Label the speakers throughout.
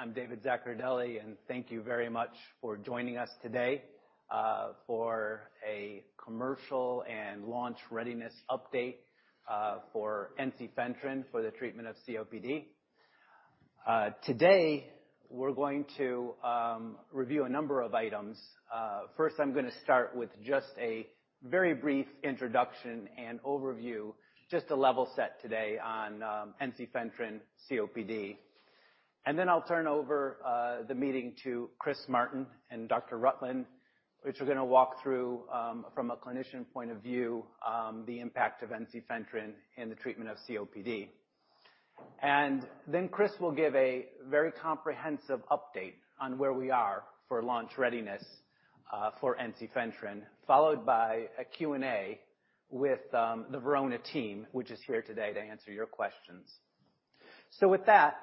Speaker 1: I'm David Zaccardelli, and thank you very much for joining us today for a commercial and launch readiness update for ensifentrine for the treatment of COPD. Today we're going to review a number of items. First, I'm gonna start with just a very brief introduction and overview, just to level set today on ensifentrine COPD. And then I'll turn over the meeting to Chris Martin and Dr. Rutland, which are gonna walk through from a clinician point of view the impact of ensifentrine in the treatment of COPD. And then Chris will give a very comprehensive update on where we are for launch readiness for ensifentrine, followed by a Q&A with the Verona team, which is here today to answer your questions. So with that,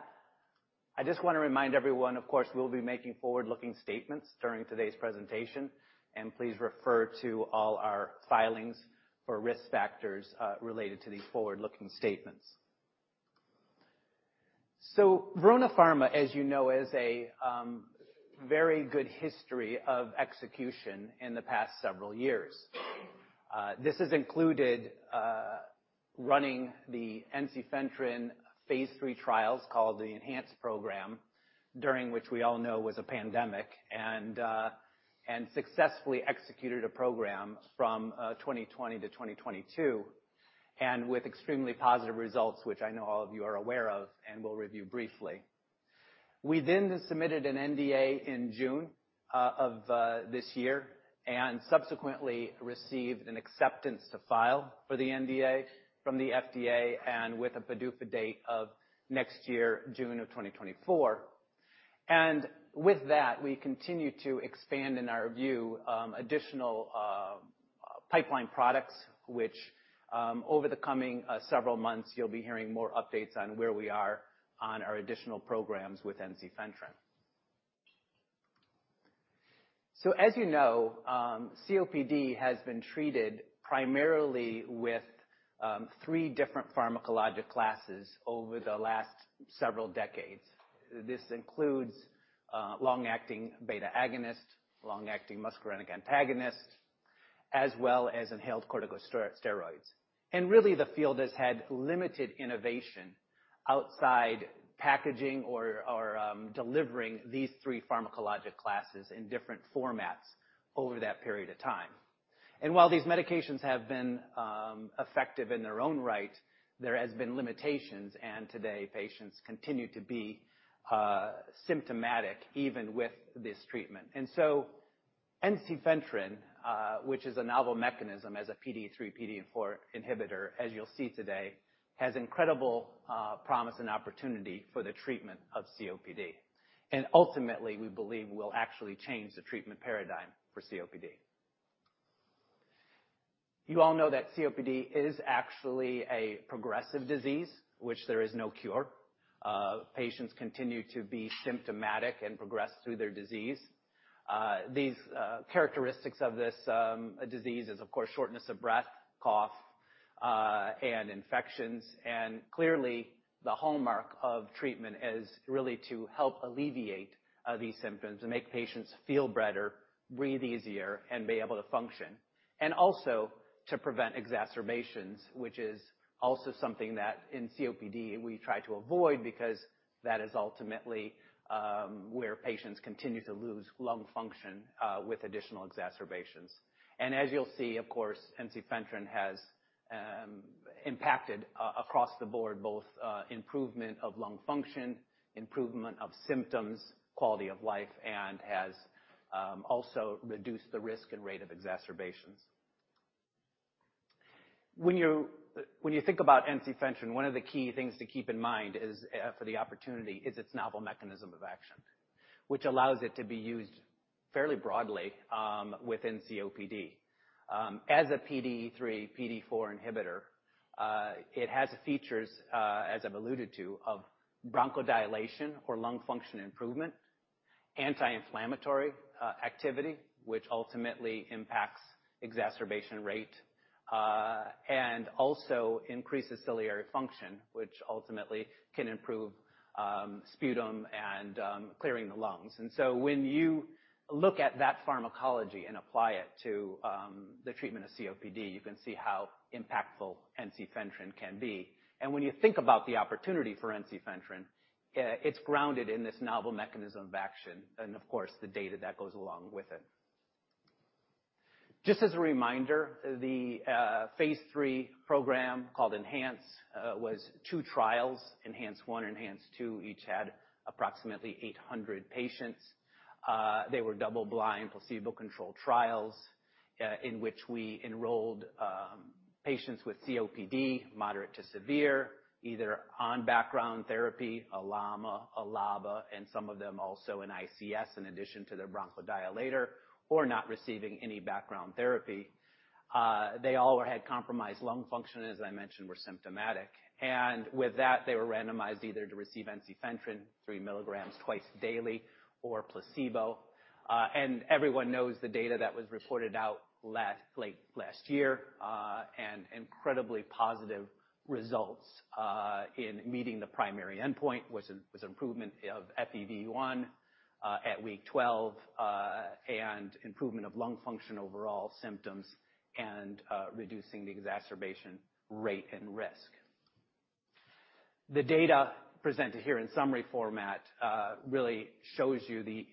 Speaker 1: I just want to remind everyone, of course, we'll be making forward-looking statements during today's presentation, and please refer to all our filings for risk factors related to these forward-looking statements. So Verona Pharma, as you know, has a very good history of execution in the past several years. This has included running the ensifentrine phase III trials called the ENHANCE Program, during which we all know was a pandemic and successfully executed a program from 2020 to 2022, and with extremely positive results, which I know all of you are aware of and will review briefly. We then submitted an NDA in June of this year and subsequently received an acceptance to file for the NDA from the FDA and with a PDUFA date of next year, June of 2024. And with that, we continue to expand, in our view, additional pipeline products, which, over the coming several months, you'll be hearing more updates on where we are on our additional programs with ensifentrine. So as you know, COPD has been treated primarily with three different pharmacologic classes over the last several decades. This includes long-acting beta agonist, long-acting muscarinic antagonist, as well as inhaled corticosteroids. And really, the field has had limited innovation outside packaging or delivering these three pharmacologic classes in different formats over that period of time. And while these medications have been effective in their own right, there has been limitations, and today, patients continue to be symptomatic even with this treatment. And so ensifentrine, which is a novel mechanism as a PDE3, PDE4 inhibitor, as you'll see today, has incredible promise and opportunity for the treatment of COPD. And ultimately, we believe will actually change the treatment paradigm for COPD. You all know that COPD is actually a progressive disease, which there is no cure. Patients continue to be symptomatic and progress through their disease. These characteristics of this disease is, of course, shortness of breath, cough, and infections. And clearly, the hallmark of treatment is really to help alleviate these symptoms and make patients feel better, breathe easier, and be able to function, and also to prevent exacerbations, which is also something that in COPD, we try to avoid because that is ultimately where patients continue to lose lung function with additional exacerbations. And as you'll see, of course, ensifentrine has impacted across the board, both improvement of lung function, improvement of symptoms, quality of life, and has also reduced the risk and rate of exacerbations. When you think about ensifentrine, one of the key things to keep in mind is, for the opportunity, its novel mechanism of action, which allows it to be used fairly broadly within COPD. As a PDE3, PDE4 inhibitor, it has features, as I've alluded to, of bronchodilation or lung function improvement, anti-inflammatory activity, which ultimately impacts exacerbation rate, and also increases ciliary function, which ultimately can improve sputum and clearing the lungs. And so when you look at that pharmacology and apply it to the treatment of COPD, you can see how impactful ensifentrine can be. When you think about the opportunity for ensifentrine, it's grounded in this novel mechanism of action, and of course, the data that goes along with it. Just as a reminder, phase III program called ENHANCE was two trials, ENHANCE-1, ENHANCE-2, each had approximately 800 patients. They were double-blind, placebo-controlled trials, in which we enrolled patients with COPD, moderate to severe, either on background therapy, a LAMA, a LABA, and some of them also an ICS, in addition to their bronchodilator, or not receiving any background therapy. They all had compromised lung function, as I mentioned, were symptomatic, and with that, they were randomized either to receive ensifentrine 3 mg twice daily or a placebo. And everyone knows the data that was reported out late last year, and incredibly positive results in meeting the primary endpoint, was an improvement of FEV1 at week 12, and improvement of lung function, overall symptoms, and reducing the exacerbation rate and risk. The data presented here in summary format really shows you the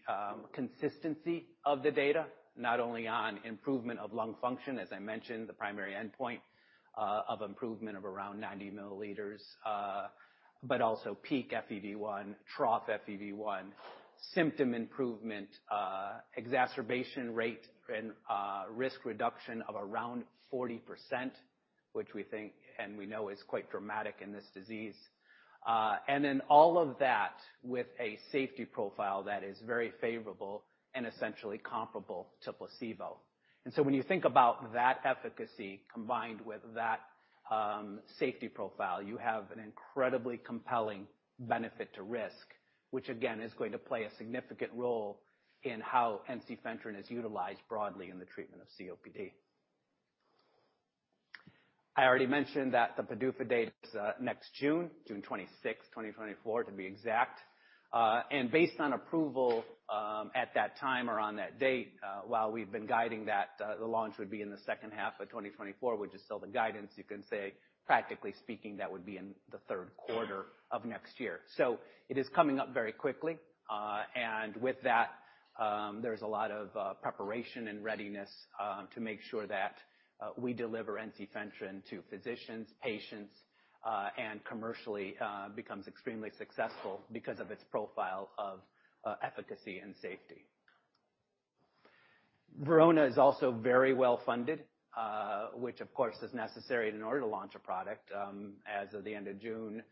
Speaker 1: consistency of the data, not only on improvement of lung function, as I mentioned, the primary endpoint of improvement of around 90 mL, but also peak FEV1, trough FEV1, symptom improvement, exacerbation rate and risk reduction of around 40%, which we think and we know is quite dramatic in this disease. And in all of that, with a safety profile that is very favorable and essentially comparable to placebo. So when you think about that efficacy combined with that safety profile, you have an incredibly compelling benefit to risk, which again, is going to play a significant role in how ensifentrine is utilized broadly in the treatment of COPD. I already mentioned that the PDUFA date is next June, June 26, 2024, to be exact. And based on approval at that time or on that date, while we've been guiding that the launch would be in the second half of 2024, which is still the guidance. You can say, practically speaking, that would be in the third quarter of next year. So it is coming up very quickly. And with that, there's a lot of preparation and readiness to make sure that we deliver ensifentrine to physicians, patients, and commercially becomes extremely successful because of its profile of efficacy and safety. Verona is also very well-funded, which of course is necessary in order to launch a product. As of the end of June,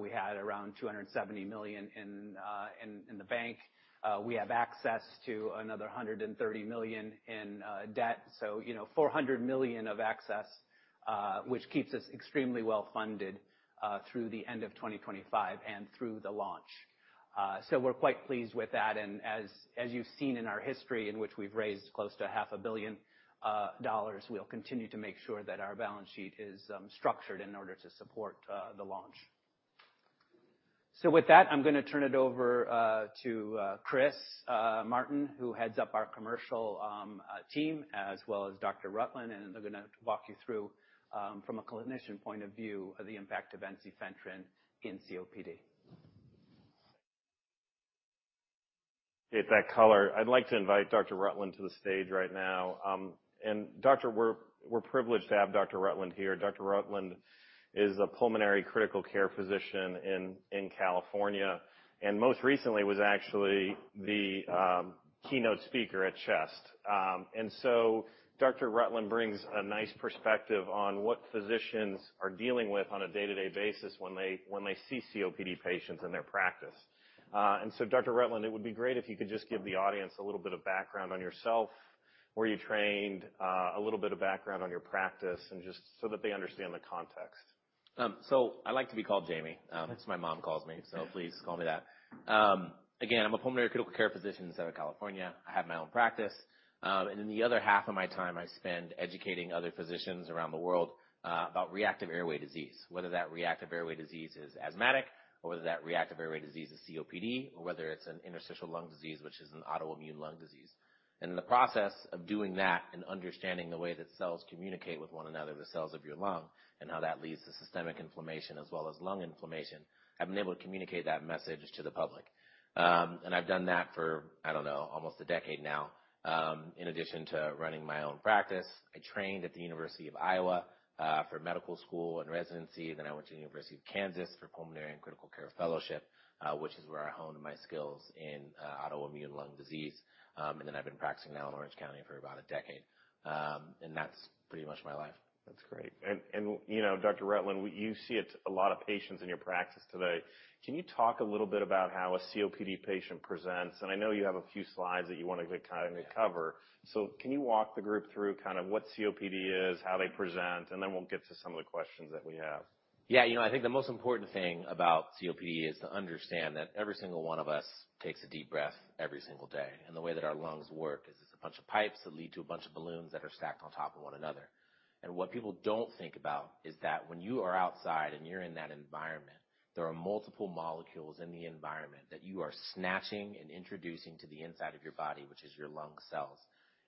Speaker 1: we had around $270 million in the bank. We have access to another $130 million in debt, so you know, $400 million of access, which keeps us extremely well-funded through the end of 2025 and through the launch. So we're quite pleased with that. And as you've seen in our history in which we've raised close to $500 million, we'll continue to make sure that our balance sheet is structured in order to support the launch. So with that, I'm gonna turn it over to Chris Martin, who heads up our commercial team, as well as Dr. Rutland, and they're gonna walk you through from a clinician point of view, the impact of ensifentrine in COPD.
Speaker 2: With that color. I'd like to invite Dr. Rutland to the stage right now. Doctor, we're, we're privileged to have Dr. Rutland here. Dr. Rutland is a pulmonary critical care physician in, in California, and most recently was actually the keynote speaker at CHEST. Dr. Rutland brings a nice perspective on what physicians are dealing with on a day-to-day basis when they, when they see COPD patients in their practice. Dr. Rutland, it would be great if you could just give the audience a little bit of background on yourself, where you trained, a little bit of background on your practice, and just so that they understand the context.
Speaker 3: So I like to be called Jamie. That's my mom calls me, so please call me that. Again, I'm a Pulmonary Critical Care Physician in Southern California. I have my own practice. And then the other half of my time, I spend educating other physicians around the world about reactive airway disease, whether that reactive airway disease is asthmatic or whether that reactive airway disease is COPD, or whether it's an interstitial lung disease, which is an autoimmune lung disease. And in the process of doing that and understanding the way that cells communicate with one another, the cells of your lung, and how that leads to systemic inflammation as well as lung inflammation, I've been able to communicate that message to the public. And I've done that for, I don't know, almost a decade now, in addition to running my own practice. I trained at the University of Iowa for medical school and residency, then I went to the University of Kansas for pulmonary and critical care fellowship, which is where I honed my skills in autoimmune lung disease. And then I've been practicing now in Orange County for about a decade. And that's pretty much my life.
Speaker 2: That's great. And you know, Dr. Rutland, you see a lot of patients in your practice today. Can you talk a little bit about how a COPD patient presents? And I know you have a few slides that you want to get kind of cover. Can you walk the group through kind of what COPD is, how they present, and then we'll get to some of the questions that we have?
Speaker 3: Yeah. You know, I think the most important thing about COPD is to understand that every single one of us takes a deep breath every single day. The way that our lungs work is it's a bunch of pipes that lead to a bunch of balloons that are stacked on top of one another. What people don't think about is that when you are outside and you're in that environment, there are multiple molecules in the environment that you are snatching and introducing to the inside of your body, which is your lung cells.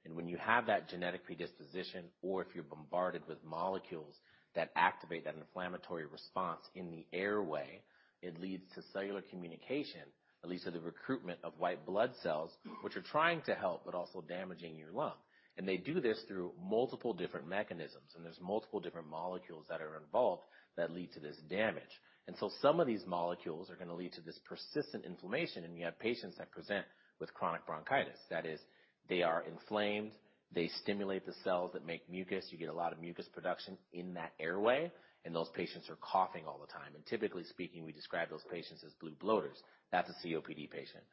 Speaker 3: When you have that genetic predisposition, or if you're bombarded with molecules that activate that inflammatory response in the airway, it leads to cellular communication, at least to the recruitment of white blood cells, which are trying to help, but also damaging your lung. They do this through multiple different mechanisms, and there's multiple different molecules that are involved that lead to this damage. So some of these molecules are gonna lead to this persistent inflammation, and you have patients that present with chronic bronchitis. That is, they are inflamed, they stimulate the cells that make mucus, you get a lot of mucus production in that airway, and those patients are coughing all the time. Typically speaking, we describe those patients as blue bloaters. That's a COPD patient.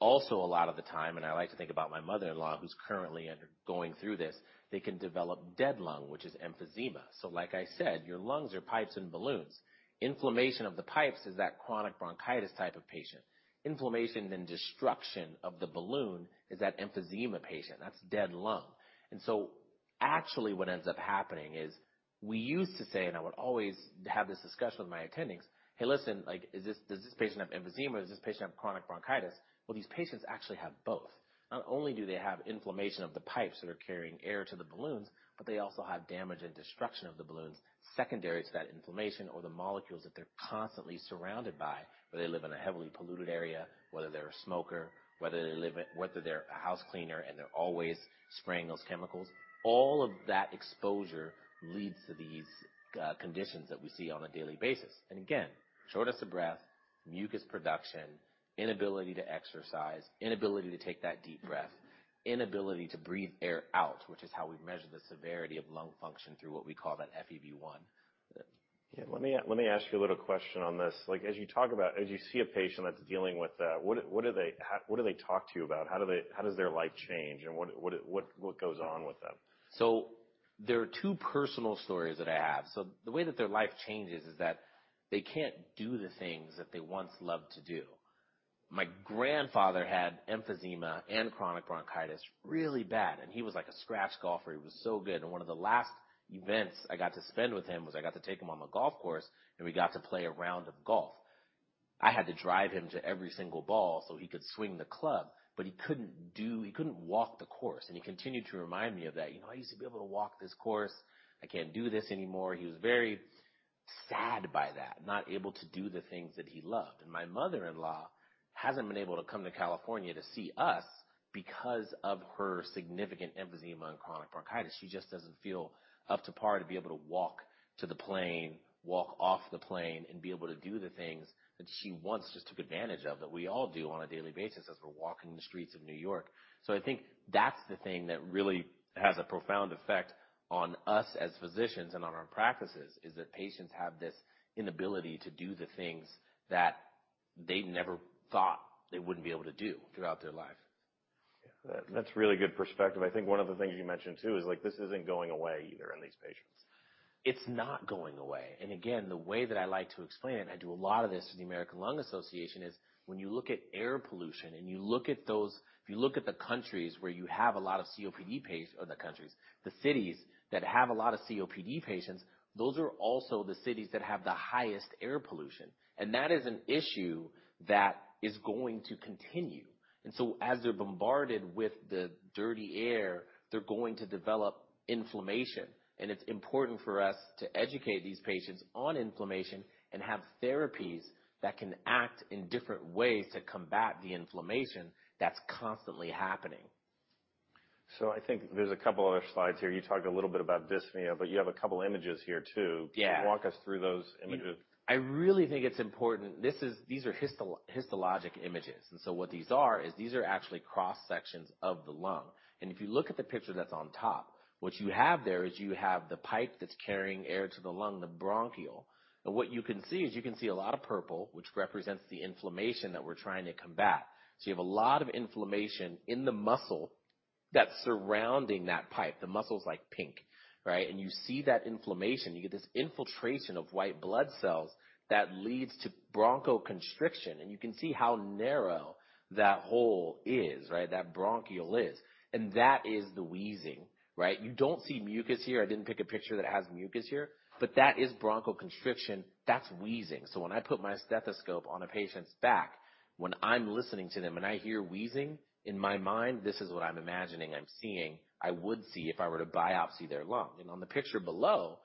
Speaker 3: Also, a lot of the time, and I like to think about my mother-in-law, who's currently undergoing this, they can develop dead lung, which is emphysema. Like I said, your lungs are pipes and balloons. Inflammation of the pipes is that chronic bronchitis type of patient. Inflammation and destruction of the balloon is that emphysema patient. That's dead lung. And so-... Actually, what ends up happening is we used to say, and I would always have this discussion with my attendings: "Hey, listen, like, is this-- does this patient have emphysema, or does this patient have chronic bronchitis?" Well, these patients actually have both. Not only do they have inflammation of the pipes that are carrying air to the balloons, but they also have damage and destruction of the balloons secondary to that inflammation or the molecules that they're constantly surrounded by, whether they live in a heavily polluted area, whether they're a smoker, whether they're a house cleaner, and they're always spraying those chemicals. All of that exposure leads to these conditions that we see on a daily basis. Again, shortness of breath, mucus production, inability to exercise, inability to take that deep breath, inability to breathe air out, which is how we measure the severity of lung function through what we call that FEV1.
Speaker 2: Yeah. Let me ask you a little question on this. Like, as you talk about... As you see a patient that's dealing with that, what do they talk to you about? How does their life change, and what goes on with them?
Speaker 3: There are two personal stories that I have. The way that their life changes is that they can't do the things that they once loved to do. My grandfather had emphysema and chronic bronchitis really bad, and he was like a scratch golfer. He was so good, and one of the last events I got to spend with him was I got to take him on the golf course, and we got to play a round of golf. I had to drive him to every single ball so he could swing the club, but he couldn't walk the course, and he continued to remind me of that: "You know, I used to be able to walk this course. I can't do this anymore." He was very sad by that, not able to do the things that he loved. My mother-in-law hasn't been able to come to California to see us because of her significant emphysema and chronic bronchitis. She just doesn't feel up to par to be able to walk to the plane, walk off the plane, and be able to do the things that she once just took advantage of, that we all do on a daily basis as we're walking the streets of New York. I think that's the thing that really has a profound effect on us as physicians and on our practices, is that patients have this inability to do the things that they never thought they wouldn't be able to do throughout their life.
Speaker 2: Yeah, that's a really good perspective. I think one of the things you mentioned, too, is, like, this isn't going away either in these patients.
Speaker 3: It's not going away. Again, the way that I like to explain it, and I do a lot of this in the American Lung Association, is when you look at air pollution and you look at those... If you look at the countries where you have a lot of COPD patients, or the countries, the cities that have a lot of COPD patients, those are also the cities that have the highest air pollution, and that is an issue that is going to continue. So as they're bombarded with the dirty air, they're going to develop inflammation. And it's important for us to educate these patients on inflammation and have therapies that can act in different ways to combat the inflammation that's constantly happening.
Speaker 2: So I think there's a couple other slides here. You talked a little bit about dyspnea, but you have a couple images here, too.
Speaker 3: Yeah.
Speaker 2: Walk us through those images.
Speaker 3: I really think it's important. These are histologic images, and so what these are is these are actually cross-sections of the lung. If you look at the picture that's on top, what you have there is you have the pipe that's carrying air to the lung, the bronchiole. And what you can see is you can see a lot of purple, which represents the inflammation that we're trying to combat. So you have a lot of inflammation in the muscle that's surrounding that pipe, the muscle's like pink, right? And you see that inflammation, you get this infiltration of white blood cells that leads to bronchoconstriction, and you can see how narrow that hole is, right, that bronchiole is. And that is the wheezing, right? You don't see mucus here. I didn't pick a picture that has mucus here, but that is bronchoconstriction. That's wheezing. So when I put my stethoscope on a patient's back, when I'm listening to them and I hear wheezing, in my mind, this is what I'm imagining I'm seeing, I would see if I were to biopsy their lung. On the picture below,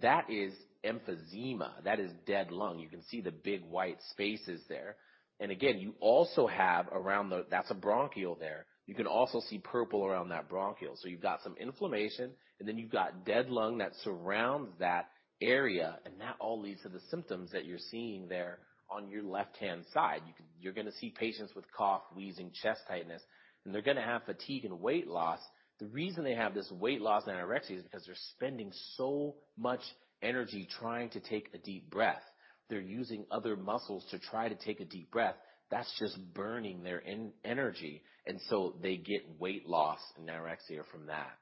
Speaker 3: that is emphysema. That is dead lung. You can see the big white spaces there. Again, you also have around the... That's a bronchiole there. You can also see purple around that bronchiole. So you've got some inflammation, and then you've got dead lung that surrounds that area, and that all leads to the symptoms that you're seeing there on your left-hand side. You're gonna see patients with cough, wheezing, chest tightness, and they're gonna have fatigue and weight loss. The reason they have this weight loss and anorexia is because they're spending so much energy trying to take a deep breath. They're using other muscles to try to take a deep breath. That's just burning their energy, and so they get weight loss and anorexia from that.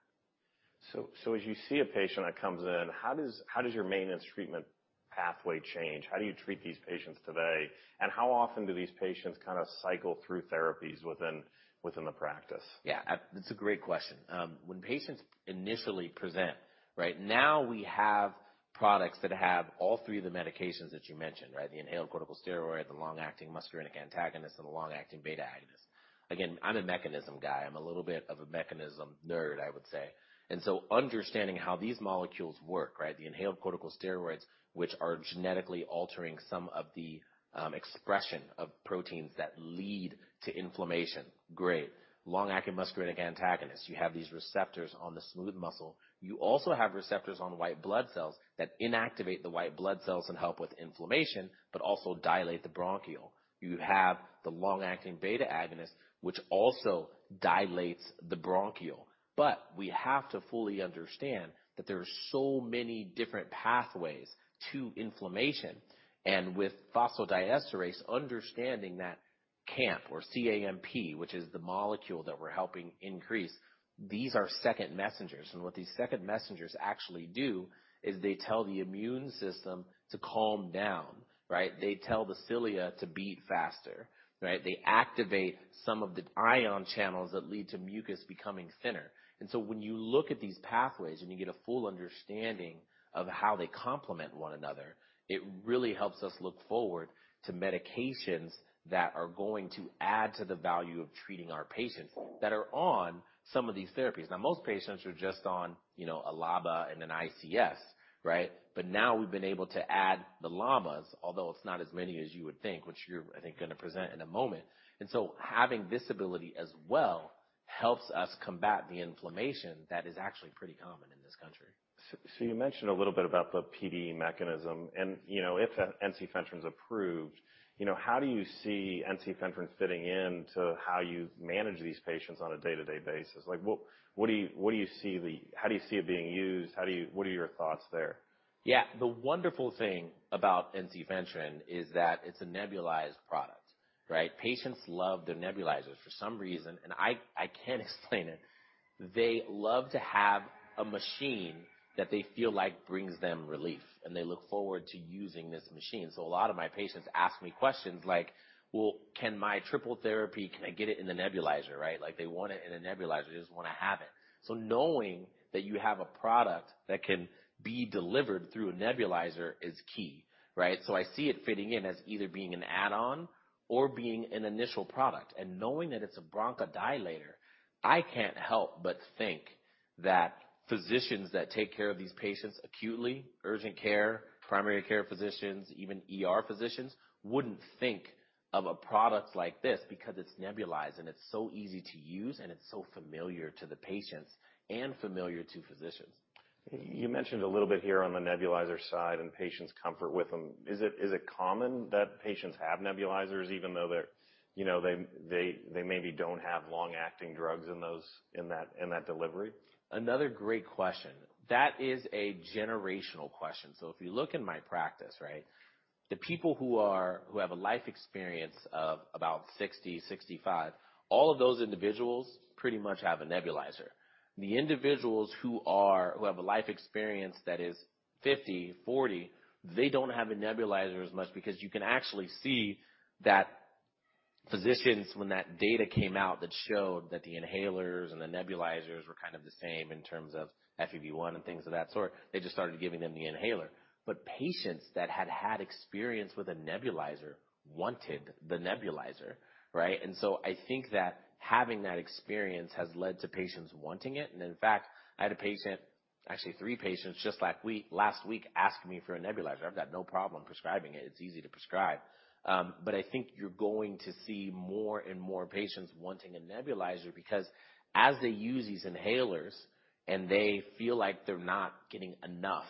Speaker 2: So, as you see a patient that comes in, how does your maintenance treatment pathway change? How do you treat these patients today, and how often do these patients kind of cycle through therapies within the practice?
Speaker 3: Yeah, that's a great question. When patients initially present, right now, we have products that have all three of the medications that you mentioned, right? The inhaled corticosteroid, the long-acting muscarinic antagonist, and the long-acting beta agonist. Again, I'm a mechanism guy. I'm a little bit of a mechanism nerd, I would say. And so understanding how these molecules work, right, the inhaled corticosteroids, which are genetically altering some of the expression of proteins that lead to inflammation, great. Long-acting muscarinic antagonist, you have these receptors on the smooth muscle. You also have receptors on white blood cells that inactivate the white blood cells and help with inflammation, but also dilate the bronchiole. You have the long-acting beta agonist, which also dilates the bronchiole. But we have to fully understand that there are so many different pathways to inflammation, and with phosphodiesterase, understanding that cAMP or C-A-M-P, which is the molecule that we're helping increase, these are second messengers. And what these second messengers actually do is they tell the immune system to calm down, right? They tell the cilia to beat faster, right? They activate some of the ion channels that lead to mucus becoming thinner. And so when you look at these pathways and you get a full understanding of how they complement one another, it really helps us look forward to medications that are going to add to the value of treating our patients that are on some of these therapies. Now, most patients are just on, you know, a LABA and an ICS, right? But now we've been able to add the LAMAs, although it's not as many as you would think, which you're, I think, going to present in a moment. So having this ability as well, helps us combat the inflammation that is actually pretty common in this country.
Speaker 2: So, you mentioned a little bit about the PDE mechanism, and, you know, if ensifentrine is approved, you know, how do you see ensifentrine fitting in to how you manage these patients on a day-to-day basis? Like, what, what do you, what do you see the—how do you see it being used? How do you—what are your thoughts there?
Speaker 3: Yeah. The wonderful thing about ensifentrine is that it's a nebulized product, right? Patients love their nebulizers for some reason, and I, I can't explain it. They love to have a machine that they feel like brings them relief, and they look forward to using this machine. So a lot of my patients ask me questions like, "Well, can my triple therapy, can I get it in the nebulizer?" Right? Like, they want it in a nebulizer. They just want to have it. So knowing that you have a product that can be delivered through a nebulizer is key, right? So I see it fitting in as either being an add-on or being an initial product. Knowing that it's a bronchodilator, I can't help but think that physicians that take care of these patients acutely, urgent care, primary care physicians, even ER physicians, wouldn't think of a product like this because it's nebulized and it's so easy to use, and it's so familiar to the patients and familiar to physicians.
Speaker 2: You mentioned a little bit here on the nebulizer side and patients' comfort with them. Is it common that patients have nebulizers even though they're, you know, they maybe don't have long-acting drugs in those, in that delivery?
Speaker 3: Another great question. That is a generational question. So if you look in my practice, right, the people who are... who have a life experience of about 60, 65, all of those individuals pretty much have a nebulizer. The individuals who are, who have a life experience that is 50, 40, they don't have a nebulizer as much because you can actually see that physicians, when that data came out that showed that the inhalers and the nebulizers were kind of the same in terms of FEV1 and things of that sort, they just started giving them the inhaler. But patients that had had experience with a nebulizer wanted the nebulizer, right? And so I think that having that experience has led to patients wanting it. And in fact, I had a patient, actually three patients, just last week, last week, ask me for a nebulizer. I've got no problem prescribing it. It's easy to prescribe. But I think you're going to see more and more patients wanting a nebulizer because as they use these inhalers and they feel like they're not getting enough,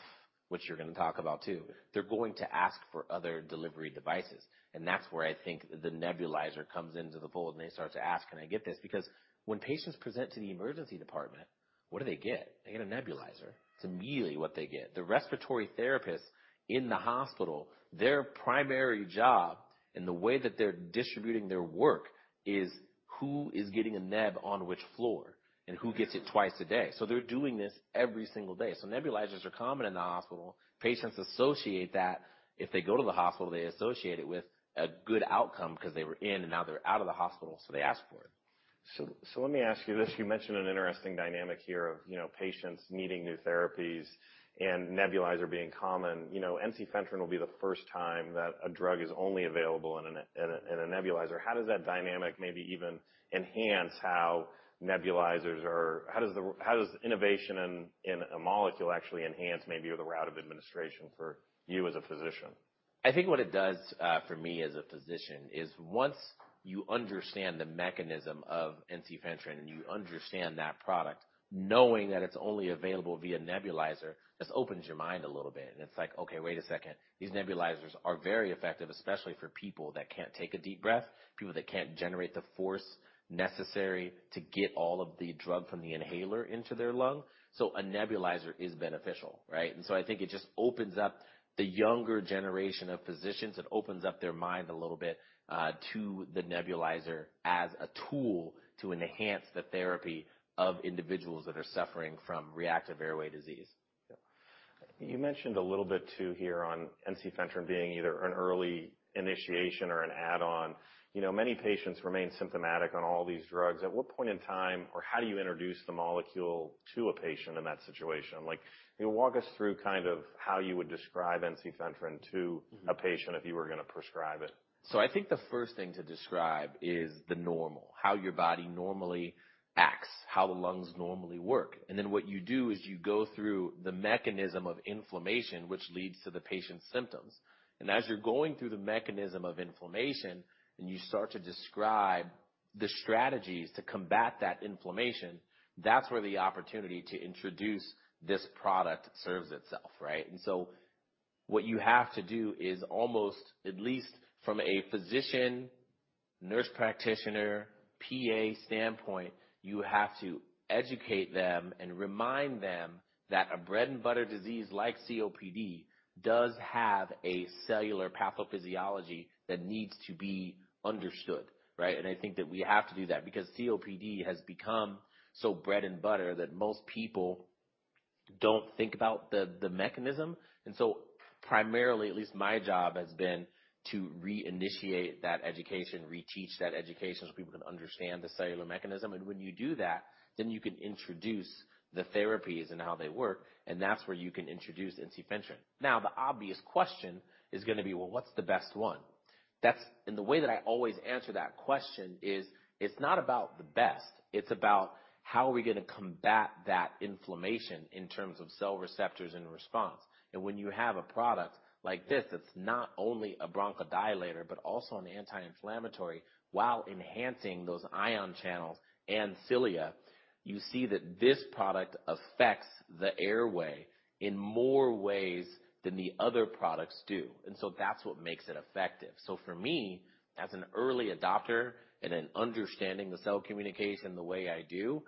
Speaker 3: which you're going to talk about, too, they're going to ask for other delivery devices. And that's where I think the nebulizer comes into the fold, and they start to ask, "Can I get this?" Because when patients present to the emergency department, what do they get? They get a nebulizer. It's immediately what they get. The respiratory therapist in the hospital, their primary job and the way that they're distributing their work is who is getting a neb on which floor and who gets it twice a day. So they're doing this every single day. So nebulizers are common in the hospital. Patients associate that. If they go to the hospital, they associate it with a good outcome because they were in and now they're out of the hospital, so they ask for it.
Speaker 2: So let me ask you this. You mentioned an interesting dynamic here of, you know, patients needing new therapies and nebulizer being common. You know, ensifentrine will be the first time that a drug is only available in a nebulizer. How does that dynamic maybe even enhance how nebulizers are—how does innovation in a molecule actually enhance maybe the route of administration for you as a physician?
Speaker 3: I think what it does, for me as a physician, is once you understand the mechanism of ensifentrine and you understand that product, knowing that it's only available via nebulizer, just opens your mind a little bit. And it's like, okay, wait a second. These nebulizers are very effective, especially for people that can't take a deep breath, people that can't generate the force necessary to get all of the drug from the inhaler into their lung. So a nebulizer is beneficial, right? And so I think it just opens up the younger generation of physicians, it opens up their mind a little bit, to the nebulizer as a tool to enhance the therapy of individuals that are suffering from reactive airway disease.
Speaker 2: You mentioned a little bit, too, here on ensifentrine being either an early initiation or an add-on. You know, many patients remain symptomatic on all these drugs. At what point in time, or how do you introduce the molecule to a patient in that situation? Like, walk us through kind of how you would describe ensifentrine to-
Speaker 3: Mm-hmm.
Speaker 2: -a patient if you were going to prescribe it.
Speaker 3: So I think the first thing to describe is the normal, how your body normally acts, how the lungs normally work. And then what you do is you go through the mechanism of inflammation, which leads to the patient's symptoms. And as you're going through the mechanism of inflammation, and you start to describe the strategies to combat that inflammation, that's where the opportunity to introduce this product serves itself, right? And so what you have to do is almost, at least from a physician, nurse practitioner, PA standpoint, you have to educate them and remind them that a bread-and-butter disease like COPD does have a cellular pathophysiology that needs to be understood, right? And I think that we have to do that because COPD has become so bread and butter that most people don't think about the mechanism. And so primarily, at least my job, has been to reinitiate that education, reteach that education, so people can understand the cellular mechanism. And when you do that, then you can introduce the therapies and how they work, and that's where you can introduce ensifentrine. Now, the obvious question is going to be: Well, what's the best one? That's, and the way that I always answer that question is, it's not about the best, it's about how are we going to combat that inflammation in terms of cell receptors and response. And when you have a product like this, that's not only a bronchodilator, but also an anti-inflammatory, while enhancing those ion channels and cilia, you see that this product affects the airway in more ways than the other products do, and so that's what makes it effective. For me, as an early adopter and in understanding the cell communication the way I do,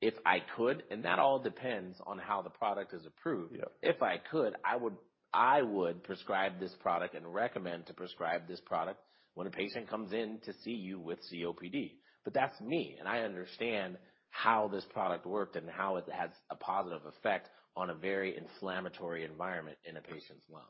Speaker 3: if I could, and that all depends on how the product is approved.
Speaker 2: Yeah.
Speaker 3: If I could, I would, I would prescribe this product and recommend to prescribe this product when a patient comes in to see you with COPD. But that's me, and I understand how this product worked and how it has a positive effect on a very inflammatory environment in a patient's lung.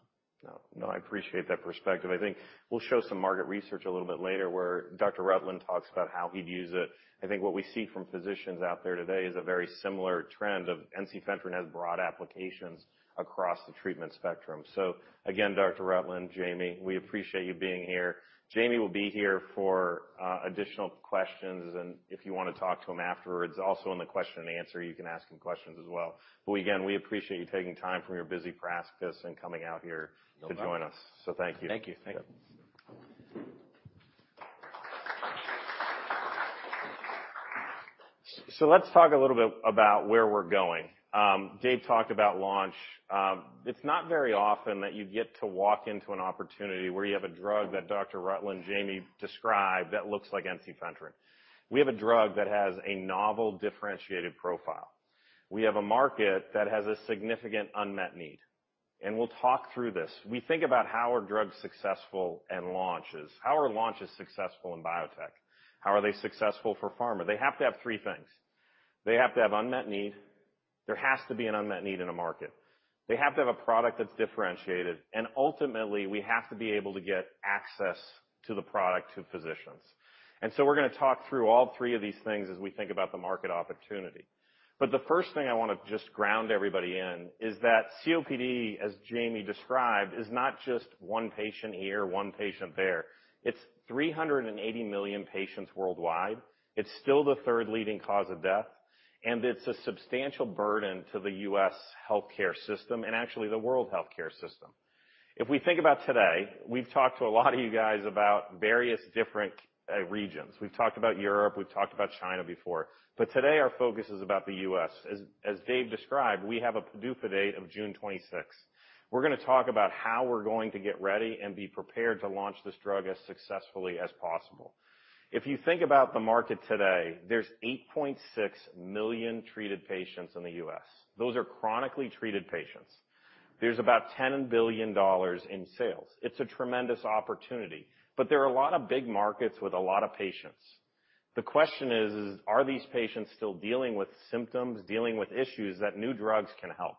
Speaker 2: No, no, I appreciate that perspective. I think we'll show some market research a little bit later, where Dr. Rutland talks about how he'd use it. I think what we see from physicians out there today is a very similar trend of ensifentrine has broad applications across the treatment spectrum. So again, Dr. Rutland, Jamie, we appreciate you being here. Jamie will be here for additional questions, and if you want to talk to him afterwards, also in the question and answer, you can ask him questions as well. But again, we appreciate you taking time from your busy practice and coming out here-
Speaker 3: No problem.
Speaker 2: -to join us. So thank you.
Speaker 3: Thank you. Thank you.
Speaker 2: So let's talk a little bit about where we're going. Dave talked about launch. It's not very often that you get to walk into an opportunity where you have a drug that Dr. Rutland, Jamie described, that looks like ensifentrine. We have a drug that has a novel, differentiated profile. We have a market that has a significant unmet need, and we'll talk through this. We think about how are drugs successful and launches. How are launches successful in biotech? How are they successful for pharma? They have to have three things. They have to have unmet need. There has to be an unmet need in a market. They have to have a product that's differentiated, and ultimately, we have to be able to get access to the product to physicians. So we're going to talk through all three of these things as we think about the market opportunity. But the first thing I want to just ground everybody in is that COPD, as Jamie described, is not just one patient here, one patient there. It's 380 million patients worldwide. It's still the third leading cause of death, and it's a substantial burden to the U.S. healthcare system and actually the world healthcare system. If we think about today, we've talked to a lot of you guys about various different regions. We've talked about Europe, we've talked about China before, but today our focus is about the U.S. As Dave described, we have a PDUFA date of June 26. We're going to talk about how we're going to get ready and be prepared to launch this drug as successfully as possible. If you think about the market today, there's 8.6 million treated patients in the U.S. Those are chronically treated patients. There's about $10 billion in sales. It's a tremendous opportunity, but there are a lot of big markets with a lot of patients. The question is, are these patients still dealing with symptoms, dealing with issues that new drugs can help?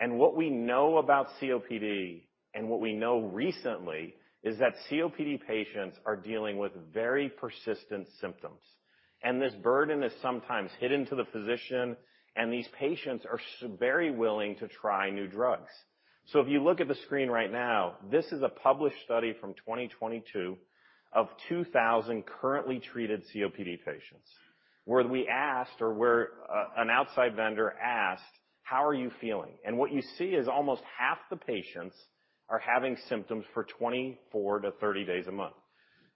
Speaker 2: And what we know about COPD, and what we know recently, is that COPD patients are dealing with very persistent symptoms, and this burden is sometimes hidden to the physician, and these patients are very willing to try new drugs. So if you look at the screen right now, this is a published study from 2022 of 2000 currently treated COPD patients, where we asked or where, an outside vendor asked, "How are you feeling?" And what you see is almost half the patients are having symptoms for 24-30 days a month.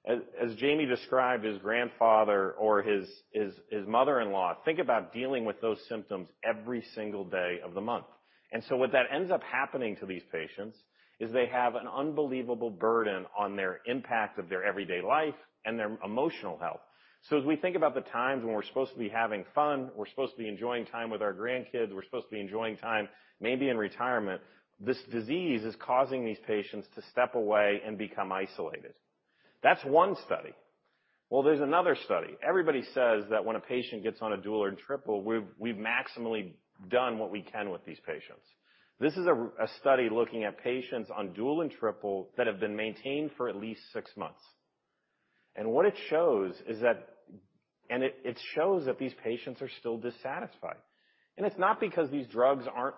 Speaker 2: As, as Jamie described, his grandfather or his, his, his mother-in-law, think about dealing with those symptoms every single day of the month. And so what that ends up happening to these patients is they have an unbelievable burden on their impact of their everyday life and their emotional health. So as we think about the times when we're supposed to be having fun, we're supposed to be enjoying time with our grandkids, we're supposed to be enjoying time, maybe in retirement, this disease is causing these patients to step away and become isolated. That's one study. Well, there's another study. Everybody says that when a patient gets on a dual or triple, we've maximally done what we can with these patients. This is a study looking at patients on dual and triple that have been maintained for at least six months. And what it shows is that. And it shows that these patients are still dissatisfied. And it's not because these drugs aren't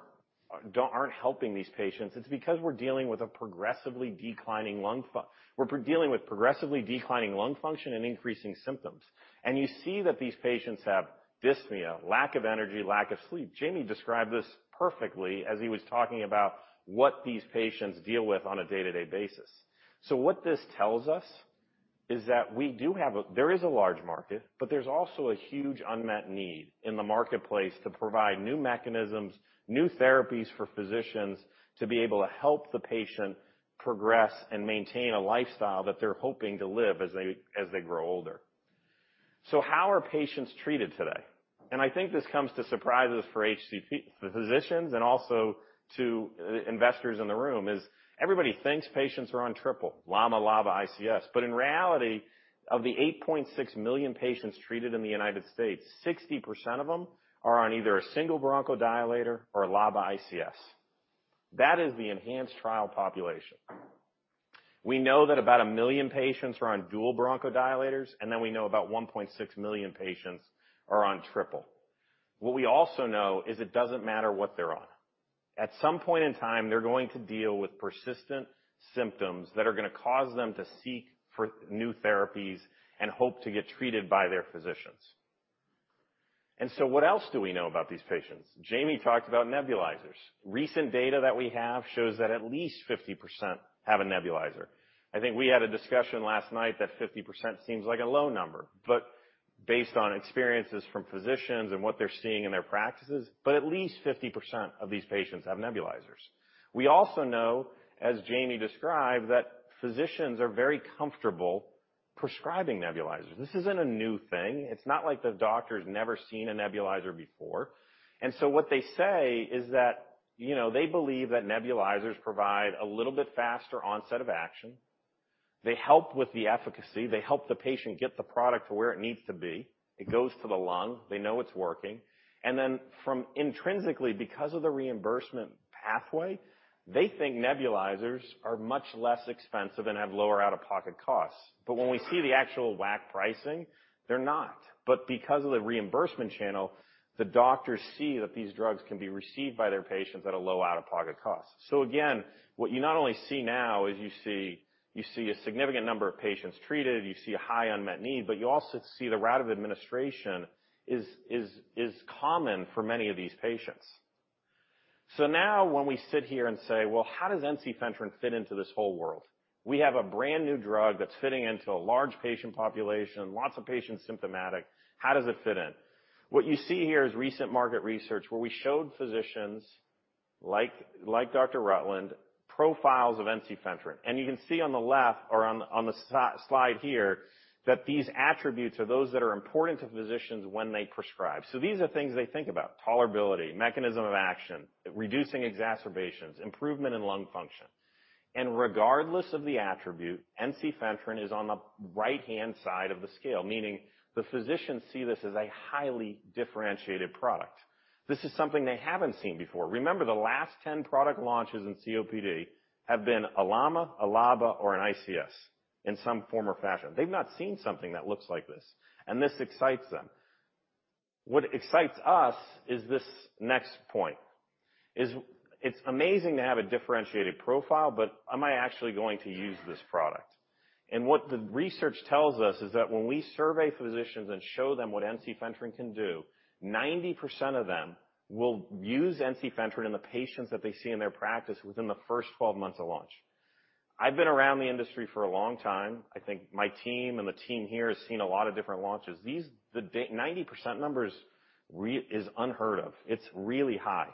Speaker 2: helping these patients, it's because we're dealing with a progressively declining lung function and increasing symptoms. You see that these patients have dyspnea, lack of energy, lack of sleep. Jamie described this perfectly as he was talking about what these patients deal with on a day-to-day basis. So what this tells us is that we do have a large market, but there's also a huge unmet need in the marketplace to provide new mechanisms, new therapies for physicians to be able to help the patient progress and maintain a lifestyle that they're hoping to live as they, as they grow older.... So how are patients treated today? I think this comes to surprises for HCP, the physicians, and also to investors in the room, is everybody thinks patients are on triple, LAMA, LABA, ICS. In reality, of the 8.6 million patients treated in the United States, 60% of them are on either a single bronchodilator or a LABA/ICS. That is the ENHANCE trial population. We know that about one million patients are on dual bronchodilators, and then we know about 1.6 million patients are on triple. What we also know is it doesn't matter what they're on. At some point in time, they're going to deal with persistent symptoms that are gonna cause them to seek for new therapies and hope to get treated by their physicians. And so what else do we know about these patients? Jamie talked about nebulizers. Recent data that we have shows that at least 50% have a nebulizer. I think we had a discussion last night that 50% seems like a low number, but based on experiences from physicians and what they're seeing in their practices, but at least 50% of these patients have nebulizers. We also know, as Jamie described, that physicians are very comfortable prescribing nebulizers. This isn't a new thing. It's not like the doctor's never seen a nebulizer before. And so what they say is that, you know, they believe that nebulizers provide a little bit faster onset of action. They help with the efficacy, they help the patient get the product to where it needs to be. It goes to the lung, they know it's working. And then intrinsically, because of the reimbursement pathway, they think nebulizers are much less expensive and have lower out-of-pocket costs. But when we see the actual WAC pricing, they're not. But because of the reimbursement channel, the doctors see that these drugs can be received by their patients at a low out-of-pocket cost. So again, what you not only see now is you see a significant number of patients treated, you see a high unmet need, but you also see the route of administration is common for many of these patients. So now when we sit here and say, "Well, how does ensifentrine fit into this whole world? We have a brand-new drug that's fitting into a large patient population, lots of patients symptomatic. How does it fit in?" What you see here is recent market research, where we showed physicians, like Dr. Rutland, profiles of ensifentrine. And you can see on the left or on the slide here, that these attributes are those that are important to physicians when they prescribe. So these are things they think about: tolerability, mechanism of action, reducing exacerbations, improvement in lung function. And regardless of the attribute, ensifentrine is on the right-hand side of the scale, meaning the physicians see this as a highly differentiated product. This is something they haven't seen before. Remember, the last 10 product launches in COPD have been a LAMA, a LABA, or an ICS in some form or fashion. They've not seen something that looks like this, and this excites them. What excites us is this next point, is it's amazing to have a differentiated profile, but am I actually going to use this product? And what the research tells us is that when we survey physicians and show them what ensifentrine can do, 90% of them will use ensifentrine in the patients that they see in their practice within the first 12 months of launch. I've been around the industry for a long time. I think my team and the team here has seen a lot of different launches. These 90% numbers are unheard of. It's really high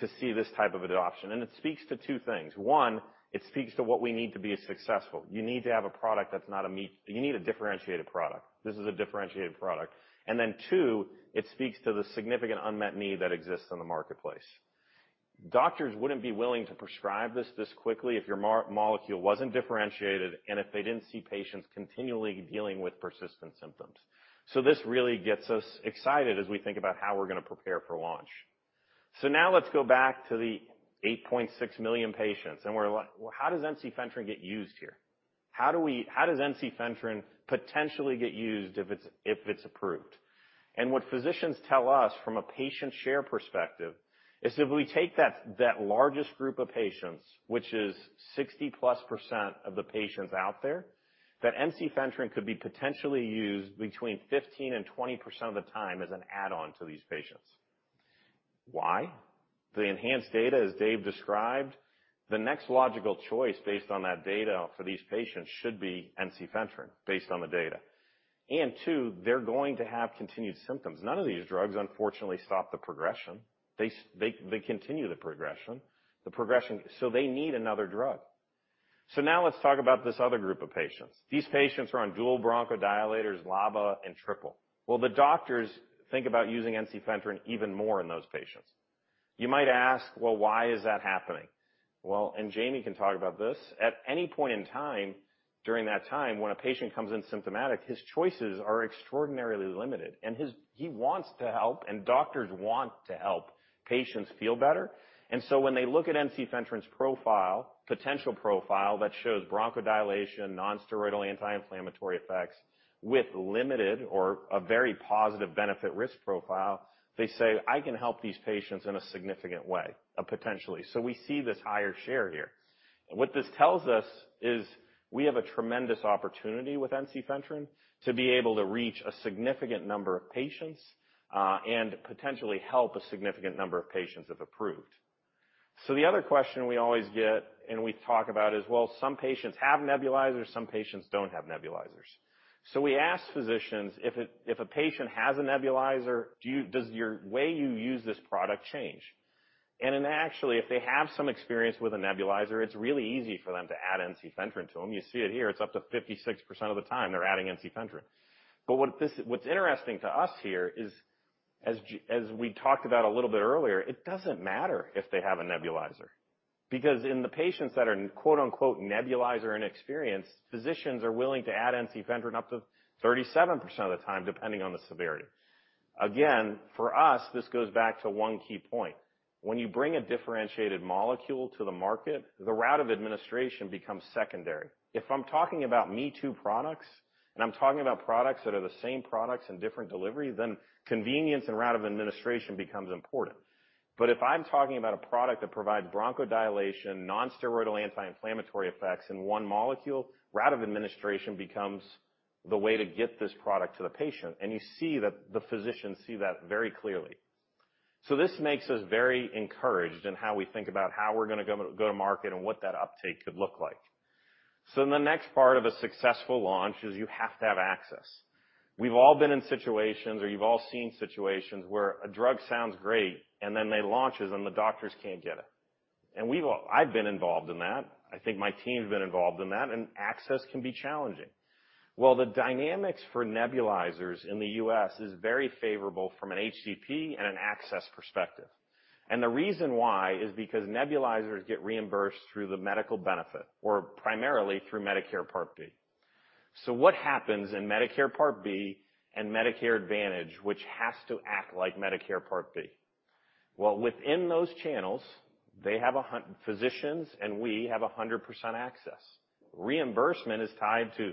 Speaker 2: to see this type of adoption, and it speaks to two things. One, it speaks to what we need to be successful. You need to have a product that's not a me-too. You need a differentiated product. This is a differentiated product. And then two, it speaks to the significant unmet need that exists in the marketplace. Doctors wouldn't be willing to prescribe this, this quickly if your molecule wasn't differentiated and if they didn't see patients continually dealing with persistent symptoms. So this really gets us excited as we think about how we're gonna prepare for launch. So now let's go back to the 8.6 million patients, and we're like, Well, how does ensifentrine get used here? How do we, how does ensifentrine potentially get used if it's, if it's approved? And what physicians tell us from a patient share perspective is that if we take that, that largest group of patients, which is 60%+ of the patients out there, that ensifentrine could be potentially used between 15% and 20% of the time as an add-on to these patients. Why? The ENHANCE data, as Dave described, the next logical choice based on that data for these patients should be ensifentrine, based on the data. And two, they're going to have continued symptoms. None of these drugs, unfortunately, stop the progression. They, they continue the progression. So they need another drug. So now let's talk about this other group of patients. These patients are on dual bronchodilators, LABA, and triple. Well, the doctors think about using ensifentrine even more in those patients. You might ask, "Well, why is that happening?" Well, and Jamie can talk about this. At any point in time, during that time, when a patient comes in symptomatic, his choices are extraordinarily limited, and he wants to help, and doctors want to help patients feel better. And so when they look at ensifentrine's profile, potential profile, that shows bronchodilation, non-steroidal anti-inflammatory effects with limited or a very positive benefit-risk profile, they say, "I can help these patients in a significant way, potentially." So we see this higher share here. What this tells us is we have a tremendous opportunity with ensifentrine to be able to reach a significant number of patients, and potentially help a significant number of patients, if approved. So the other question we always get, and we talk about, is, well, some patients have nebulizers, some patients don't have nebulizers. So we ask physicians if a patient has a nebulizer, does your way you use this product change? And then actually, if they have some experience with a nebulizer, it's really easy for them to add ensifentrine to them. You see it here, it's up to 56% of the time they're adding ensifentrine. But what's interesting to us here is, as we talked about a little bit earlier, it doesn't matter if they have a nebulizer, because in the patients that are, quote, unquote, "nebulizer inexperienced," physicians are willing to add ensifentrine up to 37% of the time, depending on the severity. Again, for us, this goes back to one key point. When you bring a differentiated molecule to the market, the route of administration becomes secondary. If I'm talking about me-too products, and I'm talking about products that are the same products and different delivery, then convenience and route of administration becomes important. But if I'm talking about a product that provides bronchodilation, non-steroidal anti-inflammatory effects in one molecule, route of administration becomes the way to get this product to the patient, and you see that the physicians see that very clearly. This makes us very encouraged in how we think about how we're gonna go to market and what that uptake could look like. The next part of a successful launch is you have to have access. We've all been in situations, or you've all seen situations where a drug sounds great, and then they launch it, and the doctors can't get it. We've all-- I've been involved in that. I think my team's been involved in that, and access can be challenging. The dynamics for nebulizers in the U.S. is very favorable from an HCP and an access perspective. The reason why is because nebulizers get reimbursed through the medical benefit or primarily through Medicare Part B. What happens in Medicare Part B and Medicare Advantage, which has to act like Medicare Part B? Well, within those channels, they have a hundred physicians, and we have 100% access. Reimbursement is tied to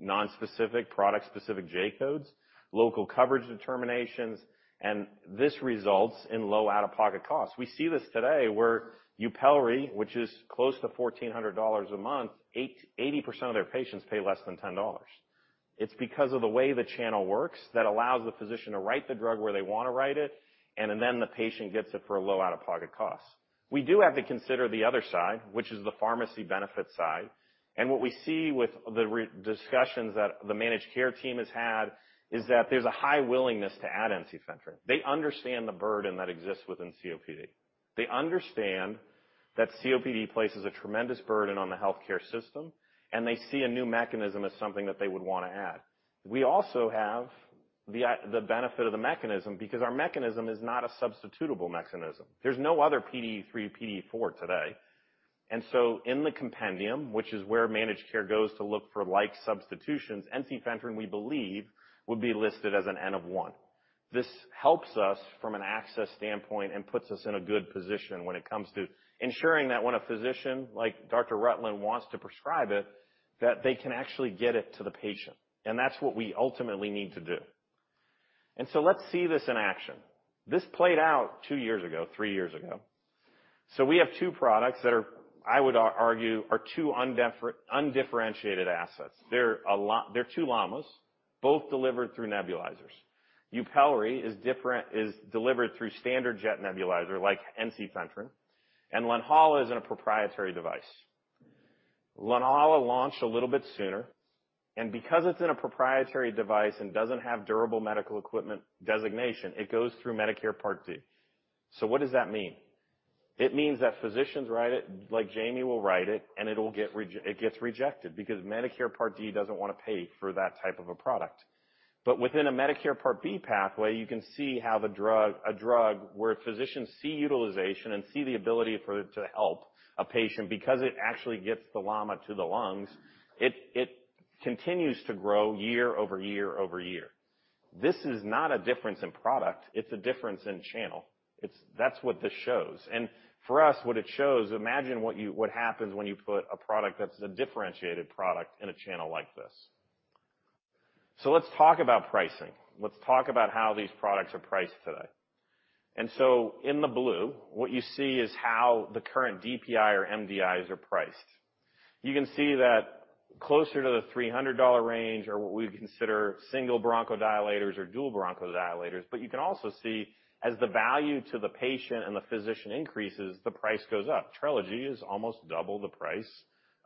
Speaker 2: nonspecific, product-specific J-Codes, local coverage determinations, and this results in low out-of-pocket costs. We see this today, where Yupelri, which is close to $1,400 a month, 80% of their patients pay less than $10. It's because of the way the channel works that allows the physician to write the drug where they want to write it, and then the patient gets it for a low out-of-pocket cost. We do have to consider the other side, which is the pharmacy benefit side. And what we see with the discussions that the managed care team has had is that there's a high willingness to add ensifentrine. They understand the burden that exists within COPD. They understand that COPD places a tremendous burden on the healthcare system, and they see a new mechanism as something that they would want to add. We also have the benefit of the mechanism because our mechanism is not a substitutable mechanism. There's no other PDE3, PDE4 today. And so in the compendium, which is where managed care goes to look for like substitutions, ensifentrine, we believe, would be listed as an N-of-1. This helps us from an access standpoint and puts us in a good position when it comes to ensuring that when a physician, like Dr. Rutland, wants to prescribe it, that they can actually get it to the patient. And that's what we ultimately need to do. And so let's see this in action. This played out two years ago, three years ago. So we have two products that are, I would argue, two undifferentiated assets. They're two LAMAs, both delivered through nebulizers. Yupelri is different, is delivered through standard jet nebulizer, like ensifentrine, and Lonhala is in a proprietary device. Lonhala launched a little bit sooner, and because it's in a proprietary device and doesn't have durable medical equipment designation, it goes through Medicare Part D. So what does that mean? It means that physicians write it, like Jamie will write it, and it'll get rejected because Medicare Part D doesn't want to pay for that type of a product. But within a Medicare Part B pathway, you can see how the drug, a drug, where physicians see utilization and see the ability for it to help a patient because it actually gets the LAMA to the lungs, it continues to grow year over year, over year. This is not a difference in product; it's a difference in channel. It's. That's what this shows. For us, what it shows, imagine what you, what happens when you put a product that's a differentiated product in a channel like this. So let's talk about pricing. Let's talk about how these products are priced today. So in the blue, what you see is how the current DPI or MDIs are priced. You can see that closer to the $300 range are what we consider single bronchodilators or dual bronchodilators, but you can also see as the value to the patient and the physician increases, the price goes up. Trelegy is almost double the price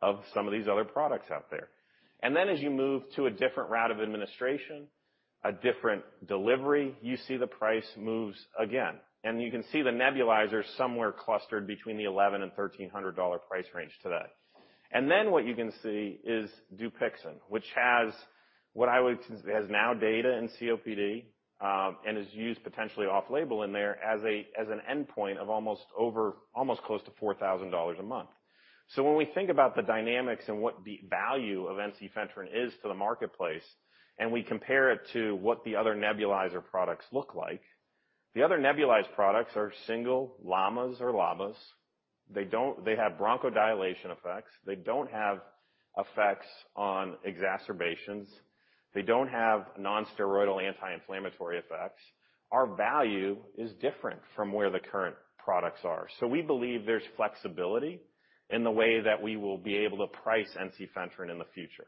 Speaker 2: of some of these other products out there. And then as you move to a different route of administration, a different delivery, you see the price moves again. And you can see the nebulizer somewhere clustered between the $1,100-$1,300 price range today. And then what you can see is DUPIXENT, which has what I would has now data in COPD, and is used potentially off-label in there as an endpoint of almost close to $4,000 a month. So when we think about the dynamics and what the value of ensifentrine is to the marketplace, and we compare it to what the other nebulizer products look like, the other nebulized products are single LAMAs or LABAs. They have bronchodilation effects. They don't have effects on exacerbations. They don't have non-steroidal anti-inflammatory effects. Our value is different from where the current products are. So we believe there's flexibility in the way that we will be able to price ensifentrine in the future.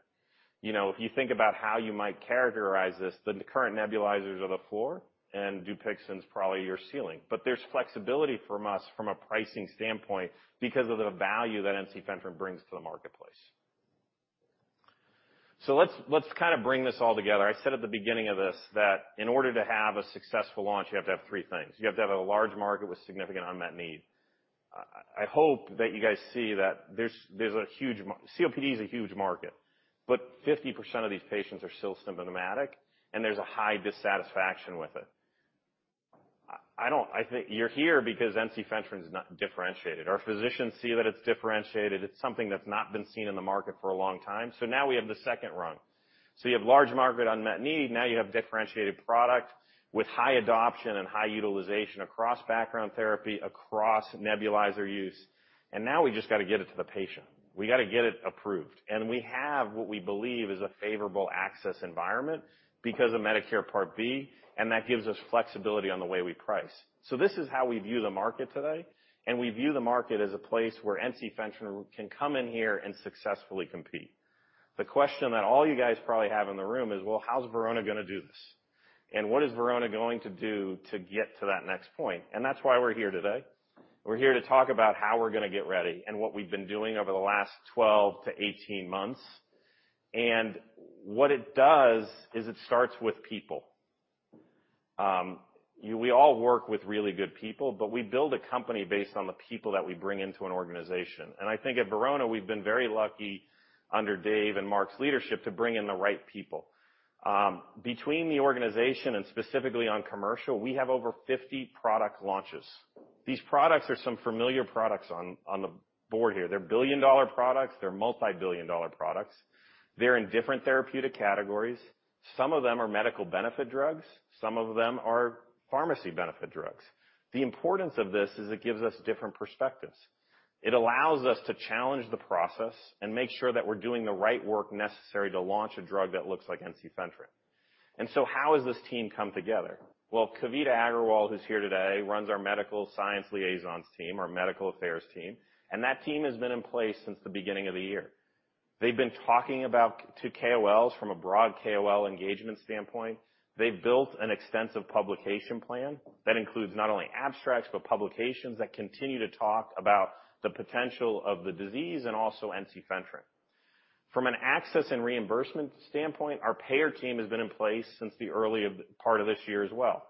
Speaker 2: You know, if you think about how you might characterize this, the current nebulizers are the floor, and DUPIXENT is probably your ceiling. But there's flexibility from us from a pricing standpoint because of the value that ensifentrine brings to the marketplace. So let's kind of bring this all together. I said at the beginning of this, that in order to have a successful launch, you have to have three things. You have to have a large market with significant unmet need. I hope that you guys see that there's a huge market. COPD is a huge market, but 50% of these patients are still symptomatic, and there's a high dissatisfaction with it. I don't think you're here because ensifentrine is not differentiated. Our physicians see that it's differentiated. It's something that's not been seen in the market for a long time. So now we have the second rung. So you have large market unmet need, now you have differentiated product with high adoption and high utilization across background therapy, across nebulizer use, and now we just got to get it to the patient. We got to get it approved, and we have what we believe is a favorable access environment because of Medicare Part B, and that gives us flexibility on the way we price. So this is how we view the market today, and we view the market as a place where ensifentrine can come in here and successfully compete. The question that all you guys probably have in the room is: Well, how's Verona going to do this? And what is Verona going to do to get to that next point? And that's why we're here today. We're here to talk about how we're going to get ready and what we've been doing over the last 12-18 months. And what it does is it starts with people. We all work with really good people, but we build a company based on the people that we bring into an organization. And I think at Verona, we've been very lucky under Dave and Mark's leadership, to bring in the right people. Between the organization and specifically on commercial, we have over 50 product launches. These products are some familiar products on the board here. They're billion-dollar products, they're multibillion-dollar products. They're in different therapeutic categories. Some of them are medical benefit drugs, some of them are pharmacy benefit drugs. The importance of this is it gives us different perspectives. It allows us to challenge the process and make sure that we're doing the right work necessary to launch a drug that looks like ensifentrine. And so how has this team come together? Well, Kavita Aggarwal, who's here today, runs our Medical Science Liaisons team, our Medical Affairs team, and that team has been in place since the beginning of the year. They've been talking about... to KOLs from a broad KOL engagement standpoint. They've built an extensive publication plan that includes not only abstracts, but publications that continue to talk about the potential of the disease and also ensifentrine. From an access and reimbursement standpoint, our payer team has been in place since the early part of this year as well.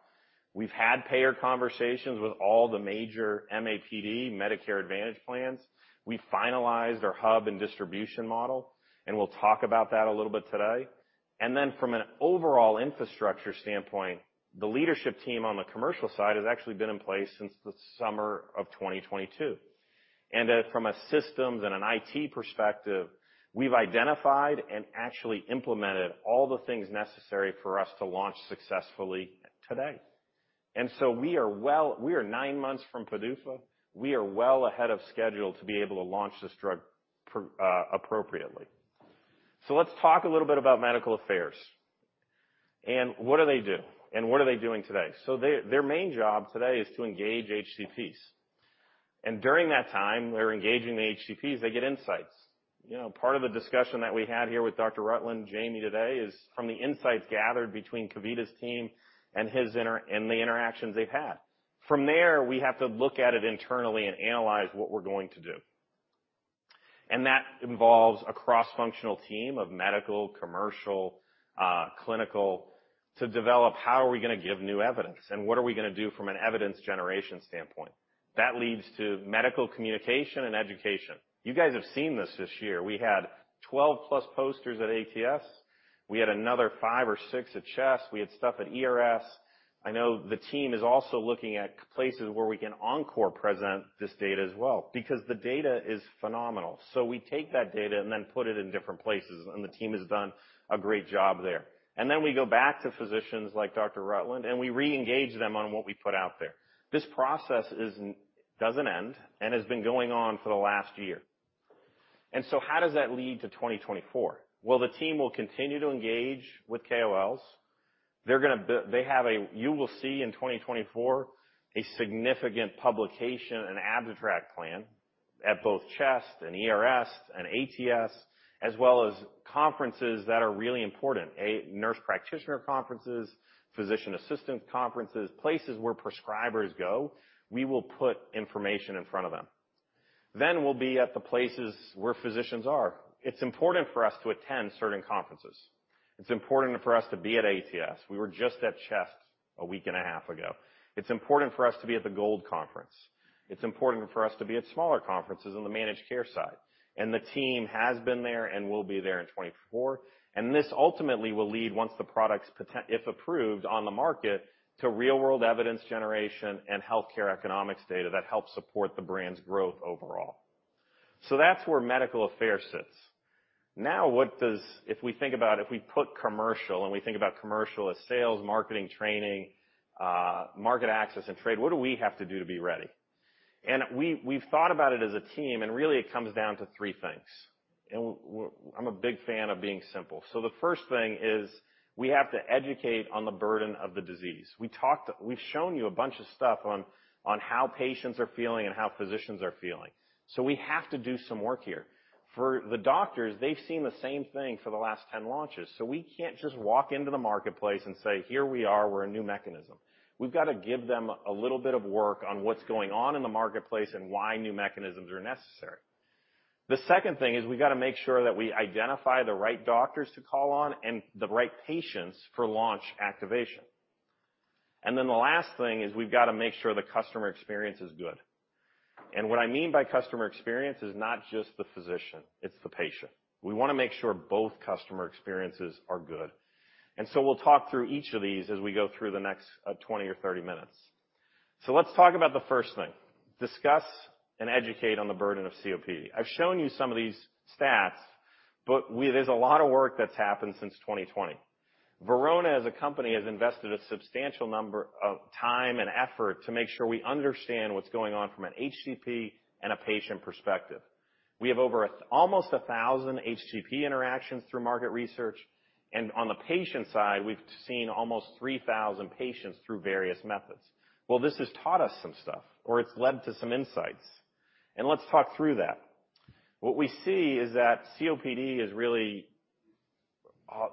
Speaker 2: We've had payer conversations with all the major MAPD, Medicare Advantage Plans. We finalized our hub and distribution model, and we'll talk about that a little bit today. And then from an overall infrastructure standpoint, the leadership team on the commercial side has actually been in place since the summer of 2022. From a systems and an IT perspective, we've identified and actually implemented all the things necessary for us to launch successfully today. So we are nine months from PDUFA. We are well ahead of schedule to be able to launch this drug appropriately. So let's talk a little bit about medical affairs. What do they do? What are they doing today? Their main job today is to engage HCPs. During that time, they're engaging the HCPs, they get insights. You know, part of the discussion that we had here with Dr. Rutland, Jamie today is from the insights gathered between Kavita's team and his interactions they've had. From there, we have to look at it internally and analyze what we're going to do. That involves a cross-functional team of medical, commercial, clinical, to develop, how are we going to give new evidence? And what are we going to do from an evidence generation standpoint? That leads to medical communication and education. You guys have seen this this year. We had 12+ posters at ATS. We had another five or six at CHEST. We had stuff at ERS. I know the team is also looking at places where we can encore present this data as well, because the data is phenomenal. So we take that data and then put it in different places, and the team has done a great job there. And then we go back to physicians like Dr. Rutland, and we reengage them on what we put out there. This process doesn't end and has been going on for the last year. So how does that lead to 2024? Well, the team will continue to engage with KOLs. They're gonna they have a... You will see in 2024, a significant publication and abstract plan at both CHEST and ERS and ATS, as well as conferences that are really important. Nurse Practitioner conferences, Physician Assistant conferences, places where prescribers go, we will put information in front of them. Then we'll be at the places where physicians are. It's important for us to attend certain conferences. It's important for us to be at ATS. We were just at CHEST a week and a half ago. It's important for us to be at the GOLD Conference. It's important for us to be at smaller conferences on the managed care side. And the team has been there and will be there in 2024. This ultimately will lead, once the products potential, if approved on the market, to real-world evidence generation and healthcare economics data that helps support the brand's growth overall. So that's where medical affairs sits. Now, what does... If we think about if we put commercial and we think about commercial as sales, marketing, training, market access and trade, what do we have to do to be ready? And we, we've thought about it as a team, and really, it comes down to three things, and I'm a big fan of being simple. So the first thing is, we have to educate on the burden of the disease. We've shown you a bunch of stuff on, on how patients are feeling and how physicians are feeling. So we have to do some work here. For the doctors, they've seen the same thing for the last 10 launches, so we can't just walk into the marketplace and say: Here we are, we're a new mechanism. We've got to give them a little bit of work on what's going on in the marketplace and why new mechanisms are necessary. The second thing is we've got to make sure that we identify the right doctors to call on and the right patients for launch activation.... And then the last thing is we've got to make sure the customer experience is good. And what I mean by customer experience is not just the physician, it's the patient. We want to make sure both customer experiences are good. And so we'll talk through each of these as we go through the next 20 or 30 minutes. So let's talk about the first thing, discuss and educate on the burden of COPD. I've shown you some of these stats, but there's a lot of work that's happened since 2020. Verona, as a company, has invested a substantial number of time and effort to make sure we understand what's going on from an HCP and a patient perspective. We have over almost 1,000 HCP interactions through market research, and on the patient side, we've seen almost 3,000 patients through various methods. Well, this has taught us some stuff, or it's led to some insights, and let's talk through that. What we see is that COPD is really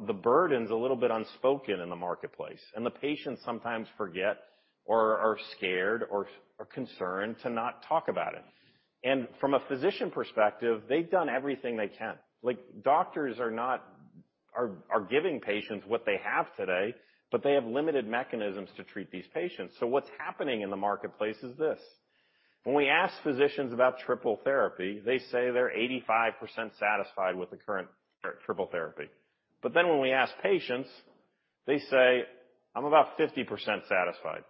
Speaker 2: the burden's a little bit unspoken in the marketplace, and the patients sometimes forget or are scared or concerned to not talk about it. And from a physician perspective, they've done everything they can. Like, doctors are not giving patients what they have today, but they have limited mechanisms to treat these patients. So what's happening in the marketplace is this: when we ask physicians about triple therapy, they say they're 85% satisfied with the current triple therapy. But then when we ask patients, they say, "I'm about 50% satisfied.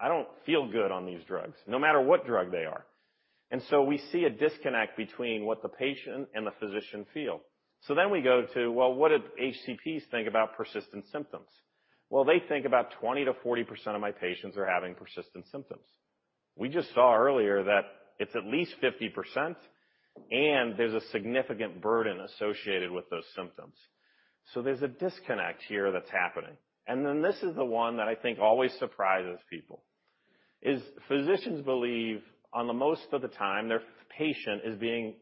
Speaker 2: I don't feel good on these drugs, no matter what drug they are." And so we see a disconnect between what the patient and the physician feel. So then we go to, well, what did HCPs think about persistent symptoms? Well, they think about 20%-40% of my patients are having persistent symptoms. We just saw earlier that it's at least 50%, and there's a significant burden associated with those symptoms. So there's a disconnect here that's happening. Then this is the one that I think always surprises people, is physicians believe on the most of the time, their patient is being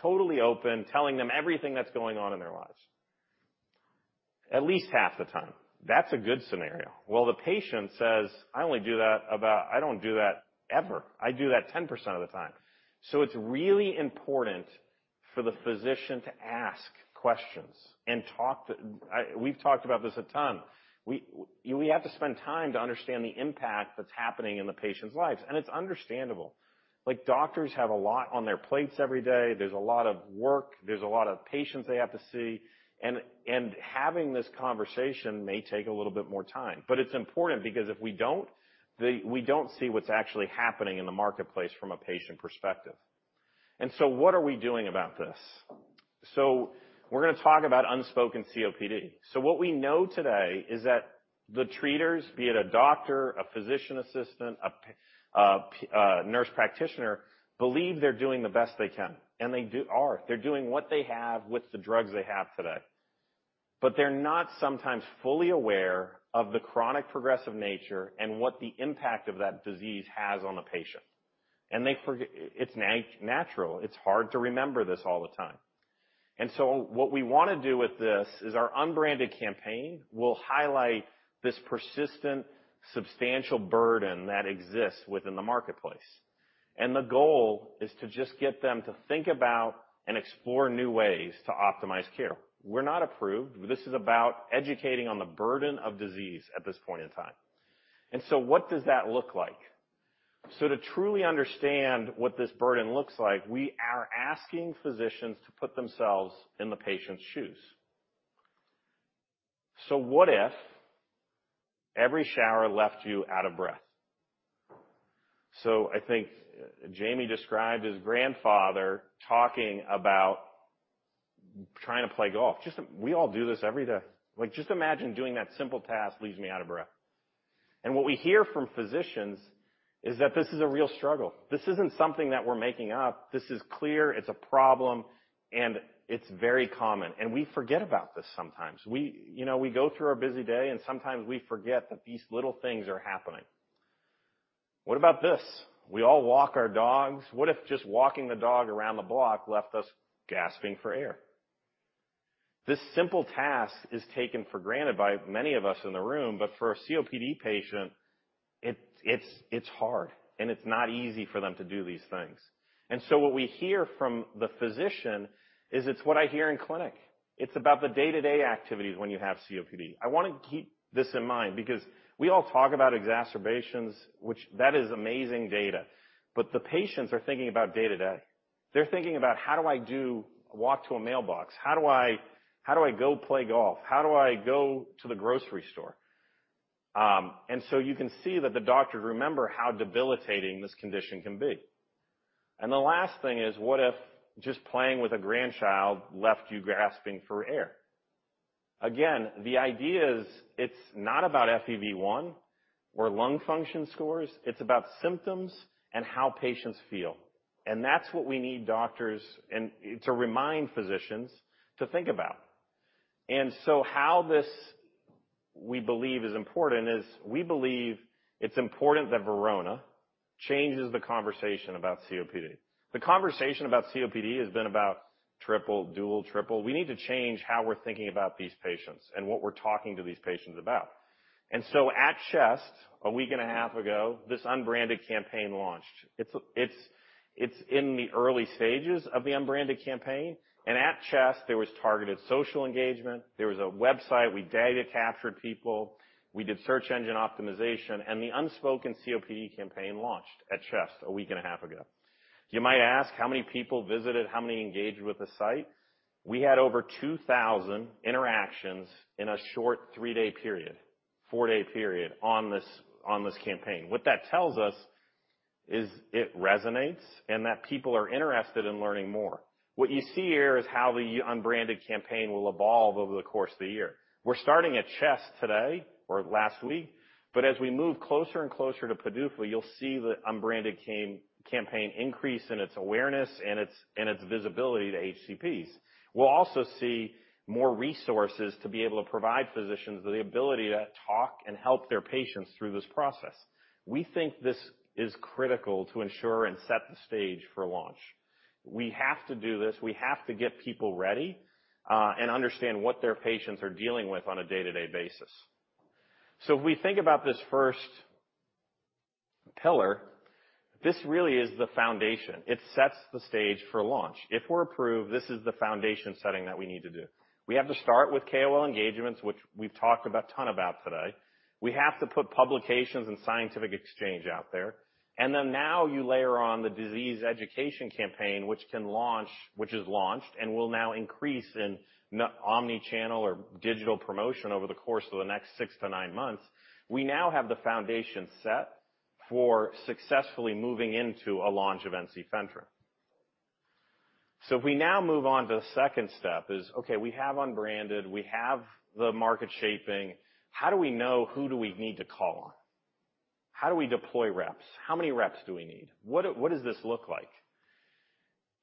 Speaker 2: totally open, telling them everything that's going on in their lives. At least half the time, that's a good scenario. Well, the patient says, "I only do that about-- I don't do that ever. I do that 10% of the time." So it's really important for the physician to ask questions and talk to... We've talked about this a ton. We have to spend time to understand the impact that's happening in the patients' lives, and it's understandable. Like, doctors have a lot on their plates every day. There's a lot of work, there's a lot of patients they have to see, and having this conversation may take a little bit more time. But it's important because if we don't, we don't see what's actually happening in the marketplace from a patient perspective. And so what are we doing about this? So we're gonna talk about unspoken COPD. So what we know today is that the treaters, be it a doctor, a physician assistant, a nurse practitioner, believe they're doing the best they can, and they do are. They're doing what they have with the drugs they have today. But they're not sometimes fully aware of the chronic progressive nature and what the impact of that disease has on the patient. And they forget... It's natural. It's hard to remember this all the time. And so what we want to do with this is our unbranded campaign will highlight this persistent, substantial burden that exists within the marketplace. The goal is to just get them to think about and explore new ways to optimize care. We're not approved. This is about educating on the burden of disease at this point in time. What does that look like? To truly understand what this burden looks like, we are asking physicians to put themselves in the patient's shoes. What if every shower left you out of breath? I think Jamie described his grandfather talking about trying to play golf. Just, we all do this every day. Like, just imagine doing that simple task leaves me out of breath. And what we hear from physicians is that this is a real struggle. This isn't something that we're making up. This is clear, it's a problem, and it's very common, and we forget about this sometimes. We, you know, we go through our busy day, and sometimes we forget that these little things are happening. What about this? We all walk our dogs. What if just walking the dog around the block left us gasping for air? This simple task is taken for granted by many of us in the room, but for a COPD patient, it's hard, and it's not easy for them to do these things. So what we hear from the physician is, "It's what I hear in clinic." It's about the day-to-day activities when you have COPD. I want to keep this in mind because we all talk about exacerbations, which is amazing data, but the patients are thinking about day-to-day. They're thinking about: How do I walk to a mailbox? How do I go play golf? How do I go to the grocery store? So you can see that the doctors remember how debilitating this condition can be. The last thing is, what if just playing with a grandchild left you gasping for air? Again, the idea is it's not about FEV1 or lung function scores. It's about symptoms and how patients feel. That's what we need doctors and to remind physicians to think about. How this, we believe, is important is we believe it's important that Verona changes the conversation about COPD. The conversation about COPD has been about triple, dual, triple. We need to change how we're thinking about these patients and what we're talking to these patients about. At CHEST, a week and a half ago, this unbranded campaign launched. It's in the early stages of the unbranded campaign, and at CHEST, there was targeted social engagement. There was a website. We data captured people. We did search engine optimization, and the Unspoken COPD campaign launched at CHEST a week and a half ago. You might ask, how many people visited? How many engaged with the site? We had over 2,000 interactions in a short three-day period, four-day period, on this campaign. What that tells us is it resonates and that people are interested in learning more. What you see here is how the unbranded campaign will evolve over the course of the year. We're starting at CHEST today or last week, but as we move closer and closer to PDUFA, you'll see the unbranded campaign increase in its awareness and its visibility to HCPs. We'll also see more resources to be able to provide physicians the ability to talk and help their patients through this process. We think this is critical to ensure and set the stage for launch. We have to do this. We have to get people ready, and understand what their patients are dealing with on a day-to-day basis. So if we think about this first pillar, this really is the foundation. It sets the stage for launch. If we're approved, this is the foundation setting that we need to do. We have to start with KOL engagements, which we've talked about a ton about today. We have to put publications and scientific exchange out there, and then now you layer on the disease education campaign, which is launched and will now increase in Omnichannel or Digital Promotion over the course of the next six to nine months. We now have the foundation set for successfully moving into a launch of ensifentrine. So if we now move on to the second step, is, okay, we have unbranded, we have the market shaping. How do we know who we need to call on? How do we deploy reps? How many reps do we need? What does this look like?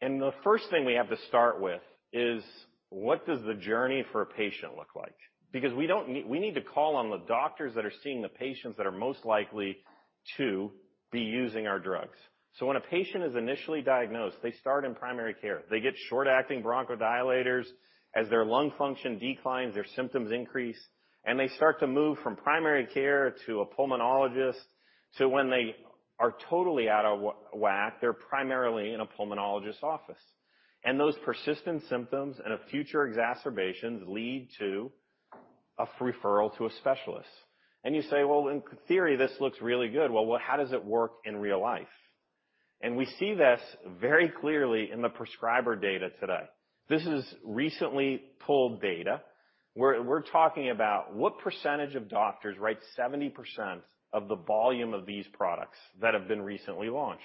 Speaker 2: And the first thing we have to start with is, what does the journey for a patient look like? Because we don't need... We need to call on the doctors that are seeing the patients that are most likely to be using our drugs. So when a patient is initially diagnosed, they start in primary care. They get short-acting bronchodilators. As their lung function declines, their symptoms increase, and they start to move from primary care to a pulmonologist, to when they are totally out of whack, they're primarily in a pulmonologist's office. And those persistent symptoms and future exacerbations lead to a referral to a specialist. And you say, "Well, in theory, this looks really good. Well, how does it work in real life?" And we see this very clearly in the prescriber data today. This is recently pulled data. We're talking about what percentage of doctors write 70% of the volume of these products that have been recently launched.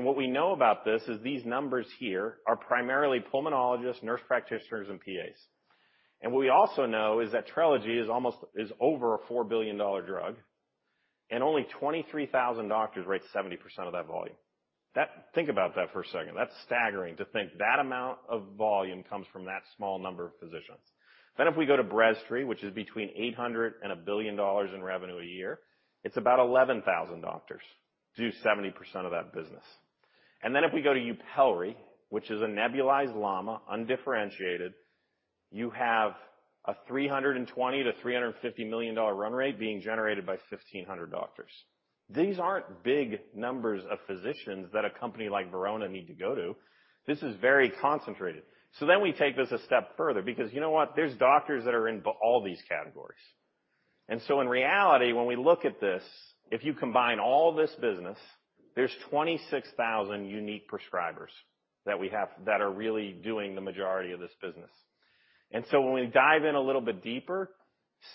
Speaker 2: What we know about this is these numbers here are primarily pulmonologists, nurse practitioners, and PAs. What we also know is that Trelegy is almost is over a $4 billion drug, and only 23,000 doctors write 70% of that volume. That think about that for a second. That's staggering, to think that amount of volume comes from that small number of physicians. If we go to Breztri, which is between $800 million and $1 billion in revenue a year, it's about 11,000 doctors do 70% of that business. Then if we go to Yupelri, which is a nebulized LAMA, undifferentiated, you have a $320 million-$350 million run rate being generated by 1,500 doctors. These aren't big numbers of physicians that a company like Verona need to go to. This is very concentrated. So then we take this a step further because you know what? There's doctors that are in all these categories. And so in reality, when we look at this, if you combine all this business, there's 26,000 unique prescribers that we have, that are really doing the majority of this business. And so when we dive in a little bit deeper,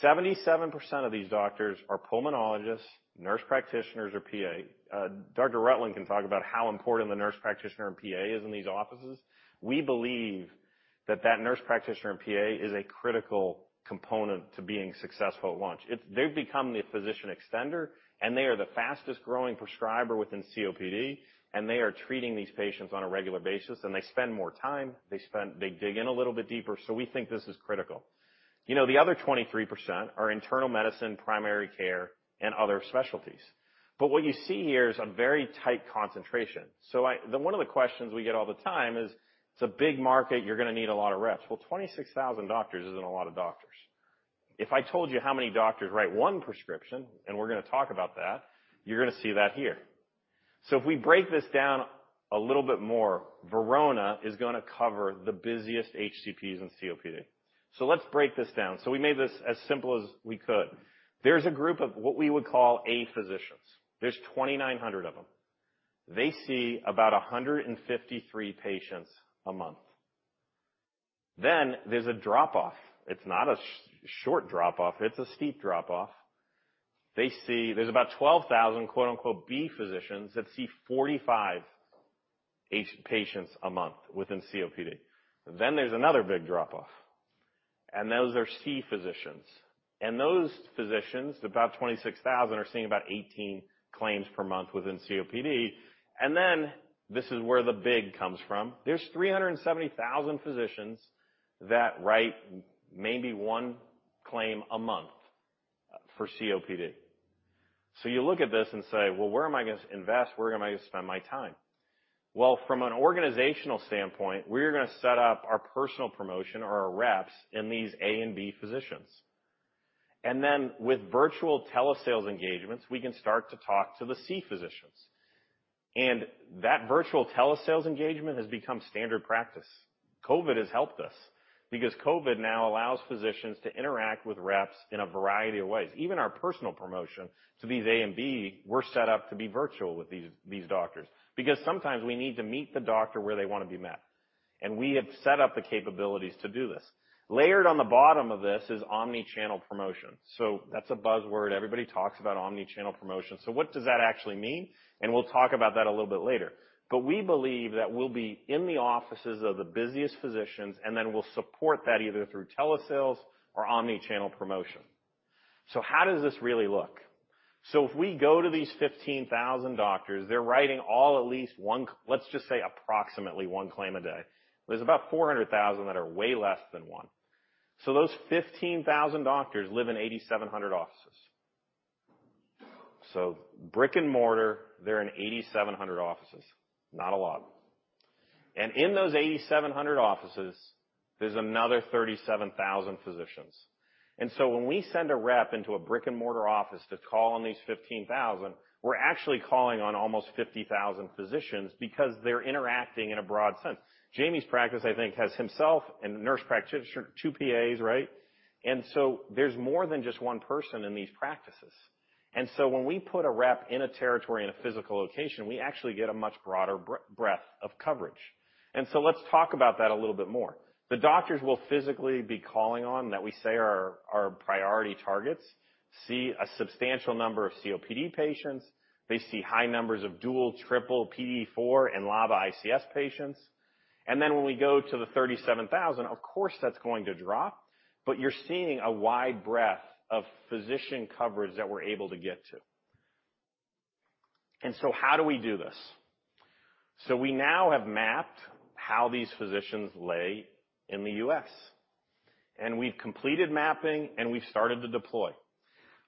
Speaker 2: 77% of these doctors are pulmonologists, nurse practitioners, or PA. Dr. Rutland can talk about how important the nurse practitioner and PA is in these offices. We believe that that nurse practitioner and PA is a critical component to being successful at launch. It's. They've become the physician extender, and they are the fastest growing prescriber within COPD, and they are treating these patients on a regular basis, and they spend more time. They spend... They dig in a little bit deeper, so we think this is critical. You know, the other 23% are internal medicine, primary care, and other specialties. But what you see here is a very tight concentration. So I... One of the questions we get all the time is, "It's a big market, you're gonna need a lot of reps." Well, 26,000 doctors isn't a lot of doctors. If I told you how many doctors write one prescription, and we're gonna talk about that, you're gonna see that here. So if we break this down a little bit more, Verona is gonna cover the busiest HCPs in COPD. So let's break this down. So we made this as simple as we could. There's a group of what we would call A physicians. There's 2,900 of them. They see about 153 patients a month. Then there's a drop-off. It's not a short drop-off, it's a steep drop-off. They see. There's about 12,000, quote-unquote, B physicians that see 4,500 patients a month within COPD. Then there's another big drop-off, and those are C physicians. And those physicians, about 26,000, are seeing about 18 claims per month within COPD. And then this is where the big comes from. There's 370,000 physicians that write maybe one claim a month for COPD... So you look at this and say: Well, where am I going to invest? Where am I going to spend my time? Well, from an organizational standpoint, we're going to set up our personal promotion or our reps in these A and B physicians. And then with virtual telesales engagements, we can start to talk to the C physicians. And that virtual telesales engagement has become standard practice. COVID has helped us because COVID now allows physicians to interact with reps in a variety of ways, even our Personal Promotion to these A and B, we're set up to be virtual with these, these doctors, because sometimes we need to meet the doctor where they want to be met, and we have set up the capabilities to do this. Layered on the bottom of this is omnichannel promotion. So that's a buzzword. Everybody talks about omnichannel promotion. So what does that actually mean? And we'll talk about that a little bit later. But we believe that we'll be in the offices of the busiest physicians, and then we'll support that either through telesales or omnichannel promotion. So how does this really look? So if we go to these 15,000 doctors, they're writing all at least one, let's just say, approximately one claim a day. There's about 400,000 that are way less than one. So those 15,000 doctors live in 8,700 offices. So brick-and-mortar, they're in 8,700 offices, not a lot. And in those 8,700 offices, there's another 37,000 physicians. And so when we send a rep into a brick-and-mortar office to call on these 15,000, we're actually calling on almost 50,000 physicians because they're interacting in a broad sense. Jamie's practice, I think, has himself and a nurse practitioner, two PAs, right? And so there's more than just one person in these practices. And so when we put a rep in a territory in a physical location, we actually get a much broader breadth of coverage. And so let's talk about that a little bit more. The doctors we'll physically be calling on, that we say are, are priority targets, see a substantial number of COPD patients. They see high numbers of dual, triple, PDE4 and LAMA/ICS patients. And then when we go to the 37,000, of course, that's going to drop, but you're seeing a wide breadth of physician coverage that we're able to get to. And so how do we do this? So we now have mapped how these physicians lay in the U.S., and we've completed mapping, and we've started to deploy.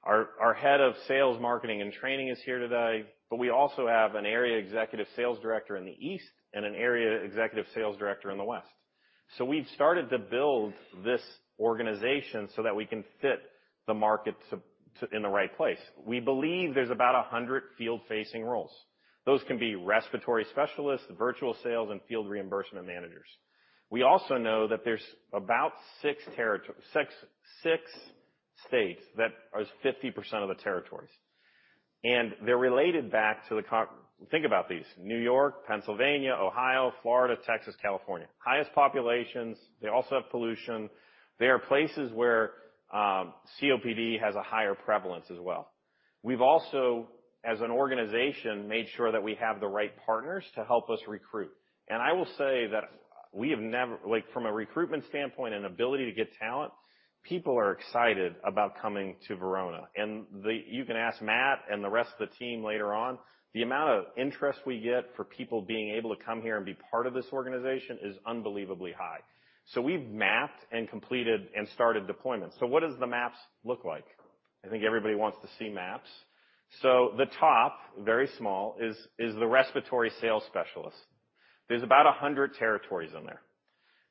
Speaker 2: Our Head of Sales, Marketing, and Training is here today, but we also have an area Executive Sales Director in the East and an area Executive Sales Director in the West. So we've started to build this organization so that we can fit the market to in the right place. We believe there's about 100 field-facing roles. Those can be Respiratory Specialists, Virtual Sales, and Field Reimbursement Managers. We also know that there's about six territories - six, six states that are 50% of the territories, and they're related back to the co... Think about these, New York, Pennsylvania, Ohio, Florida, Texas, California. Highest populations, they also have pollution. They are places where COPD has a higher prevalence as well. We've also, as an organization, made sure that we have the right partners to help us recruit. And I will say that we have never... Like, from a recruitment standpoint and ability to get talent, people are excited about coming to Verona. And the - you can ask Matt and the rest of the team later on, the amount of interest we get for people being able to come here and be part of this organization is unbelievably high. So we've mapped and completed and started deployment. So what does the maps look like? I think everybody wants to see maps. So the top, very small, is the respiratory sales specialist. There's about 100 territories in there,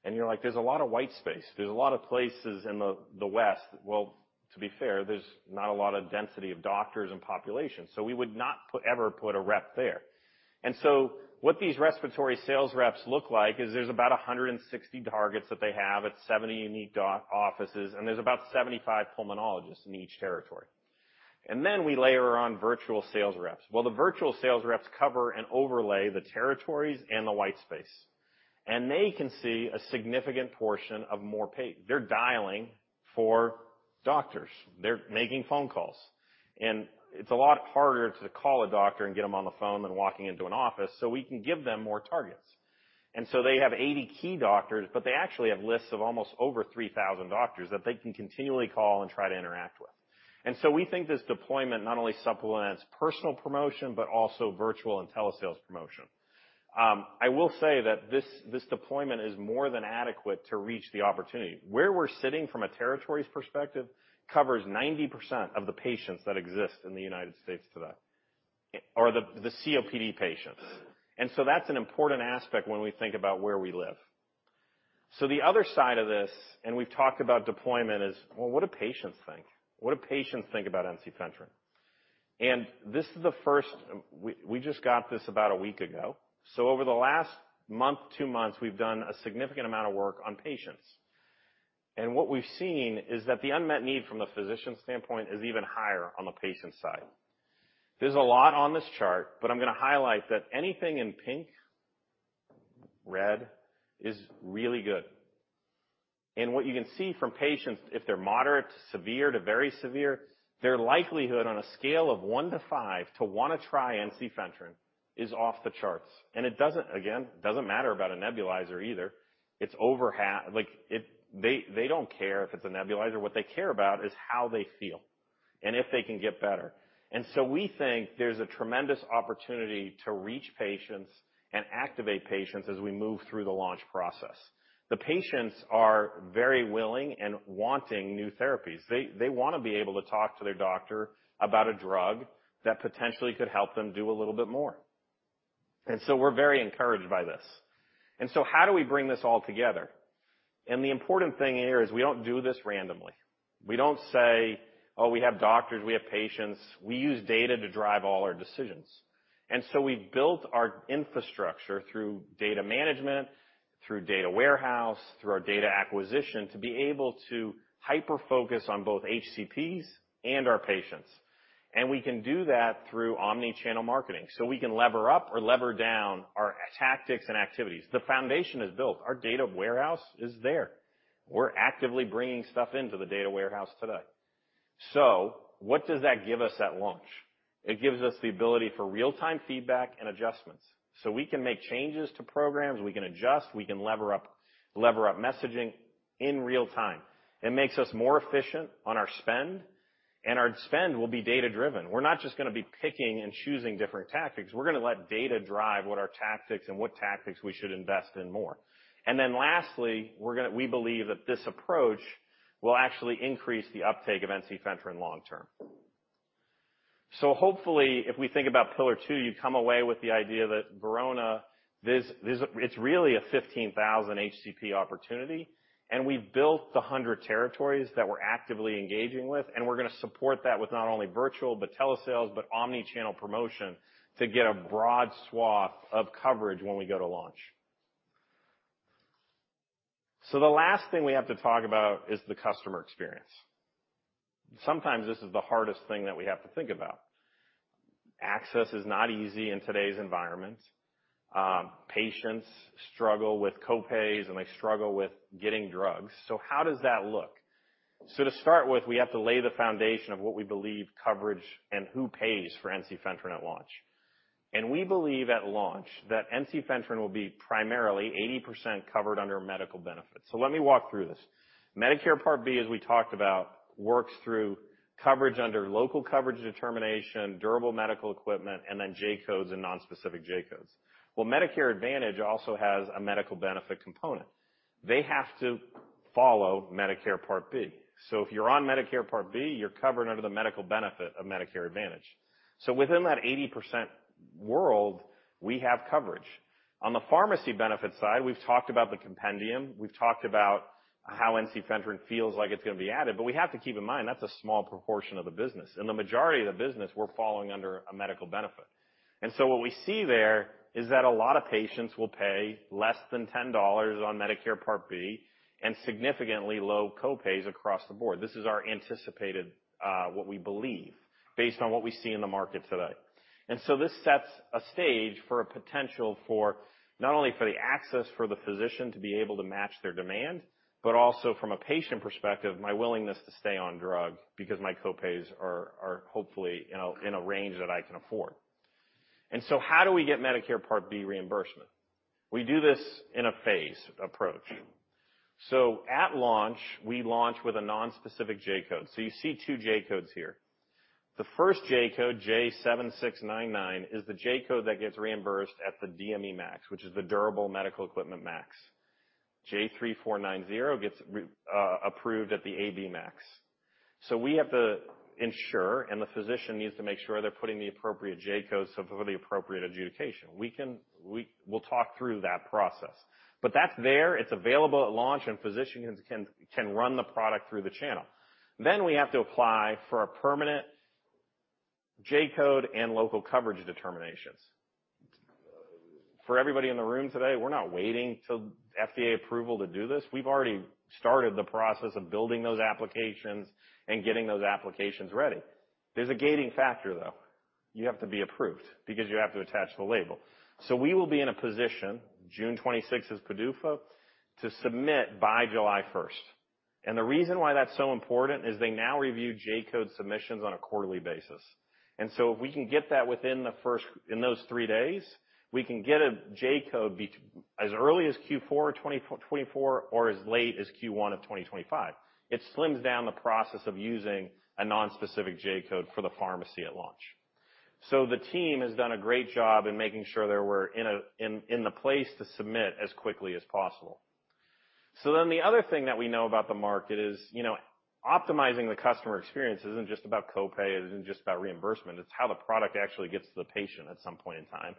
Speaker 2: and you're like, "There's a lot of white space. There's a lot of places in the West." Well, to be fair, there's not a lot of density of doctors and population, so we would not put ever put a rep there. And so what these respiratory sales reps look like is there's about 160 targets that they have at 70 unique doc offices, and there's about 75 Pulmonologists in each territory. And then we layer on virtual sales reps. Well, the virtual sales reps cover and overlay the territories and the white space, and they can see a significant portion. They're dialing for doctors, they're making phone calls, and it's a lot harder to call a doctor and get them on the phone than walking into an office, so we can give them more targets. And so they have 80 key doctors, but they actually have lists of almost over 3,000 doctors that they can continually call and try to interact with. And so we think this deployment not only supplements personal promotion, but also virtual and telesales promotion. I will say that this, this deployment is more than adequate to reach the opportunity. Where we're sitting from a territories perspective, covers 90% of the patients that exist in the United States today, or the, the COPD patients. That's an important aspect when we think about where we live. The other side of this, and we've talked about deployment, is, well, what do patients think? What do patients think about ensifentrine? And this is the first... We just got this about a week ago. So over the last month, two months, we've done a significant amount of work on patients. And what we've seen is that the unmet need from the physician standpoint is even higher on the patient side. There's a lot on this chart, but I'm going to highlight that anything in pink, red is really good. And what you can see from patients, if they're moderate to severe to very severe, their likelihood on a scale of one to five to want to try ensifentrine is off the charts. And it doesn't, again, it doesn't matter about a nebulizer either. It's over half. Like, they don't care if it's a nebulizer. What they care about is how they feel and if they can get better. And so we think there's a tremendous opportunity to reach patients and activate patients as we move through the launch process. The patients are very willing and wanting new therapies. They want to be able to talk to their doctor about a drug that potentially could help them do a little bit more. And so we're very encouraged by this. And so how do we bring this all together? And the important thing here is we don't do this randomly. We don't say, "Oh, we have doctors, we have patients." We use data to drive all our decisions. So we've built our infrastructure through data management, through data warehouse, through our data acquisition, to be able to hyper focus on both HCPs and our patients. We can do that through omni-channel marketing, so we can lever up or lever down our tactics and activities. The foundation is built. Our data warehouse is there. We're actively bringing stuff into the data warehouse today. So what does that give us at launch? It gives us the ability for real-time feedback and adjustments, so we can make changes to programs, we can adjust, we can lever up, lever up messaging in real time. It makes us more efficient on our spend, and our spend will be data-driven. We're not just gonna be picking and choosing different tactics. We're gonna let data drive what our tactics and what tactics we should invest in more. Then lastly, we believe that this approach will actually increase the uptake of ensifentrine long term. So hopefully, if we think about pillar two, you come away with the idea that Verona this... It's really a 15,000 HCP opportunity, and we've built the 100 territories that we're actively engaging with, and we're gonna support that with not only virtual, but telesales, but omni-channel promotion, to get a broad swath of coverage when we go to launch. So the last thing we have to talk about is the customer experience. Sometimes this is the hardest thing that we have to think about. Access is not easy in today's environment. Patients struggle with copays, and they struggle with getting drugs. So how does that look? So to start with, we have to lay the foundation of what we believe coverage and who pays for ensifentrine at launch. And we believe at launch that ensifentrine will be primarily 80% covered under medical benefits. So let me walk through this. Medicare Part B, as we talked about, works through coverage under local coverage determination, durable medical equipment, and then J-Codes and non-specific J-Codes. Well, Medicare Advantage also has a medical benefit component. They have to follow Medicare Part B. So if you're on Medicare Part B, you're covered under the medical benefit of Medicare Advantage. So within that 80% world, we have coverage. On the pharmacy benefit side, we've talked about the compendium, we've talked about how ensifentrine feels like it's gonna be added, but we have to keep in mind, that's a small proportion of the business. In the majority of the business, we're falling under a medical benefit. And so what we see there is that a lot of patients will pay less than $10 on Medicare Part B and significantly low copays across the board. This is our anticipated, what we believe, based on what we see in the market today. And so this sets a stage for a potential for, not only for the access for the physician to be able to match their demand, but also from a patient perspective, my willingness to stay on drug because my copays are hopefully in a range that I can afford. And so how do we get Medicare Part B reimbursement? We do this in a phase approach. So at launch, we launch with a non-specific J-Code. So you see two J-Codes here. The first J-Code, J7699, is the J-Code that gets reimbursed at the DME MAC, which is the Durable Medical Equipment MACs. J3490 gets approved at the A/B MAC. So we have to ensure, and the physician needs to make sure they're putting the appropriate J-Codes so for the appropriate adjudication. We'll talk through that process. But that's there, it's available at launch, and physicians can run the product through the channel. Then we have to apply for a permanent J-code and local coverage determinations. For everybody in the room today, we're not waiting till FDA approval to do this. We've already started the process of building those applications and getting those applications ready. There's a gating factor, though. You have to be approved because you have to attach the label. So we will be in a position, June 26th is PDUFA, to submit by July 1st. And the reason why that's so important is they now review J-Code submissions on a quarterly basis. And so if we can get that within the first... In those three days, we can get a J-Code as early as Q4 2024 or as late as Q1 of 2025. It slims down the process of using a non-specific J-Code for the pharmacy at launch. So the team has done a great job in making sure that we're in a place to submit as quickly as possible. So then the other thing that we know about the market is, you know, optimizing the customer experience isn't just about copay, it isn't just about reimbursement, it's how the product actually gets to the patient at some point in time.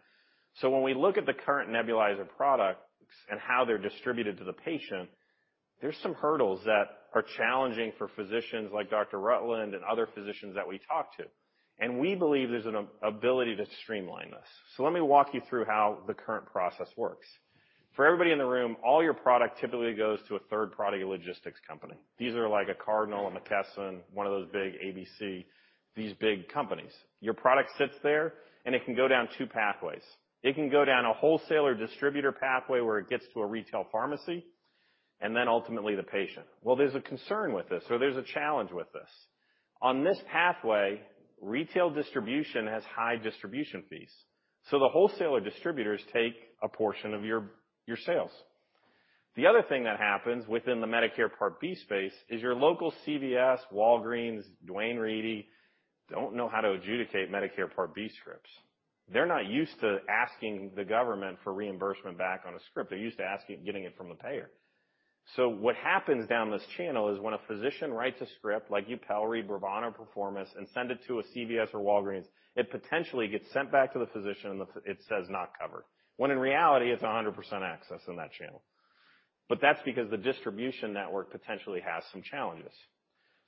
Speaker 2: So when we look at the current nebulizer products and how they're distributed to the patient, there's some hurdles that are challenging for physicians like Dr. Rutland and other physicians that we talk to. We believe there's an ability to streamline this. So let me walk you through how the current process works. For everybody in the room, all your product typically goes to a third-party logistics company. These are like a Cardinal, a McKesson, one of those big ABC, these big companies. Your product sits there, and it can go down two pathways. It can go down a wholesaler distributor pathway, where it gets to a retail pharmacy, and then ultimately the patient. Well, there's a concern with this, so there's a challenge with this. On this pathway, retail distribution has high distribution fees, so the wholesaler distributors take a portion of your sales. The other thing that happens within the Medicare Part B space is your local CVS, Walgreens, Duane Reade, don't know how to adjudicate Medicare Part B scripts. They're not used to asking the government for reimbursement back on a script. They're used to asking, getting it from the payer. So what happens down this channel is when a physician writes a script like Yupelri, Brovana, or Perforomist, and send it to a CVS or Walgreens, it potentially gets sent back to the physician, and it says, "Not covered," when in reality, it's 100% access in that channel. But that's because the distribution network potentially has some challenges.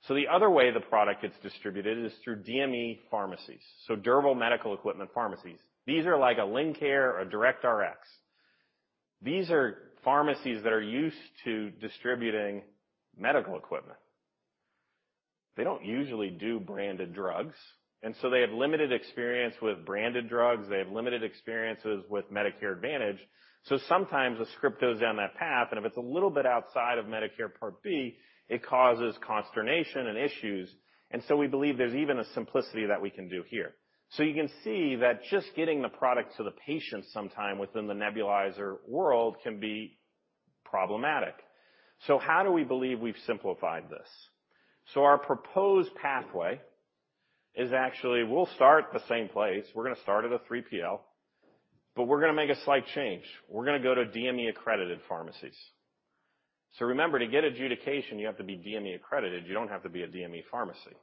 Speaker 2: So the other way the product gets distributed is through DME pharmacies, so durable medical equipment pharmacies. These are like a Lincare, a DirectRx. These are pharmacies that are used to distributing medical equipment. They don't usually do branded drugs, and so they have limited experience with branded drugs. They have limited experiences with Medicare Advantage. So sometimes a script goes down that path, and if it's a little bit outside of Medicare Part B, it causes consternation and issues. And so we believe there's even a simplicity that we can do here. So you can see that just getting the product to the patient sometime within the nebulizer world can be problematic. So how do we believe we've simplified this? So our proposed pathway is actually, we'll start the same place. We're going to start at a 3PL, but we're going to make a slight change. We're going to go to DME-accredited pharmacies. So remember, to get adjudication, you have to be DME accredited. You don't have to be a DME pharmacy,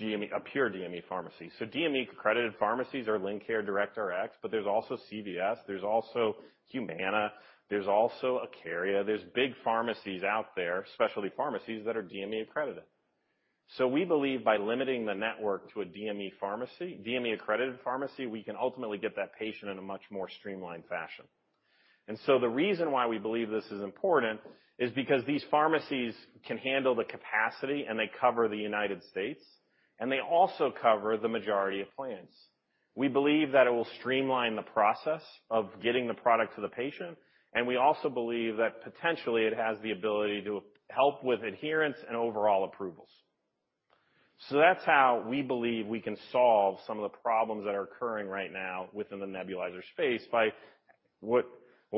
Speaker 2: DME—a pure DME pharmacy. DME-accredited pharmacies are Lincare, DirectRx, but there's also CVS, there's also Humana, there's also Acaria. There are big pharmacies out there, specialty pharmacies, that are DME accredited. We believe by limiting the network to a DME pharmacy, DME-accredited pharmacy, we can ultimately get that patient in a much more streamlined fashion. The reason why we believe this is important is because these pharmacies can handle the capacity, and they cover the United States, and they also cover the majority of plans. We believe that it will streamline the process of getting the product to the patient, and we also believe that potentially it has the ability to help with adherence and overall approvals. So that's how we believe we can solve some of the problems that are occurring right now within the nebulizer space by what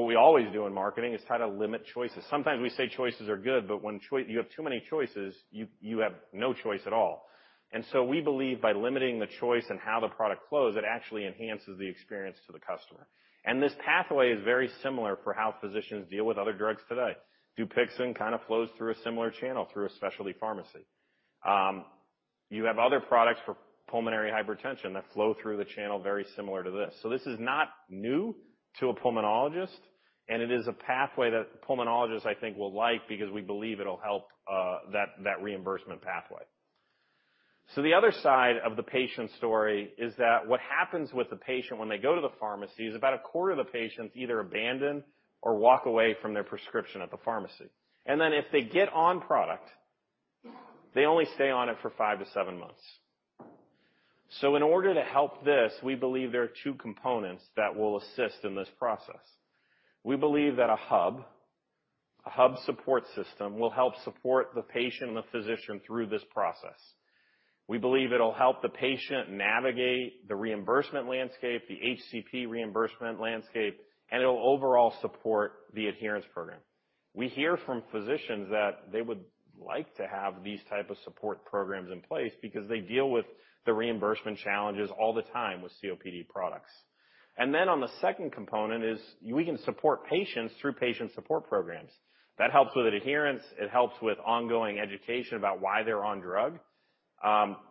Speaker 2: we always do in marketing is try to limit choices. Sometimes we say choices are good, but when choice you have too many choices, you have no choice at all. And so we believe by limiting the choice and how the product flows, it actually enhances the experience to the customer. And this pathway is very similar for how physicians deal with other drugs today. DUPIXENT kind of flows through a similar channel, through a specialty pharmacy. You have other products for pulmonary hypertension that flow through the channel very similar to this. So this is not new to a pulmonologist, and it is a pathway that pulmonologists, I think, will like because we believe it'll help that reimbursement pathway. So the other side of the patient story is that what happens with the patient when they go to the pharmacy is about a quarter of the patients either abandon or walk away from their prescription at the pharmacy. And then if they get on product, they only stay on it for five to seven months. So in order to help this, we believe there are two components that will assist in this process. We believe that a hub, a hub support system, will help support the patient and the physician through this process. We believe it'll help the patient navigate the reimbursement landscape, the HCP reimbursement landscape, and it'll overall support the adherence program. We hear from physicians that they would like to have these type of support programs in place because they deal with the reimbursement challenges all the time with COPD products. Then on the second component, we can support patients through patient support programs. That helps with adherence, it helps with ongoing education about why they're on drug.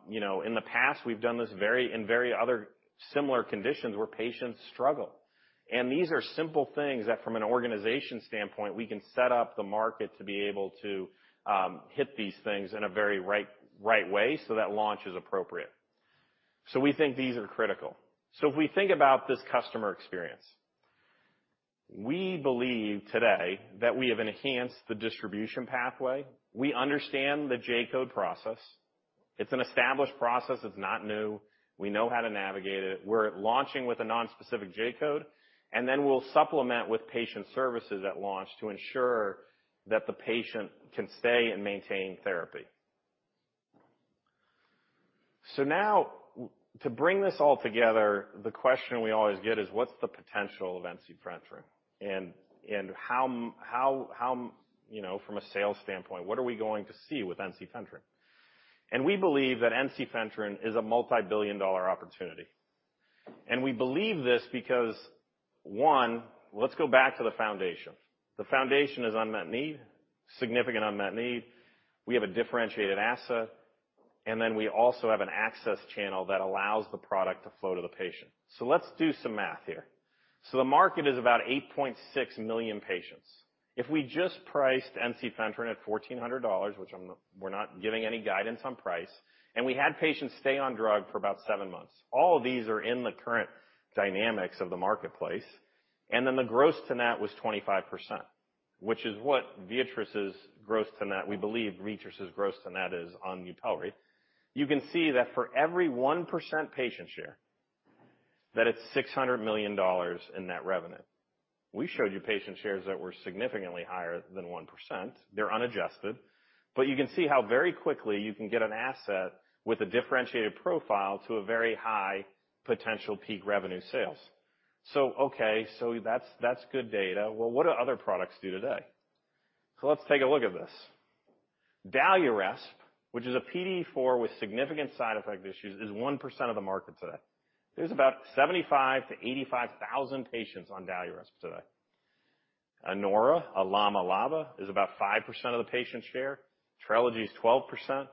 Speaker 2: You know, in the past, we've done this in other similar conditions where patients struggle. And these are simple things that from an organization standpoint, we can set up the market to be able to hit these things in a very right, right way so that launch is appropriate. So we think these are critical. So if we think about this customer experience, we believe today that we have enhanced the distribution pathway. We understand the J-Code process. It's an established process. It's not new. We know how to navigate it. We're launching with a non-specific J-Code, and then we'll supplement with patient services at launch to ensure that the patient can stay and maintain therapy. So now, to bring this all together, the question we always get is: what's the potential of ensifentrine? And how, you know, from a sales standpoint, what are we going to see with ensifentrine? And we believe that ensifentrine is a multibillion-dollar opportunity. And we believe this because, one, let's go back to the foundation. The foundation is unmet need, significant unmet need. We have a differentiated asset, and then we also have an access channel that allows the product to flow to the patient. So let's do some math here. So the market is about 8.6 million patients. If we just priced ensifentrine at $1,400, which we're not giving any guidance on price, and we had patients stay on drug for about seven months. All of these are in the current dynamics of the marketplace. Then the gross to net was 25%, which is what Viatris's gross to net, we believe Viatris's gross to net is on Yupelri. You can see that for every 1% patient share, that it's $600 million in net revenue. We showed you patient shares that were significantly higher than 1%. They're unadjusted, but you can see how very quickly you can get an asset with a differentiated profile to a very high potential peak revenue sales. So okay, so that's good data. Well, what do other products do today? So let's take a look at this. DALIRESP, which is a PDE4 with significant side effect issues, is 1% of the market today. There's about 75,000-85,000 patients on DALIRESP today. ANORO, LAMA/LABA, is about 5% of the patient share. TRELEGY is 12%,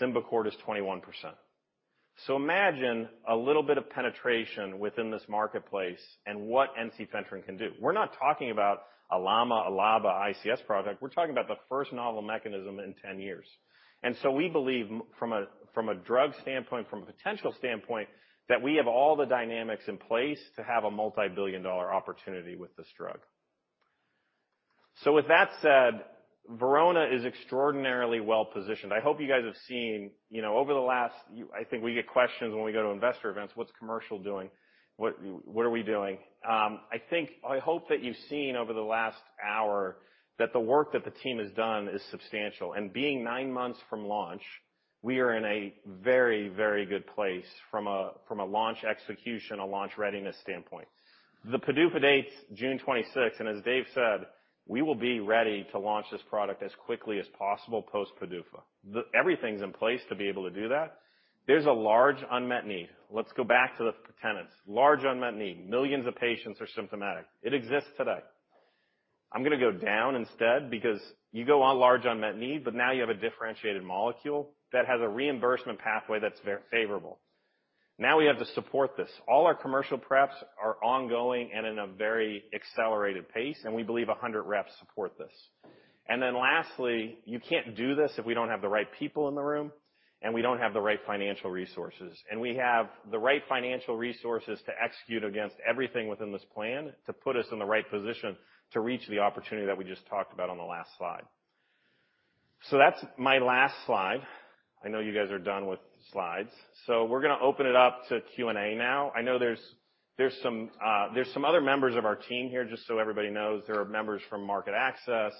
Speaker 2: Symbicort is 21%. So imagine a little bit of penetration within this marketplace and what ensifentrine can do. We're not talking about a LAMA, a LABA/ICS product, we're talking about the first novel mechanism in 10 years. And so we believe from a drug standpoint, from a potential standpoint, that we have all the dynamics in place to have a multibillion-dollar opportunity with this drug. So with that said, Verona is extraordinarily well positioned. I hope you guys have seen, you know, over the last, I think we get questions when we go to investor events, "What's commercial doing? What, what are we doing?" I hope that you've seen over the last hour that the work that the team has done is substantial. Being nine months from launch, we are in a very, very good place from a, from a launch execution, a launch readiness standpoint. The PDUFA date is June 26th, and as Dave said, we will be ready to launch this product as quickly as possible post PDUFA. Everything's in place to be able to do that. There's a large unmet need. Let's go back to the tenets. Large unmet need. Millions of patients are symptomatic. It exists today. I'm gonna go down instead, because you go on large unmet need, but now you have a differentiated molecule that has a reimbursement pathway that's very favorable. Now we have to support this. All our commercial preps are ongoing and in a very accelerated pace, and we believe 100 reps support this. Then lastly, you can't do this if we don't have the right people in the room, and we don't have the right financial resources. We have the right financial resources to execute against everything within this plan, to put us in the right position to reach the opportunity that we just talked about on the last slide. That's my last slide. I know you guys are done with slides, so we're gonna open it up to Q&A now. I know there's some other members of our team here. Just so everybody knows, there are members from market access,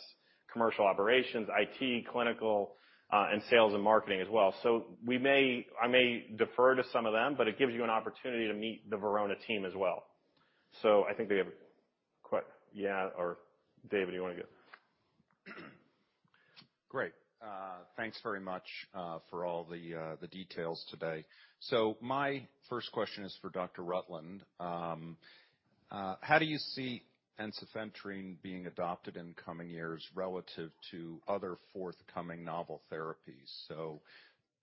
Speaker 2: commercial operations, IT, clinical, and sales and marketing as well. We may, I may defer to some of them, but it gives you an opportunity to meet the Verona team as well. So, I think they have queue, yeah, or David, you want to go?
Speaker 4: Great. Thanks very much for all the the details today. So my first question is for Dr. Rutland. How do you see ensifentrine being adopted in coming years relative to other forthcoming novel therapies? So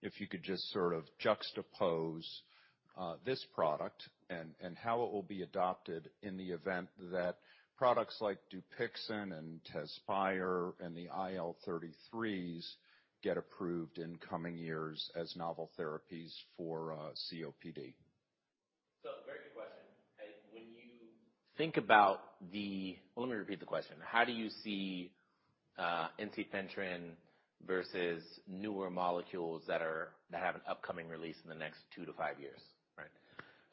Speaker 4: if you could just sort of juxtapose this product and and how it will be adopted in the event that products like DUPIXENT and TEZSPIRE and the IL-33s get approved in coming years as novel therapies for COPD.
Speaker 3: So, very good question. And when you think about the. Let me repeat the question: How do you see ensifentrine versus newer molecules that are, that have an upcoming release in the next two to five years,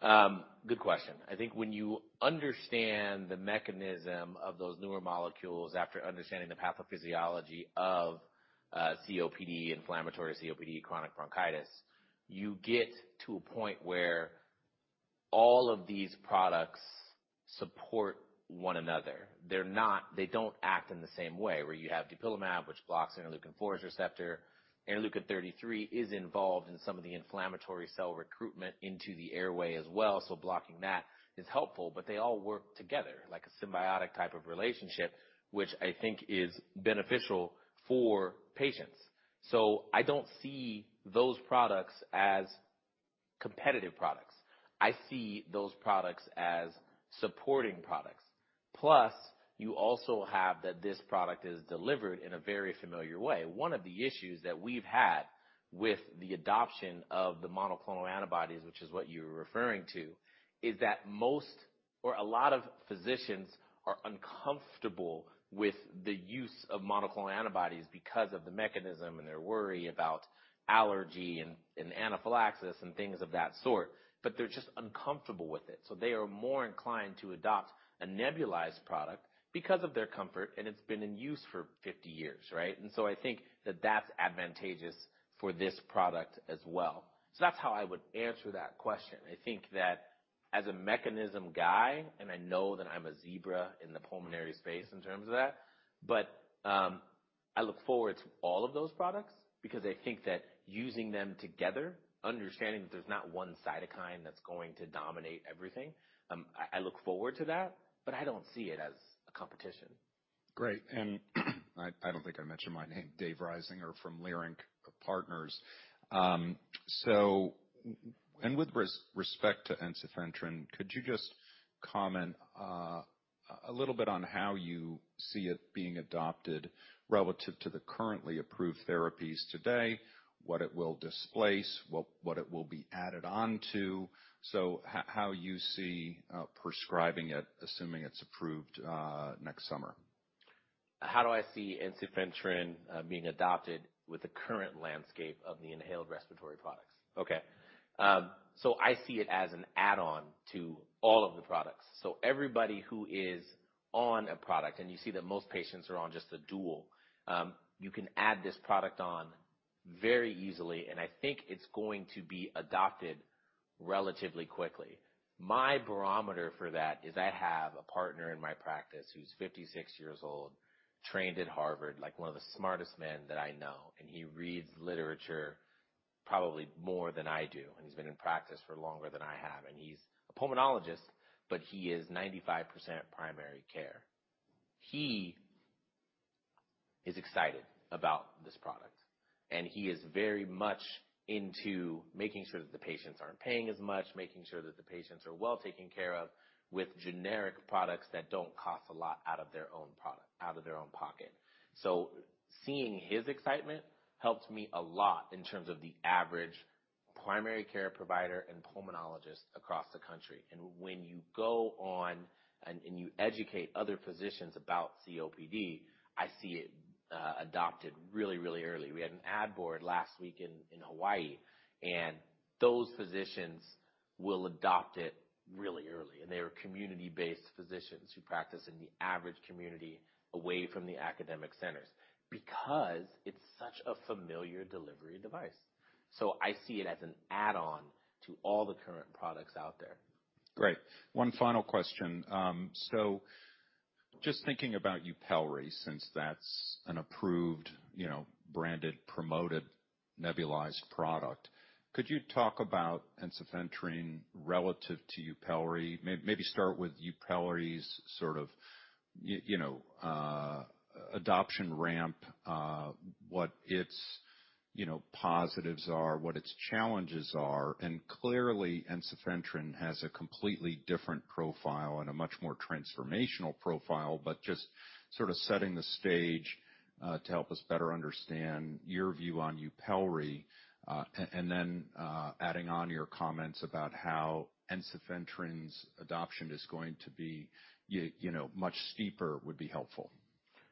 Speaker 3: right? Good question. I think when you understand the mechanism of those newer molecules, after understanding the pathophysiology of COPD, inflammatory COPD, chronic bronchitis, you get to a point where all of these products support one another. They don't act in the same way, where you have dupilumab, which blocks interleukin-4's receptor. Interleukin-33 is involved in some of the inflammatory cell recruitment into the airway as well, so blocking that is helpful, but they all work together, like a symbiotic type of relationship, which I think is beneficial for patients. So I don't see those products as competitive products. I see those products as supporting products. Plus, you also have that this product is delivered in a very familiar way. One of the issues that we've had with the adoption of the monoclonal antibodies, which is what you're referring to, is that most or a lot of physicians are uncomfortable with the use of monoclonal antibodies because of the mechanism, and they're worried about allergy and anaphylaxis, and things of that sort, but they're just uncomfortable with it. So they are more inclined to adopt a nebulized product because of their comfort, and it's been in use for 50 years, right? And so I think that that's advantageous for this product as well. So that's how I would answer that question. I think that as a mechanism guy, and I know that I'm a zebra in the pulmonary space in terms of that, but I look forward to all of those products because I think that using them together, understanding that there's not one cytokine that's going to dominate everything, I look forward to that, but I don't see it as a competition.
Speaker 4: Great. I don't think I mentioned my name, David Risinger from Leerink Partners. So with respect to ensifentrine, could you just comment a little bit on how you see it being adopted relative to the currently approved therapies today, what it will displace, what it will be added on to? So how you see prescribing it, assuming it's approved next summer.
Speaker 3: How do I see ensifentrine being adopted with the current landscape of the inhaled respiratory products? Okay. So I see it as an add-on to all of the products. So everybody who is on a product, and you see that most patients are on just a dual, you can add this product on very easily, and I think it's going to be adopted relatively quickly. My barometer for that is I have a partner in my practice who's 56 years old, trained at Harvard, like, one of the smartest men that I know, and he reads literature probably more than I do. He's been in practice for longer than I have, and he's a pulmonologist, but he is 95% primary care. He is excited about this product, and he is very much into making sure that the patients aren't paying as much, making sure that the patients are well taken care of with generic products that don't cost a lot out of their own pocket. So seeing his excitement helps me a lot in terms of the average primary care provider and pulmonologist across the country. When you go on and you educate other physicians about COPD, I see it adopted really, really early. We had an ad board last week in Hawaii, and those physicians will adopt it really early. They are community-based physicians who practice in the average community away from the academic centers because it's such a familiar delivery device. So I see it as an add-on to all the current products out there.
Speaker 4: Great. One final question. So just thinking about Yupelri, since that's an approved, you know, branded, promoted, nebulized product, could you talk about ensifentrine relative to Yupelri? Maybe start with Yupelri's sort of, you know, adoption ramp, what its, you know, positives are, what its challenges are, and clearly, ensifentrine has a completely different profile and a much more transformational profile. But just sort of setting the stage, to help us better understand your view on Yupelri, and then, adding on your comments about how ensifentrine's adoption is going to be, you know, much steeper, would be helpful.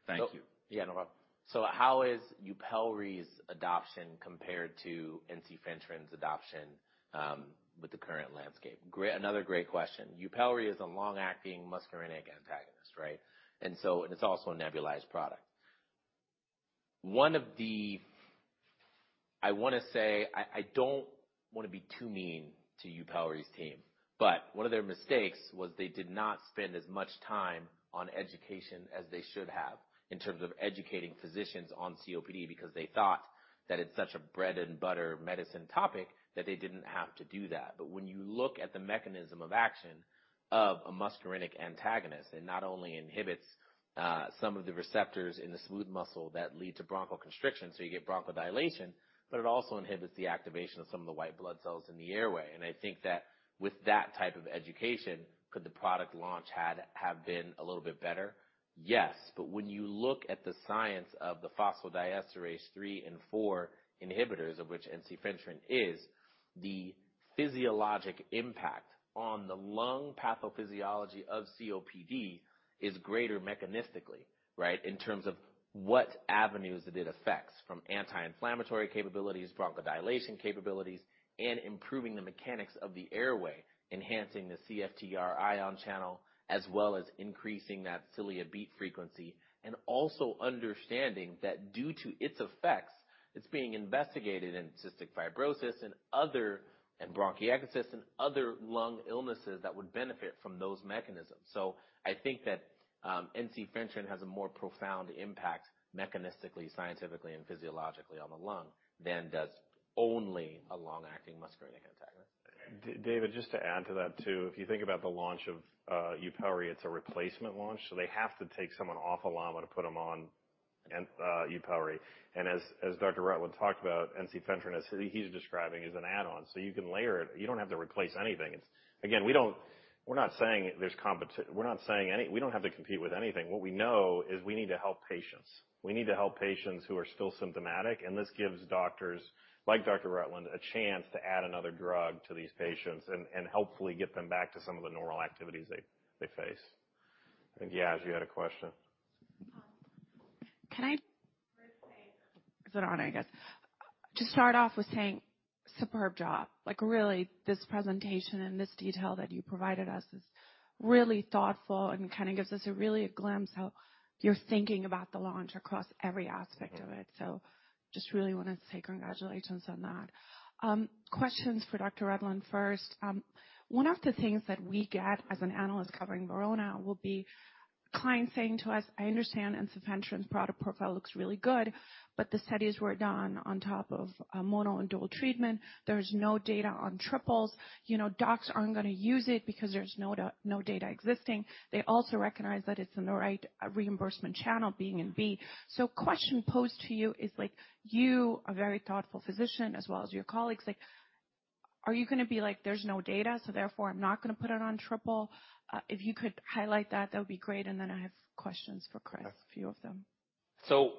Speaker 4: Thank you.
Speaker 3: Yeah, no problem. So how is Yupelri's adoption compared to ensifentrine's adoption with the current landscape? Great. Another great question. Yupelri is a long-acting muscarinic antagonist, right? And so it's also a nebulized product. One of the... I wanna say, I don't want to be too mean to Yupelri's team, but one of their mistakes was they did not spend as much time on education as they should have in terms of educating physicians on COPD, because they thought that it's such a bread-and-butter medicine topic that they didn't have to do that. But when you look at the mechanism of action of a muscarinic antagonist, it not only inhibits some of the receptors in the smooth muscle that lead to bronchiole constriction, so you get bronchodilation, but it also inhibits the activation of some of the white blood cells in the airway. I think that with that type of education, could the product launch have been a little bit better? Yes. But when you look at the science of the phosphodiesterase three and four inhibitors, of which ensifentrine is, the physiologic impact on the lung pathophysiology of COPD is greater mechanistically, right? In terms of what avenues that it affects, from anti-inflammatory capabilities, bronchodilation capabilities, and improving the mechanics of the airway, enhancing the CFTR ion channel, as well as increasing that cilia beat frequency. And also understanding that due to its effects, it's being investigated in cystic fibrosis and other, and bronchiectasis, and other lung illnesses that would benefit from those mechanisms. So I think that ensifentrine has a more profound impact mechanistically, scientifically, and physiologically on the lung than does only a long-acting muscarinic antagonist.
Speaker 2: David, just to add to that, too. If you think about the launch of Yupelri, it's a replacement launch, so they have to take someone off a LAMA to put them on Yupelri. And as Dr. Rutland talked about, ensifentrine, as he's describing, is an add-on, so you can layer it. You don't have to replace anything. It's again, we're not saying there's competition. We're not saying anything. We don't have to compete with anything. What we know is we need to help patients. We need to help patients who are still symptomatic, and this gives doctors like Dr. Rutland a chance to add another drug to these patients and hopefully get them back to some of the normal activities they face. I think, Yas, you had a question.
Speaker 5: Can I just say, I guess, to start off with saying, superb job. Like, really, this presentation and this detail that you provided us is really thoughtful and kind of gives us a really a glimpse how you're thinking about the launch across every aspect of it. So just really want to say congratulations on that. Questions for Dr. Rutland first. One of the things that we get as an analyst covering Verona will be clients saying to us, "I understand ensifentrine's product profile looks really good, but the studies were done on top of mono and dual treatment. There's no data on triples. You know, docs aren't gonna use it because there's no no data existing." They also recognize that it's in the right reimbursement channel, being in B. So question posed to you is, like, you, a very thoughtful physician, as well as your colleagues, like, are you gonna be like, "There's no data, so therefore, I'm not gonna put it on triple?" If you could highlight that, that would be great. And then I have questions for Chris, a few of them.
Speaker 3: So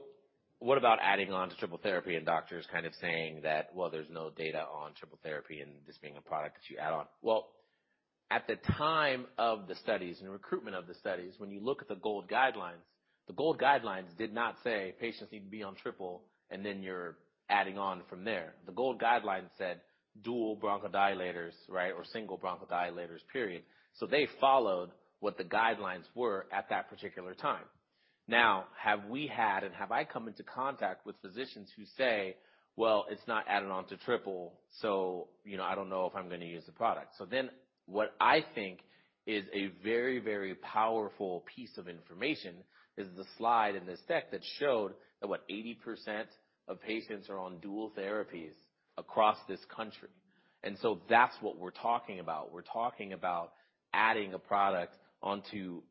Speaker 3: what about adding on to triple therapy and doctors kind of saying that, "Well, there's no data on triple therapy and this being a product that you add on?" Well, at the time of the studies and recruitment of the studies, when you look at the GOLD Guidelines, the GOLD Guidelines did not say, "Patients need to be on triple," and then you're adding on from there. The GOLD Guidelines said dual bronchodilators, right? Or single bronchodilators, period. So they followed what the guidelines were at that particular time. Now, have we had, and have I come into contact with physicians who say, "Well, it's not added on to triple, so, you know, I don't know if I'm going to use the product." So then, what I think is a very, very powerful piece of information is the slide in this deck that showed that, what? 80% of patients are on dual therapies across this country. So that's what we're talking about. We're talking about adding a product onto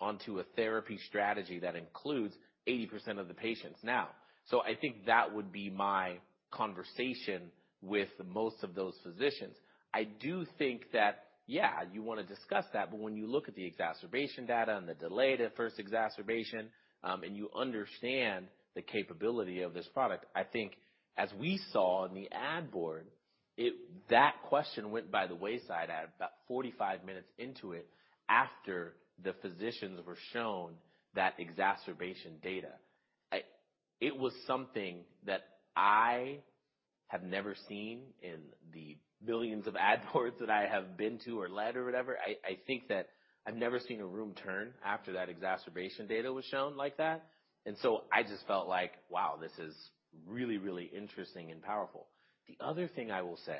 Speaker 3: onto a therapy strategy that includes 80% of the patients now. I think that would be my conversation with most of those physicians. I do think that, yeah, you want to discuss that, but when you look at the exacerbation data and the delay to first exacerbation, and you understand the capability of this product, I think as we saw in the ad board, it - that question went by the wayside at about 45 minutes into it, after the physicians were shown that exacerbation data. I - It was something that I have never seen in the billions of ad boards that I have been to or led or whatever. I think that I've never seen a room turn after that exacerbation data was shown like that. So I just felt like, wow, this is really, really interesting and powerful. The other thing I will say,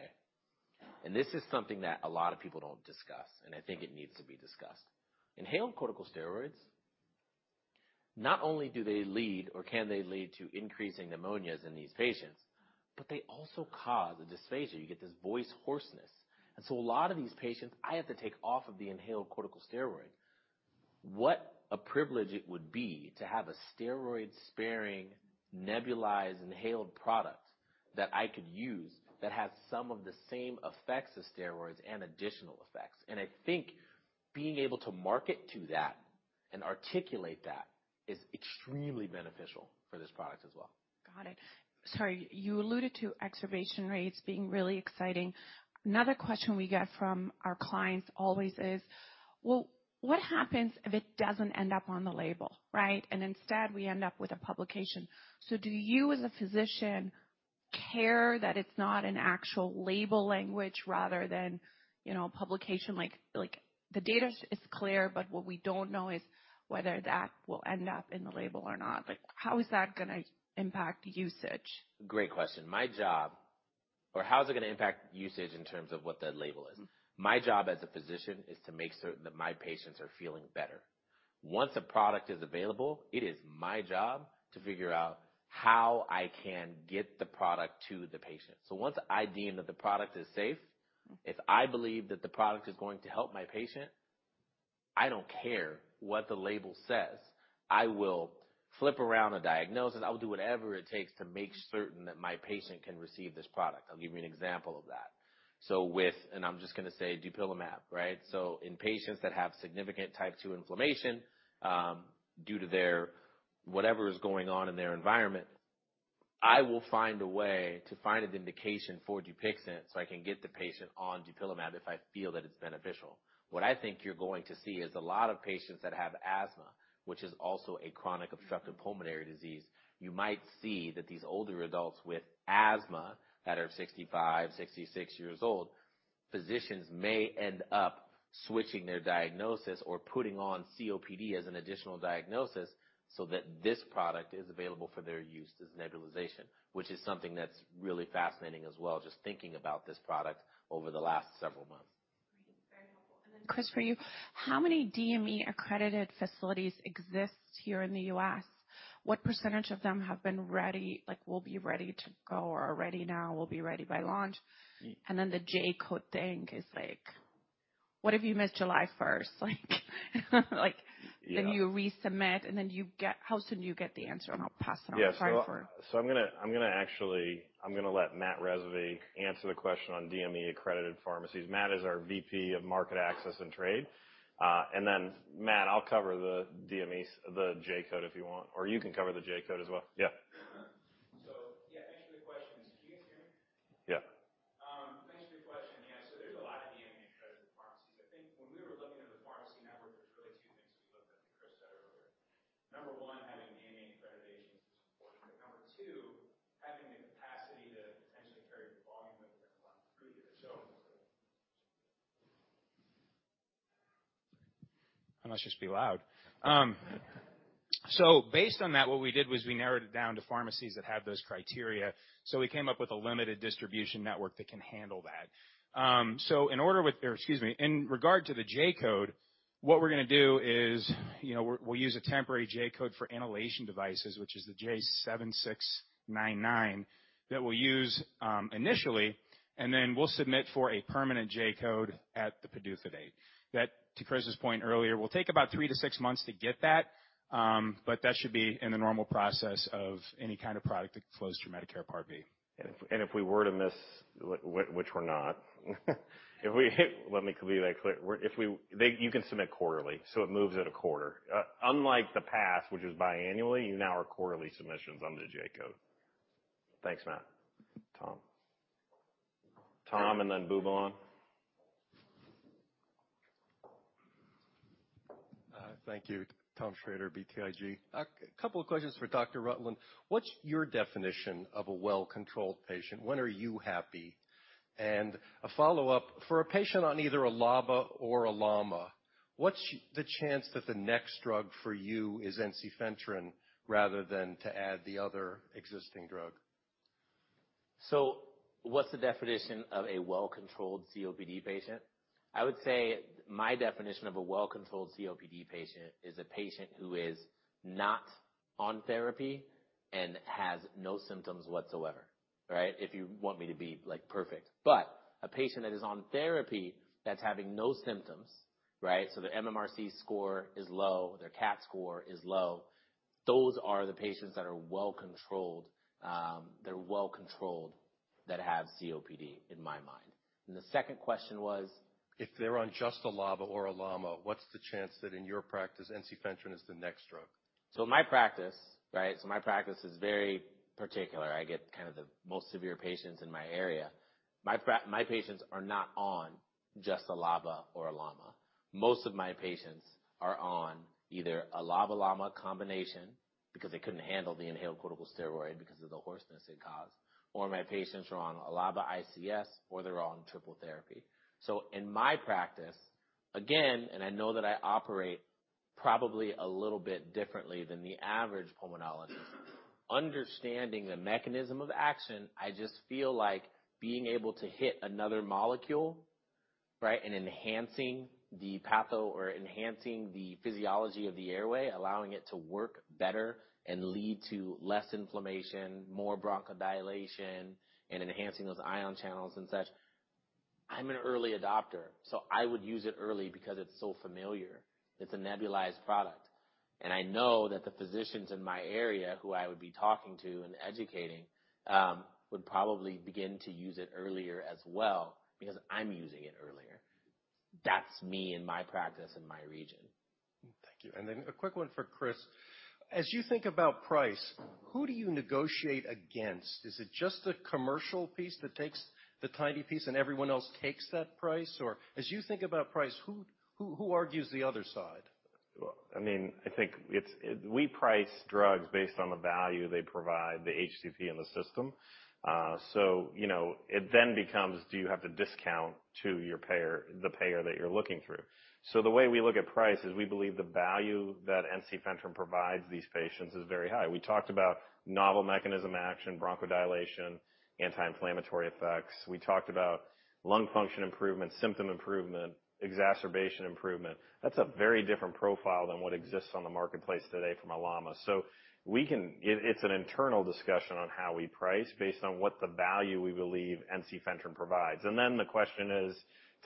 Speaker 3: and this is something that a lot of people don't discuss, and I think it needs to be discussed. Inhaled corticosteroids, not only do they lead or can they lead to increasing pneumonias in these patients, but they also cause a dysphonia. You get this voice hoarseness. So a lot of these patients, I have to take off of the inhaled corticosteroid. What a privilege it would be to have a steroid-sparing, nebulized, inhaled product that I could use that has some of the same effects as steroids and additional effects. I think being able to market to that and articulate that is extremely beneficial for this product as well.
Speaker 5: Got it. Sorry, you alluded to exacerbation rates being really exciting. Another question we get from our clients always is: well, what happens if it doesn't end up on the label, right? And instead, we end up with a publication. So do you, as a physician, care that it's not an actual label language rather than, you know, a publication like, like, the data is clear, but what we don't know is whether that will end up in the label or not. Like, how is that going to impact usage?
Speaker 3: Great question. My job... Or how is it going to impact usage in terms of what that label is?
Speaker 5: Mm-hmm.
Speaker 3: My job as a physician is to make certain that my patients are feeling better. Once a product is available, it is my job to figure out how I can get the product to the patient. So once I deem that the product is safe, if I believe that the product is going to help my patient, I don't care what the label says. I will flip around a diagnosis. I will do whatever it takes to make certain that my patient can receive this product. I'll give you an example of that. So with, and I'm just going to say dupilumab, right? So in patients that have significant type two inflammation, due to their... whatever is going on in their environment, I will find a way to find an indication for DUPIXENT so I can get the patient on dupilumab if I feel that it's beneficial. What I think you're going to see is a lot of patients that have asthma, which is also a chronic obstructive pulmonary disease. You might see that these older adults with asthma that are 65, 66 years old, physicians may end up switching their diagnosis or putting on COPD as an additional diagnosis so that this product is available for their use as nebulization, which is something that's really fascinating as well, just thinking about this product over the last several months.
Speaker 5: Great, very helpful. And then, Chris, for you, how many DME-accredited facilities exist here in the U.S.? What percentage of them have been ready, like, will be ready to go or are ready now, will be ready by launch? And then the J-Code thing is like, what if you miss July first? Like,
Speaker 2: Yeah.
Speaker 5: Then you resubmit, and then you get. How soon do you get the answer? And I'll pass it on. Sorry for
Speaker 2: Yes. So I'm going to actually let Matt Rysavy answer the question on DME-accredited pharmacies. Matt is our VP of Market Access and Trade. And then, Matt, I'll cover the DMEs, the J-Code, if you want, or you can cover the J-Code as well. Yeah.
Speaker 6: So, yeah, thanks for the questions. Can you guys hear me?
Speaker 2: Yeah.
Speaker 6: Thanks for your question. Yeah, so there's a lot of DME-accredited pharmacies. I think when we were looking at the pharmacy network, there was really two things we looked at, that Chris said earlier. Number one, having DME accreditation is important. But number two, having the capacity to potentially carry the volume of the product. So I must just be loud. So based on that, what we did was we narrowed it down to pharmacies that have those criteria, so we came up with a limited distribution network that can handle that. So in order with or, excuse me, in regard to the J-Code, what we're going to do is, you know, we'll use a temporary J-Code for inhalation devices, which is the J7699, that we'll use initially, and then we'll submit for a permanent J-Code at the PDUFA date. That, to Chris's point earlier, will take about three to six months to get that, but that should be in the normal process of any kind of product that flows through Medicare Part B.
Speaker 2: If we were to miss—which we're not—let me be very clear. If we—you can submit quarterly, so it moves at a quarter. Unlike the past, which is biannually, you now are quarterly submissions under the J-Code. Thanks, Matt. Tom. Tom, and then Boobalan.
Speaker 7: ...Thank you. Tom Schrader, BTIG. A couple of questions for Dr. Rutland. What's your definition of a well-controlled patient? When are you happy? And a follow-up: For a patient on either a LABA or a LAMA, what's the chance that the next drug for you is ensifentrine rather than to add the other existing drug?
Speaker 3: So what's the definition of a well-controlled COPD patient? I would say my definition of a well-controlled COPD patient is a patient who is not on therapy and has no symptoms whatsoever, right? If you want me to be, like, perfect. But a patient that is on therapy, that's having no symptoms, right? So their mMRC score is low, their CAT score is low. Those are the patients that are well-controlled, they're well-controlled, that have COPD, in my mind. And the second question was?
Speaker 7: If they're on just a LABA or a LAMA, what's the chance that in your practice, ensifentrine is the next drug?
Speaker 3: So in my practice, right, so my practice is very particular. I get kind of the most severe patients in my area. My patients are not on just a LABA or a LAMA. Most of my patients are on either a LABA-LAMA combination because they couldn't handle the inhaled corticosteroid because of the hoarseness it caused, or my patients are on a LABA/ICS, or they're on triple therapy. So in my practice, again, and I know that I operate probably a little bit differently than the average pulmonologist. Understanding the mechanism of action, I just feel like being able to hit another molecule, right, and enhancing the patho or enhancing the physiology of the airway, allowing it to work better and lead to less inflammation, more bronchodilation, and enhancing those ion channels and such. I'm an early adopter, so I would use it early because it's so familiar. It's a nebulized product, and I know that the physicians in my area who I would be talking to and educating, would probably begin to use it earlier as well, because I'm using it earlier. That's me in my practice and my region.
Speaker 7: Thank you. And then a quick one for Chris. As you think about price, who do you negotiate against? Is it just the commercial piece that takes the tiny piece, and everyone else takes that price? Or as you think about price, who, who, who argues the other side?
Speaker 2: Well, I mean, I think it's we price drugs based on the value they provide the HCP in the system. So, you know, it then becomes do you have to discount to your payer, the payer that you're looking through? So the way we look at price is we believe the value that ensifentrine provides these patients is very high. We talked about novel mechanism, action, bronchodilation, anti-inflammatory effects. We talked about lung function improvement, symptom improvement, exacerbation improvement. That's a very different profile than what exists on the marketplace today from a LAMA. So we can it, it's an internal discussion on how we price based on what the value we believe ensifentrine provides. And then the question is,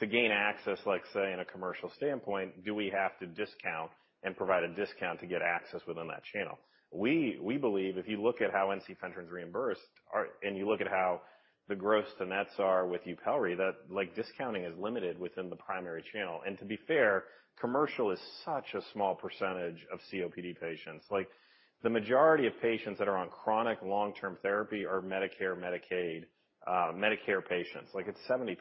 Speaker 2: to gain access, like, say, in a commercial standpoint, do we have to discount and provide a discount to get access within that channel? We believe if you look at how ensifentrine's reimbursed, and you look at how the gross to nets are with Yupelri, that like, discounting is limited within the primary channel. And to be fair, commercial is such a small percentage of COPD patients. Like, the majority of patients that are on chronic long-term therapy are Medicare/Medicaid, Medicare patients. Like, it's 70%+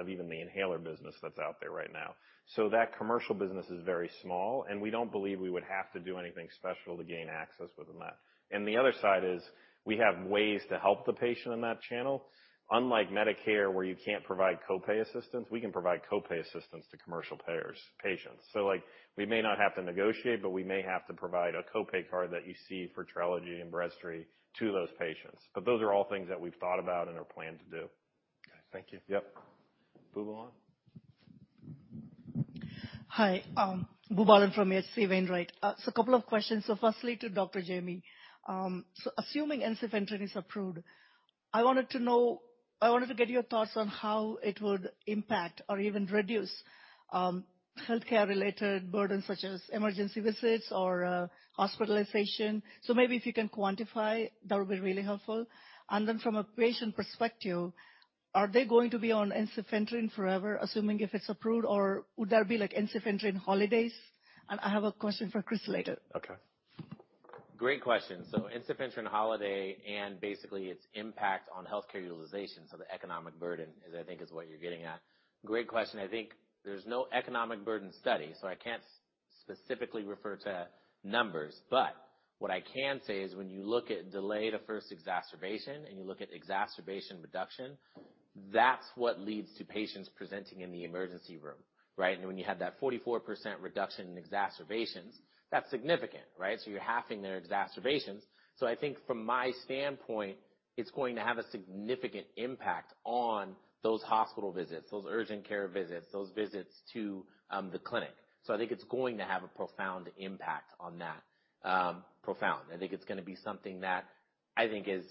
Speaker 2: of even the inhaler business that's out there right now. So that commercial business is very small, and we don't believe we would have to do anything special to gain access within that. And the other side is we have ways to help the patient in that channel. Unlike Medicare, where you can't provide co-pay assistance, we can provide co-pay assistance to commercial payers patients. So like, we may not have to negotiate, but we may have to provide a co-pay card that you see for Trelegy and Breztri to those patients. But those are all things that we've thought about and are planning to do.
Speaker 7: Okay, thank you.
Speaker 2: Yep. Boobalan?
Speaker 8: Hi, Boobalan from H.C. Wainwright. A couple of questions. Firstly, to Dr. Jamie, assuming ensifentrine is approved, I wanted to know—I wanted to get your thoughts on how it would impact or even reduce healthcare-related burdens, such as emergency visits or hospitalization. Maybe if you can quantify, that would be really helpful. And then from a patient perspective, are they going to be on ensifentrine forever, assuming if it's approved, or would there be like ensifentrine holidays? And I have a question for Chris later.
Speaker 2: Okay.
Speaker 3: Great question. So, ensifentrine—how it and basically its impact on healthcare utilization, so the economic burden is, I think, is what you're getting at. Great question. I think there's no economic burden study, so I can't specifically refer to numbers. But what I can say is when you look at delay to first exacerbation and you look at exacerbation reduction, that's what leads to patients presenting in the emergency room, right? And when you have that 44% reduction in exacerbations, that's significant, right? So you're halving their exacerbations. So I think from my standpoint, it's going to have a significant impact on those hospital visits, those urgent care visits, those visits to the clinic. So I think it's going to have a profound impact on that, profound. I think it's gonna be something that I think is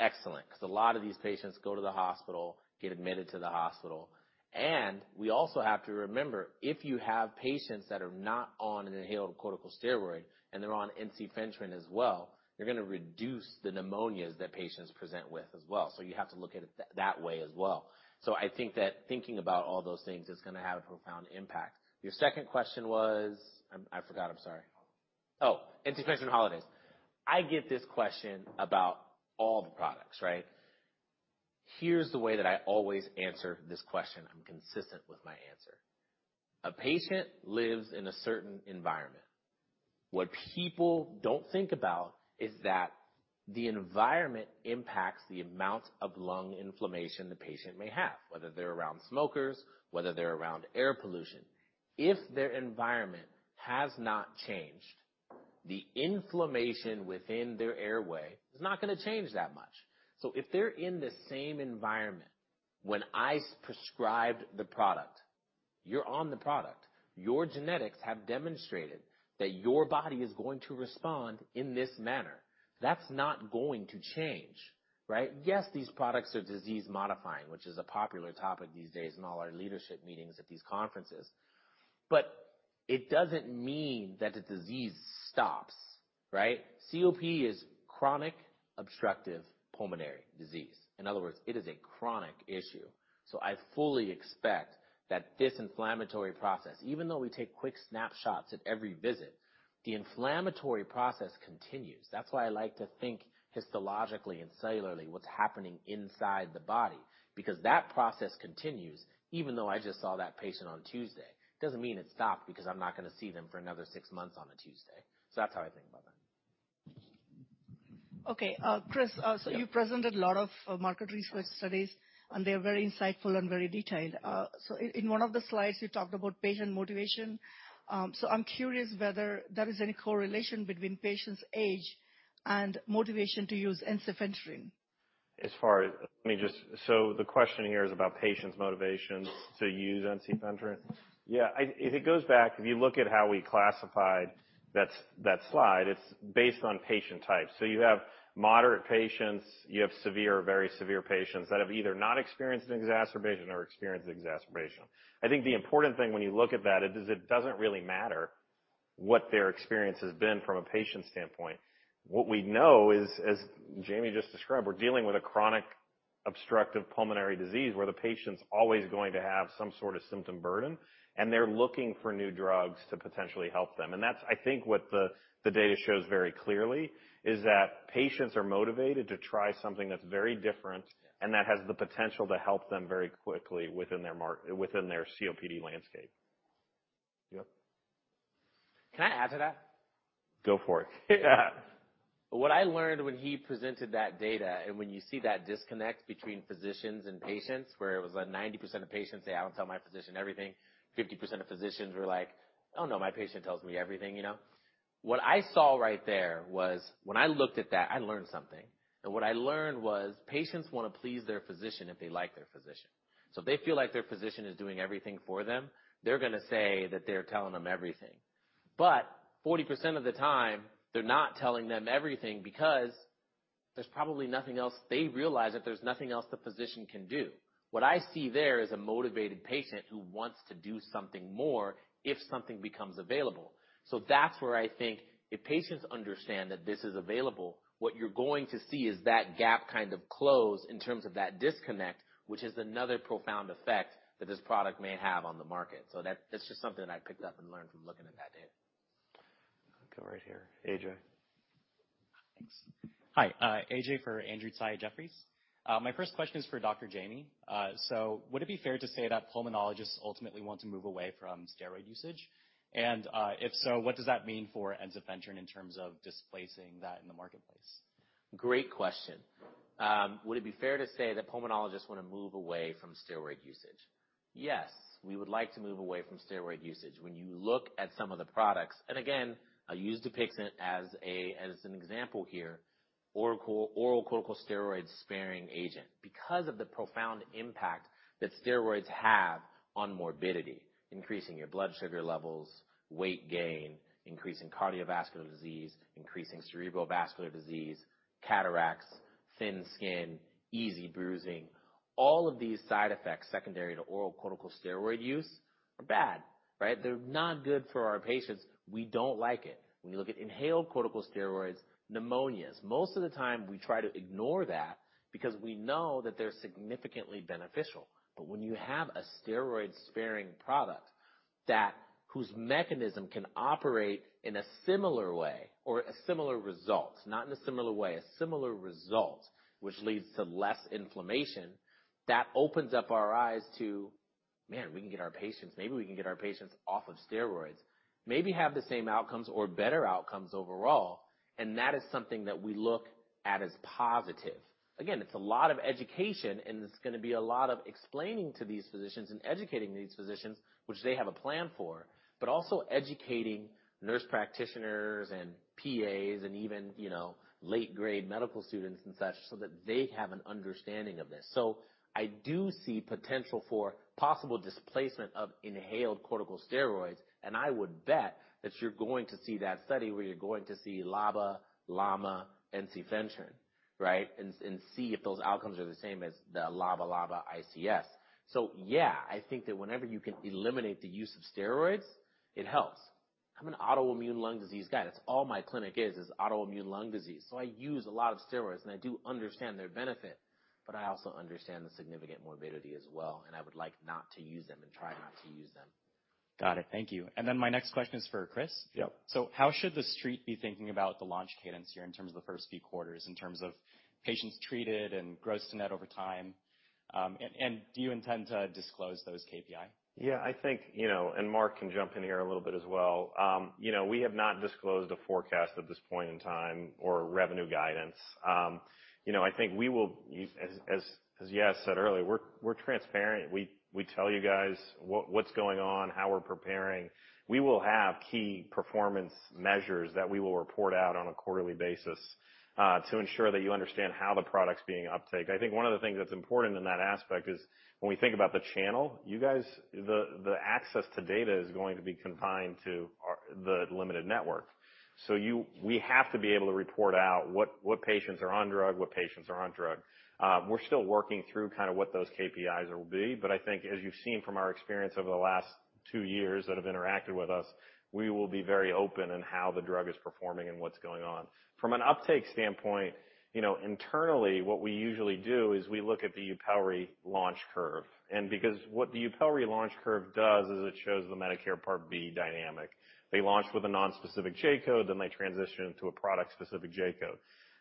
Speaker 3: excellent because a lot of these patients go to the hospital, get admitted to the hospital. And we also have to remember, if you have patients that are not on an inhaled corticosteroid and they're on ensifentrine as well, you're gonna reduce the pneumonias that patients present with as well. So you have to look at it that way as well. So I think that thinking about all those things, it's gonna have a profound impact. Your second question was? I, I forgot. I'm sorry. Oh, ensifentrine holidays. I get this question about all the products, right?... Here's the way that I always answer this question. I'm consistent with my answer. A patient lives in a certain environment. What people don't think about is that the environment impacts the amount of lung inflammation the patient may have, whether they're around smokers, whether they're around air pollution. If their environment has not changed, the inflammation within their airway is not going to change that much. So if they're in the same environment when I prescribed the product, you're on the product, your genetics have demonstrated that your body is going to respond in this manner. That's not going to change, right? Yes, these products are disease-modifying, which is a popular topic these days in all our leadership meetings at these conferences, but it doesn't mean that the disease stops, right? COPD is chronic obstructive pulmonary disease. In other words, it is a chronic issue. So I fully expect that this inflammatory process, even though we take quick snapshots at every visit, the inflammatory process continues. That's why I like to think histologically and cellularly what's happening inside the body, because that process continues even though I just saw that patient on Tuesday. Doesn't mean it stopped because I'm not going to see them for another six months on a Tuesday. So that's how I think about that.
Speaker 8: Okay, Chris, so you presented a lot of market research studies, and they are very insightful and very detailed. So in one of the slides, you talked about patient motivation. So I'm curious whether there is any correlation between patient's age and motivation to use nebulizer.
Speaker 2: So the question here is about patients' motivation to use ensifentrine? Yeah, it goes back, if you look at how we classified that, that slide, it's based on patient type. So you have moderate patients, you have severe, very severe patients that have either not experienced an exacerbation or experienced an exacerbation. I think the important thing when you look at that is it doesn't really matter what their experience has been from a patient standpoint. What we know is, as Jamie just described, we're dealing with a chronic obstructive pulmonary disease, where the patient's always going to have some sort of symptom burden, and they're looking for new drugs to potentially help them. That's I think what the data shows very clearly, is that patients are motivated to try something that's very different and that has the potential to help them very quickly within their mark-- within their COPD landscape. Yep.
Speaker 3: Can I add to that?
Speaker 2: Go for it.
Speaker 3: What I learned when he presented that data, and when you see that disconnect between physicians and patients, where it was like 90% of patients say, "I don't tell my physician everything." 50% of physicians were like, "Oh, no, my patient tells me everything," you know? What I saw right there was when I looked at that, I learned something. And what I learned was patients want to please their physician if they like their physician. So if they feel like their physician is doing everything for them, they're going to say that they're telling them everything. But 40% of the time, they're not telling them everything because there's probably nothing else. They realize that there's nothing else the physician can do. What I see there is a motivated patient who wants to do something more if something becomes available. So that's where I think if patients understand that this is available, what you're going to see is that gap kind of close in terms of that disconnect, which is another profound effect that this product may have on the market. So that's just something I picked up and learned from looking at that data.
Speaker 2: Go right here, A.J.
Speaker 9: Thanks. Hi, AJ for Andrew Tsai, Jefferies. My first question is for Dr. Jamie. So would it be fair to say that pulmonologists ultimately want to move away from steroid usage? And, if so, what does that mean for ensifentrine in terms of displacing that in the marketplace?
Speaker 3: Great question. Would it be fair to say that pulmonologists want to move away from steroid usage? Yes, we would like to move away from steroid usage. When you look at some of the products, and again, I'll use DUPIXENT as an example here, oral corticosteroid-sparing agent, because of the profound impact that steroids have on morbidity, increasing your blood sugar levels, weight gain, increasing cardiovascular disease, increasing cerebral vascular disease, cataracts, thin skin, easy bruising. All of these side effects secondary to oral corticosteroid use are bad, right? They're not good for our patients. We don't like it. When you look at inhaled corticosteroids, pneumonias. Most of the time, we try to ignore that because we know that they're significantly beneficial. But when you have a steroid-sparing product, that whose mechanism can operate in a similar way or a similar result, not in a similar way, a similar result, which leads to less inflammation, that opens up our eyes to, "Man, we can get our patients... Maybe we can get our patients off of steroids, maybe have the same outcomes or better outcomes overall." And that is something that we look at as positive. Again, it's a lot of education, and it's going to be a lot of explaining to these physicians and educating these physicians, which they have a plan for, but also educating nurse practitioners and PAs and even, you know, late-grade medical students and such, so that they have an understanding of this. So I do see potential for possible displacement of inhaled corticosteroids, and I would bet that you're going to see that study where you're going to see LABA, LAMA, ensifentrine, right? And, and see if those outcomes are the same as the LABA, LABA/ICS. So yeah, I think that whenever you can eliminate the use of steroids, it helps. I'm an autoimmune lung disease guy. That's all my clinic is, is autoimmune lung disease. So I use a lot of steroids, and I do understand their benefit, but I also understand the significant morbidity as well, and I would like not to use them and try not to use them. ...
Speaker 9: Got it. Thank you. And then my next question is for Chris.
Speaker 2: Yep.
Speaker 9: So how should the street be thinking about the launch cadence here in terms of the first few quarters, in terms of patients treated and gross to net over time? And do you intend to disclose those KPI?
Speaker 2: Yeah, I think, you know, and Mark can jump in here a little bit as well. You know, we have not disclosed a forecast at this point in time or revenue guidance. You know, I think we will, as Yas said earlier, we're transparent. We tell you guys what's going on, how we're preparing. We will have key performance measures that we will report out on a quarterly basis, to ensure that you understand how the product's being uptake. I think one of the things that's important in that aspect is when we think about the channel, you guys, the access to data is going to be confined to our limited network. So you... We have to be able to report out what patients are on drug, what patients are on drug. We're still working through kind of what those KPIs will be, but I think as you've seen from our experience over the last two years that have interacted with us, we will be very open in how the drug is performing and what's going on. From an uptake standpoint, you know, internally, what we usually do is we look at the Yupelri launch curve. And because what the Yupelri launch curve does is it shows the Medicare Part B dynamic. They launch with a non-specific J-Code, then they transition into a product-specific J-Code.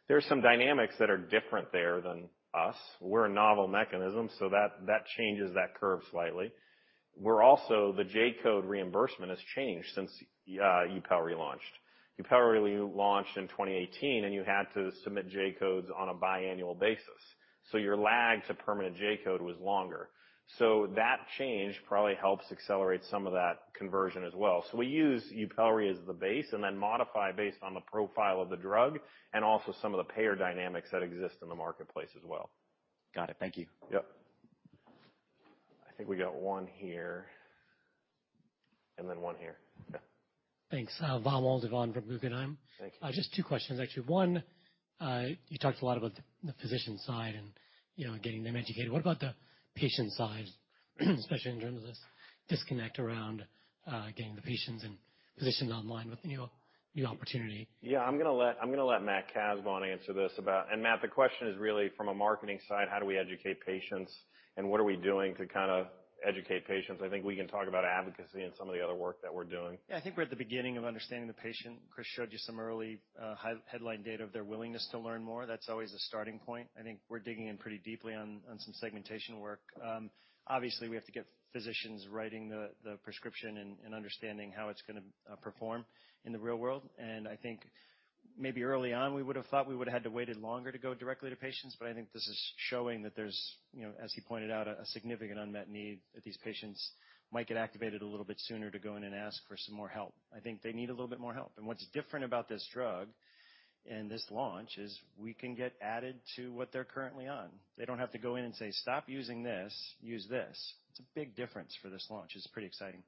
Speaker 2: There are some dynamics that are different there than us. We're a novel mechanism, so that changes that curve slightly. We're also the J-Code reimbursement has changed since Yupelri launched. Yupelri launched in 2018, and you had to submit J-Codes on a biannual basis, so your lag to permanent J-Code was longer. That change probably helps accelerate some of that conversion as well. We use Yupelri as the base and then modify based on the profile of the drug and also some of the payer dynamics that exist in the marketplace as well.
Speaker 9: Got it. Thank you.
Speaker 2: Yep. I think we got one here, and then one here. Yeah.
Speaker 10: Thanks. Vamil Divan from Guggenheim.
Speaker 2: Thank you.
Speaker 10: Just two questions, actually. One, you talked a lot about the physician side and, you know, getting them educated. What about the patient side, especially in terms of this disconnect around getting the patients and physicians online with the new opportunity?
Speaker 2: Yeah, I'm gonna let Matt Casbon answer this about... And Matt, the question is really from a marketing side, how do we educate patients, and what are we doing to kinda educate patients? I think we can talk about advocacy and some of the other work that we're doing.
Speaker 11: Yeah, I think we're at the beginning of understanding the patient. Chris showed you some early, high-headline data of their willingness to learn more. That's always a starting point. I think we're digging in pretty deeply on some segmentation work. Obviously, we have to get physicians writing the prescription and understanding how it's gonna perform in the real world. And I think maybe early on, we would have thought we would have had to waited longer to go directly to patients, but I think this is showing that there's, you know, as he pointed out, a significant unmet need, that these patients might get activated a little bit sooner to go in and ask for some more help. I think they need a little bit more help. What's different about this drug and this launch is we can get added to what they're currently on. They don't have to go in and say, "Stop using this, use this." It's a big difference for this launch. It's pretty exciting.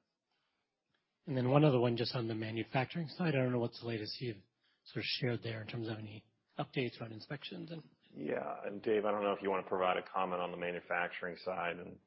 Speaker 10: And then one other one just on the manufacturing side. I don't know, what's the latest you've sort of shared there in terms of any updates around inspections and-
Speaker 2: Yeah. And Dave, I don't know if you want to provide a comment on the manufacturing side and-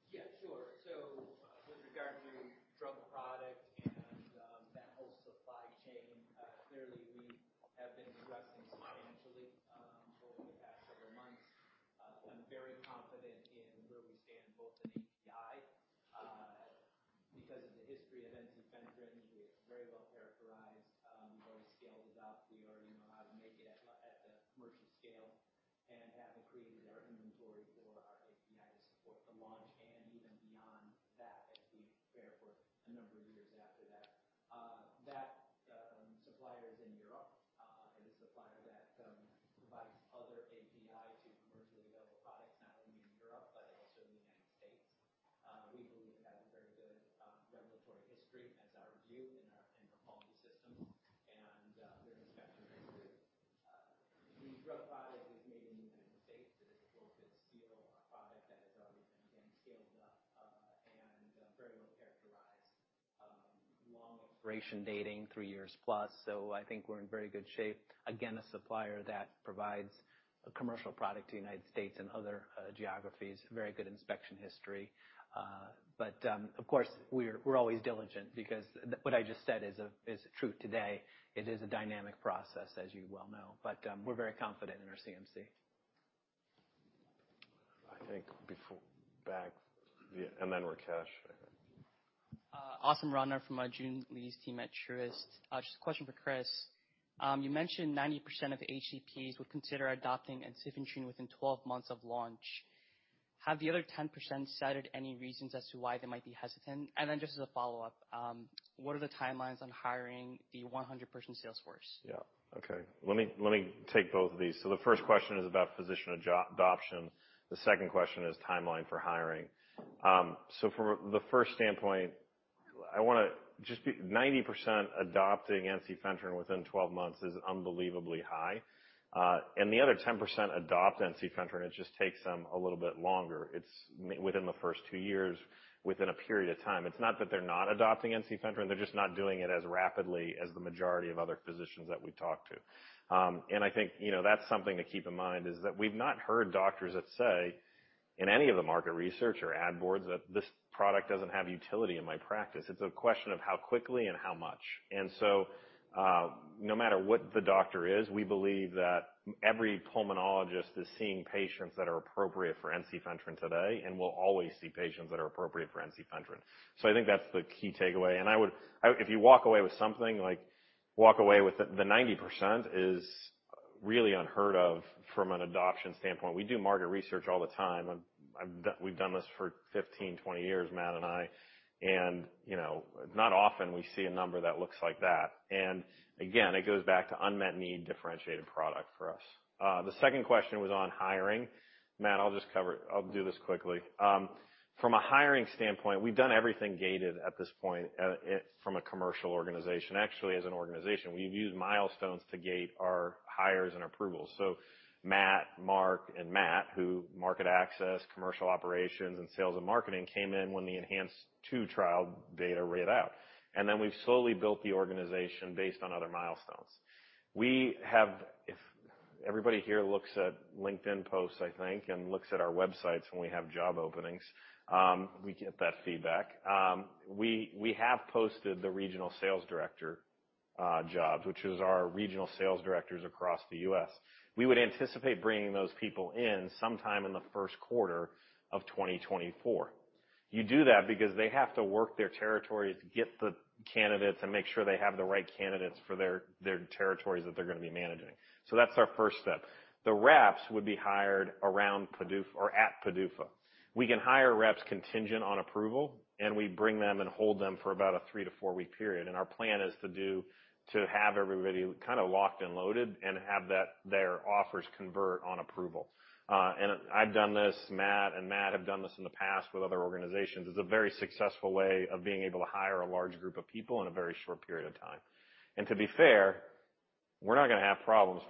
Speaker 12: Asim Rana from our Joon Lee team at Truist. Just a question for Chris. You mentioned 90% of HCPs would consider adopting ensifentrine within 12 months of launch. Have the other 10% cited any reasons as to why they might be hesitant? And then just as a follow-up, what are the timelines on hiring the 100-person sales force?
Speaker 2: Yeah. Okay, let me take both of these. So the first question is about physician adoption. The second question is timeline for hiring. So from the first standpoint, I wanna just be 90% adopting ensifentrine within 12 months is unbelievably high, and the other 10% adopt ensifentrine, and it just takes them a little bit longer. It's within the first two years, within a period of time. It's not that they're not adopting ensifentrine, they're just not doing it as rapidly as the majority of other physicians that we talk to. And I think, you know, that's something to keep in mind, is that we've not heard doctors that say in any of the market research or ad boards that this product doesn't have utility in my practice. It's a question of how quickly and how much. So, no matter what the doctor is, we believe that every pulmonologist is seeing patients that are appropriate for ensifentrine today, and will always see patients that are appropriate for ensifentrine. So I think that's the key takeaway, and I would. If you walk away with something, like, walk away with the, the 90% is really unheard of from an adoption standpoint. We do market research all the time. We've done this for 15, 20 years, Matt and I, and, you know, not often we see a number that looks like that. And again, it goes back to unmet need, differentiated product for us. The second question was on hiring. Matt, I'll just cover it. I'll do this quickly. From a hiring standpoint, we've done everything gated at this point, it, from a commercial organization. Actually, as an organization, we've used milestones to gate our hires and approvals. So Matt, Mark, and Matt, who market access, commercial operations, and sales and marketing, came in when the ENHANCE-2 trial data read out. And then we've slowly built the organization based on other milestones. We have. If everybody here looks at LinkedIn posts, I think, and looks at our websites when we have job openings, we get that feedback. We have posted the regional sales director jobs, which is our regional sales directors across the U.S. We would anticipate bringing those people in sometime in the first quarter of 2024. You do that because they have to work their territories, get the candidates, and make sure they have the right candidates for their territories that they're gonna be managing. So that's our first step. The reps would be hired around PDUFA. We can hire reps contingent on approval, and we bring them and hold them for about a three to four-week period. Our plan is to have everybody kind of locked and loaded and have that, their offers convert on approval. And I've done this, Matt and Matt have done this in the past with other organizations. It's a very successful way of being able to hire a large group of people in a very short period of time. To be fair, we're not gonna have problems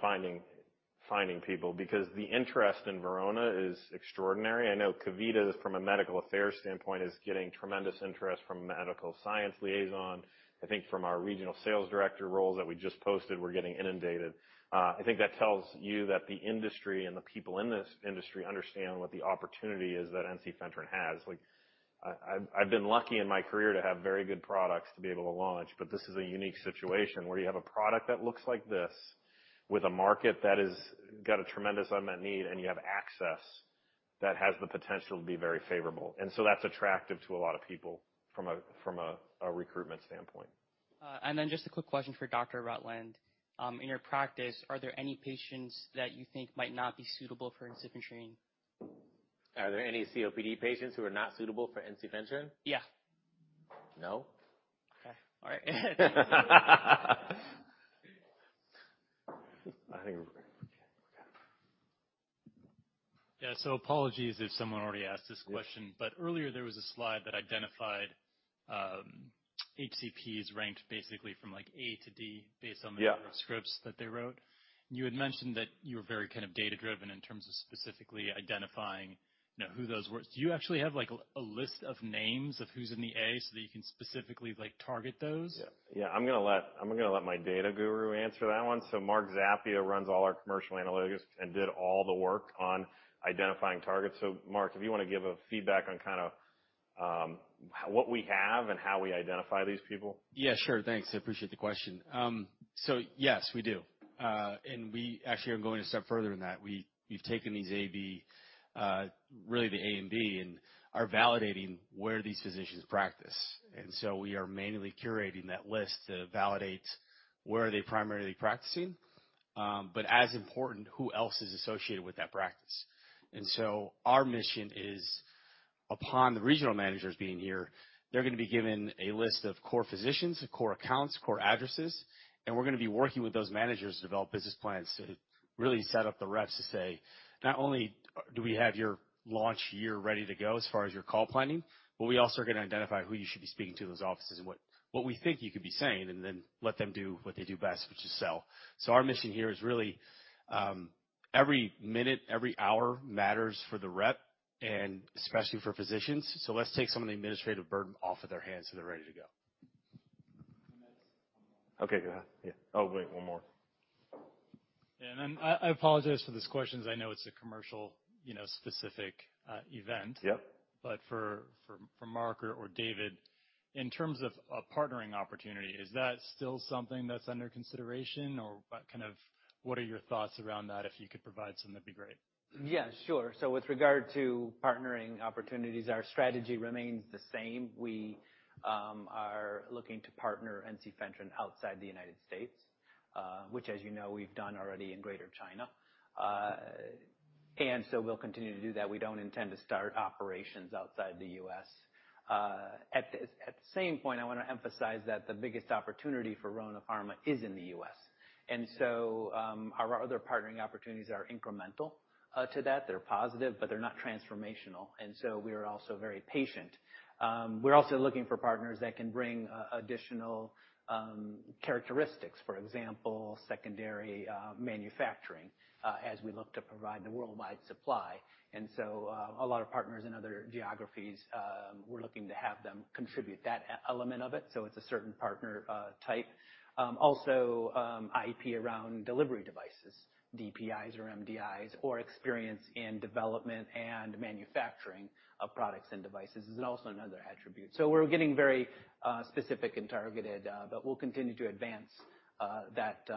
Speaker 2: finding people because the interest in Verona is extraordinary. I know Kavita, from a medical affairs standpoint, is getting tremendous interest from medical science liaison. I think from our regional sales director roles that we just posted, we're getting inundated. I think that tells you that the industry and the people in this industry understand what the opportunity is that ensifentrine has. Like, I've been lucky in my career to have very good products to be able to launch, but this is a unique situation where you have a product that looks like this, with a market that is got a tremendous unmet need, and you have access that has the potential to be very favorable. And so that's attractive to a lot of people from a recruitment standpoint.
Speaker 12: And then just a quick question for Dr. Rutland. In your practice, are there any patients that you think might not be suitable for ensifentrine?
Speaker 3: Are there any COPD patients who are not suitable for ensifentrine?
Speaker 12: Yeah.
Speaker 3: No.
Speaker 12: Okay. All right.
Speaker 2: I think...
Speaker 13: Yeah, so apologies if someone already asked this question, but earlier, there was a slide that identified HCPs ranked basically from, like, A to D based on the-
Speaker 2: Yeah
Speaker 13: Scripts that they wrote. You had mentioned that you were very kind of data-driven in terms of specifically identifying, you know, who those were. Do you actually have, like, a list of names of who's in the A, so that you can specifically, like, target those?
Speaker 2: Yeah. Yeah. I'm gonna let my data guru answer that one. So Mark Zappia runs all our commercial analytics and did all the work on identifying targets. Mark, if you want to give a feedback on kind of what we have and how we identify these people.
Speaker 14: Yeah, sure. Thanks. I appreciate the question. So yes, we do. And we actually are going a step further in that. We've taken these AB, really the A and B, and are validating where these physicians practice. So we are manually curating that list to validate where they primarily practice, but as important, who else is associated with that practice. So our mission is, upon the regional managers being here, they're gonna be given a list of core physicians, core accounts, core addresses, and we're gonna be working with those managers to develop business plans to really set up the reps to say, "Not only do we have your launch year ready to go as far as your call planning, but we also are gonna identify who you should be speaking to in those offices and what we think you could be saying," and then let them do what they do best, which is sell. So our mission here is really, every minute, every hour matters for the rep, and especially for physicians. So let's take some of the administrative burden off of their hands, so they're ready to go.
Speaker 2: Okay, go ahead. Yeah. Oh, wait, one more.
Speaker 13: And then I apologize for this question, as I know it's a commercial, you know, specific event.
Speaker 2: Yep.
Speaker 13: But for Mark or David, in terms of a partnering opportunity, is that still something that's under consideration? Or what are your thoughts around that? If you could provide some, that'd be great.
Speaker 1: Yeah, sure. So with regard to partnering opportunities, our strategy remains the same. We are looking to partner ensifentrine outside the United States, which, as you know, we've done already in Greater China. And so we'll continue to do that. We don't intend to start operations outside the U.S. at the same point. I want to emphasize that the biggest opportunity for Verona Pharma is in the U.S. And so our other partnering opportunities are incremental to that. They're positive, but they're not transformational, and so we are also very patient. We're also looking for partners that can bring additional characteristics. For example, secondary manufacturing as we look to provide the worldwide supply. And so, a lot of partners in other geographies, we're looking to have them contribute that element of it, so it's a certain partner type. Also, IP around delivery devices, DPIs or MDIs, or experience in development and manufacturing of products and devices is also another attribute. So we're getting very specific and targeted, but we'll continue to advance that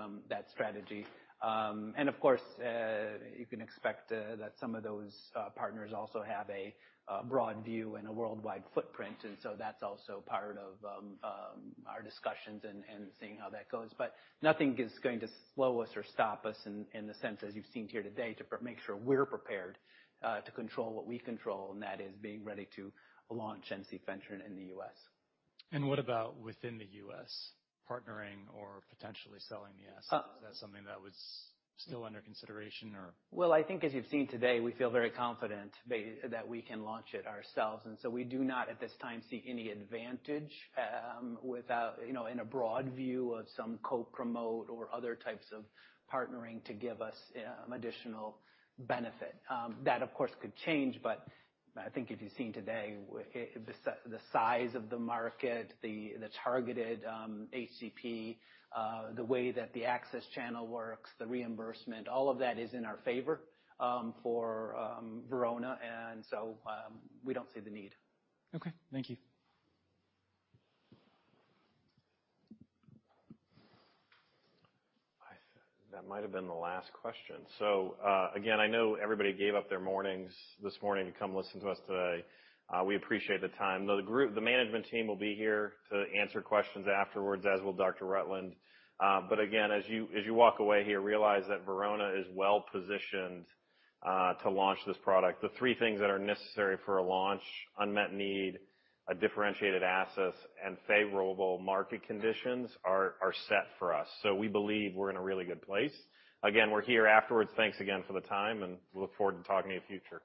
Speaker 1: strategy. And of course, you can expect that some of those partners also have a broad view and a worldwide footprint, and so that's also part of our discussions and seeing how that goes. But nothing is going to slow us or stop us in the sense, as you've seen here today, to make sure we're prepared to control what we control, and that is being ready to launch ensifentrine in the U.S.
Speaker 13: What about within the U.S., partnering or potentially selling the asset?
Speaker 1: Uh-
Speaker 13: Is that something that was still under consideration, or?
Speaker 1: Well, I think as you've seen today, we feel very confident that we can launch it ourselves, and so we do not, at this time, see any advantage, without, you know, in a broad view of some co-promote or other types of partnering to give us, additional benefit. That, of course, could change, but I think if you've seen today, the size of the market, the targeted ACP, the way that the access channel works, the reimbursement, all of that is in our favor, for Verona, and so, we don't see the need.
Speaker 13: Okay. Thank you.
Speaker 2: That might have been the last question. So, again, I know everybody gave up their mornings this morning to come listen to us today. We appreciate the time. The group, the management team will be here to answer questions afterwards, as will Dr. Rutland. But again, as you, as you walk away here, realize that Verona is well positioned, to launch this product. The three things that are necessary for a launch: unmet need, a differentiated assets, and favorable market conditions, are set for us. So we believe we're in a really good place. Again, we're here afterwards. Thanks again for the time, and we look forward to talking to you in future.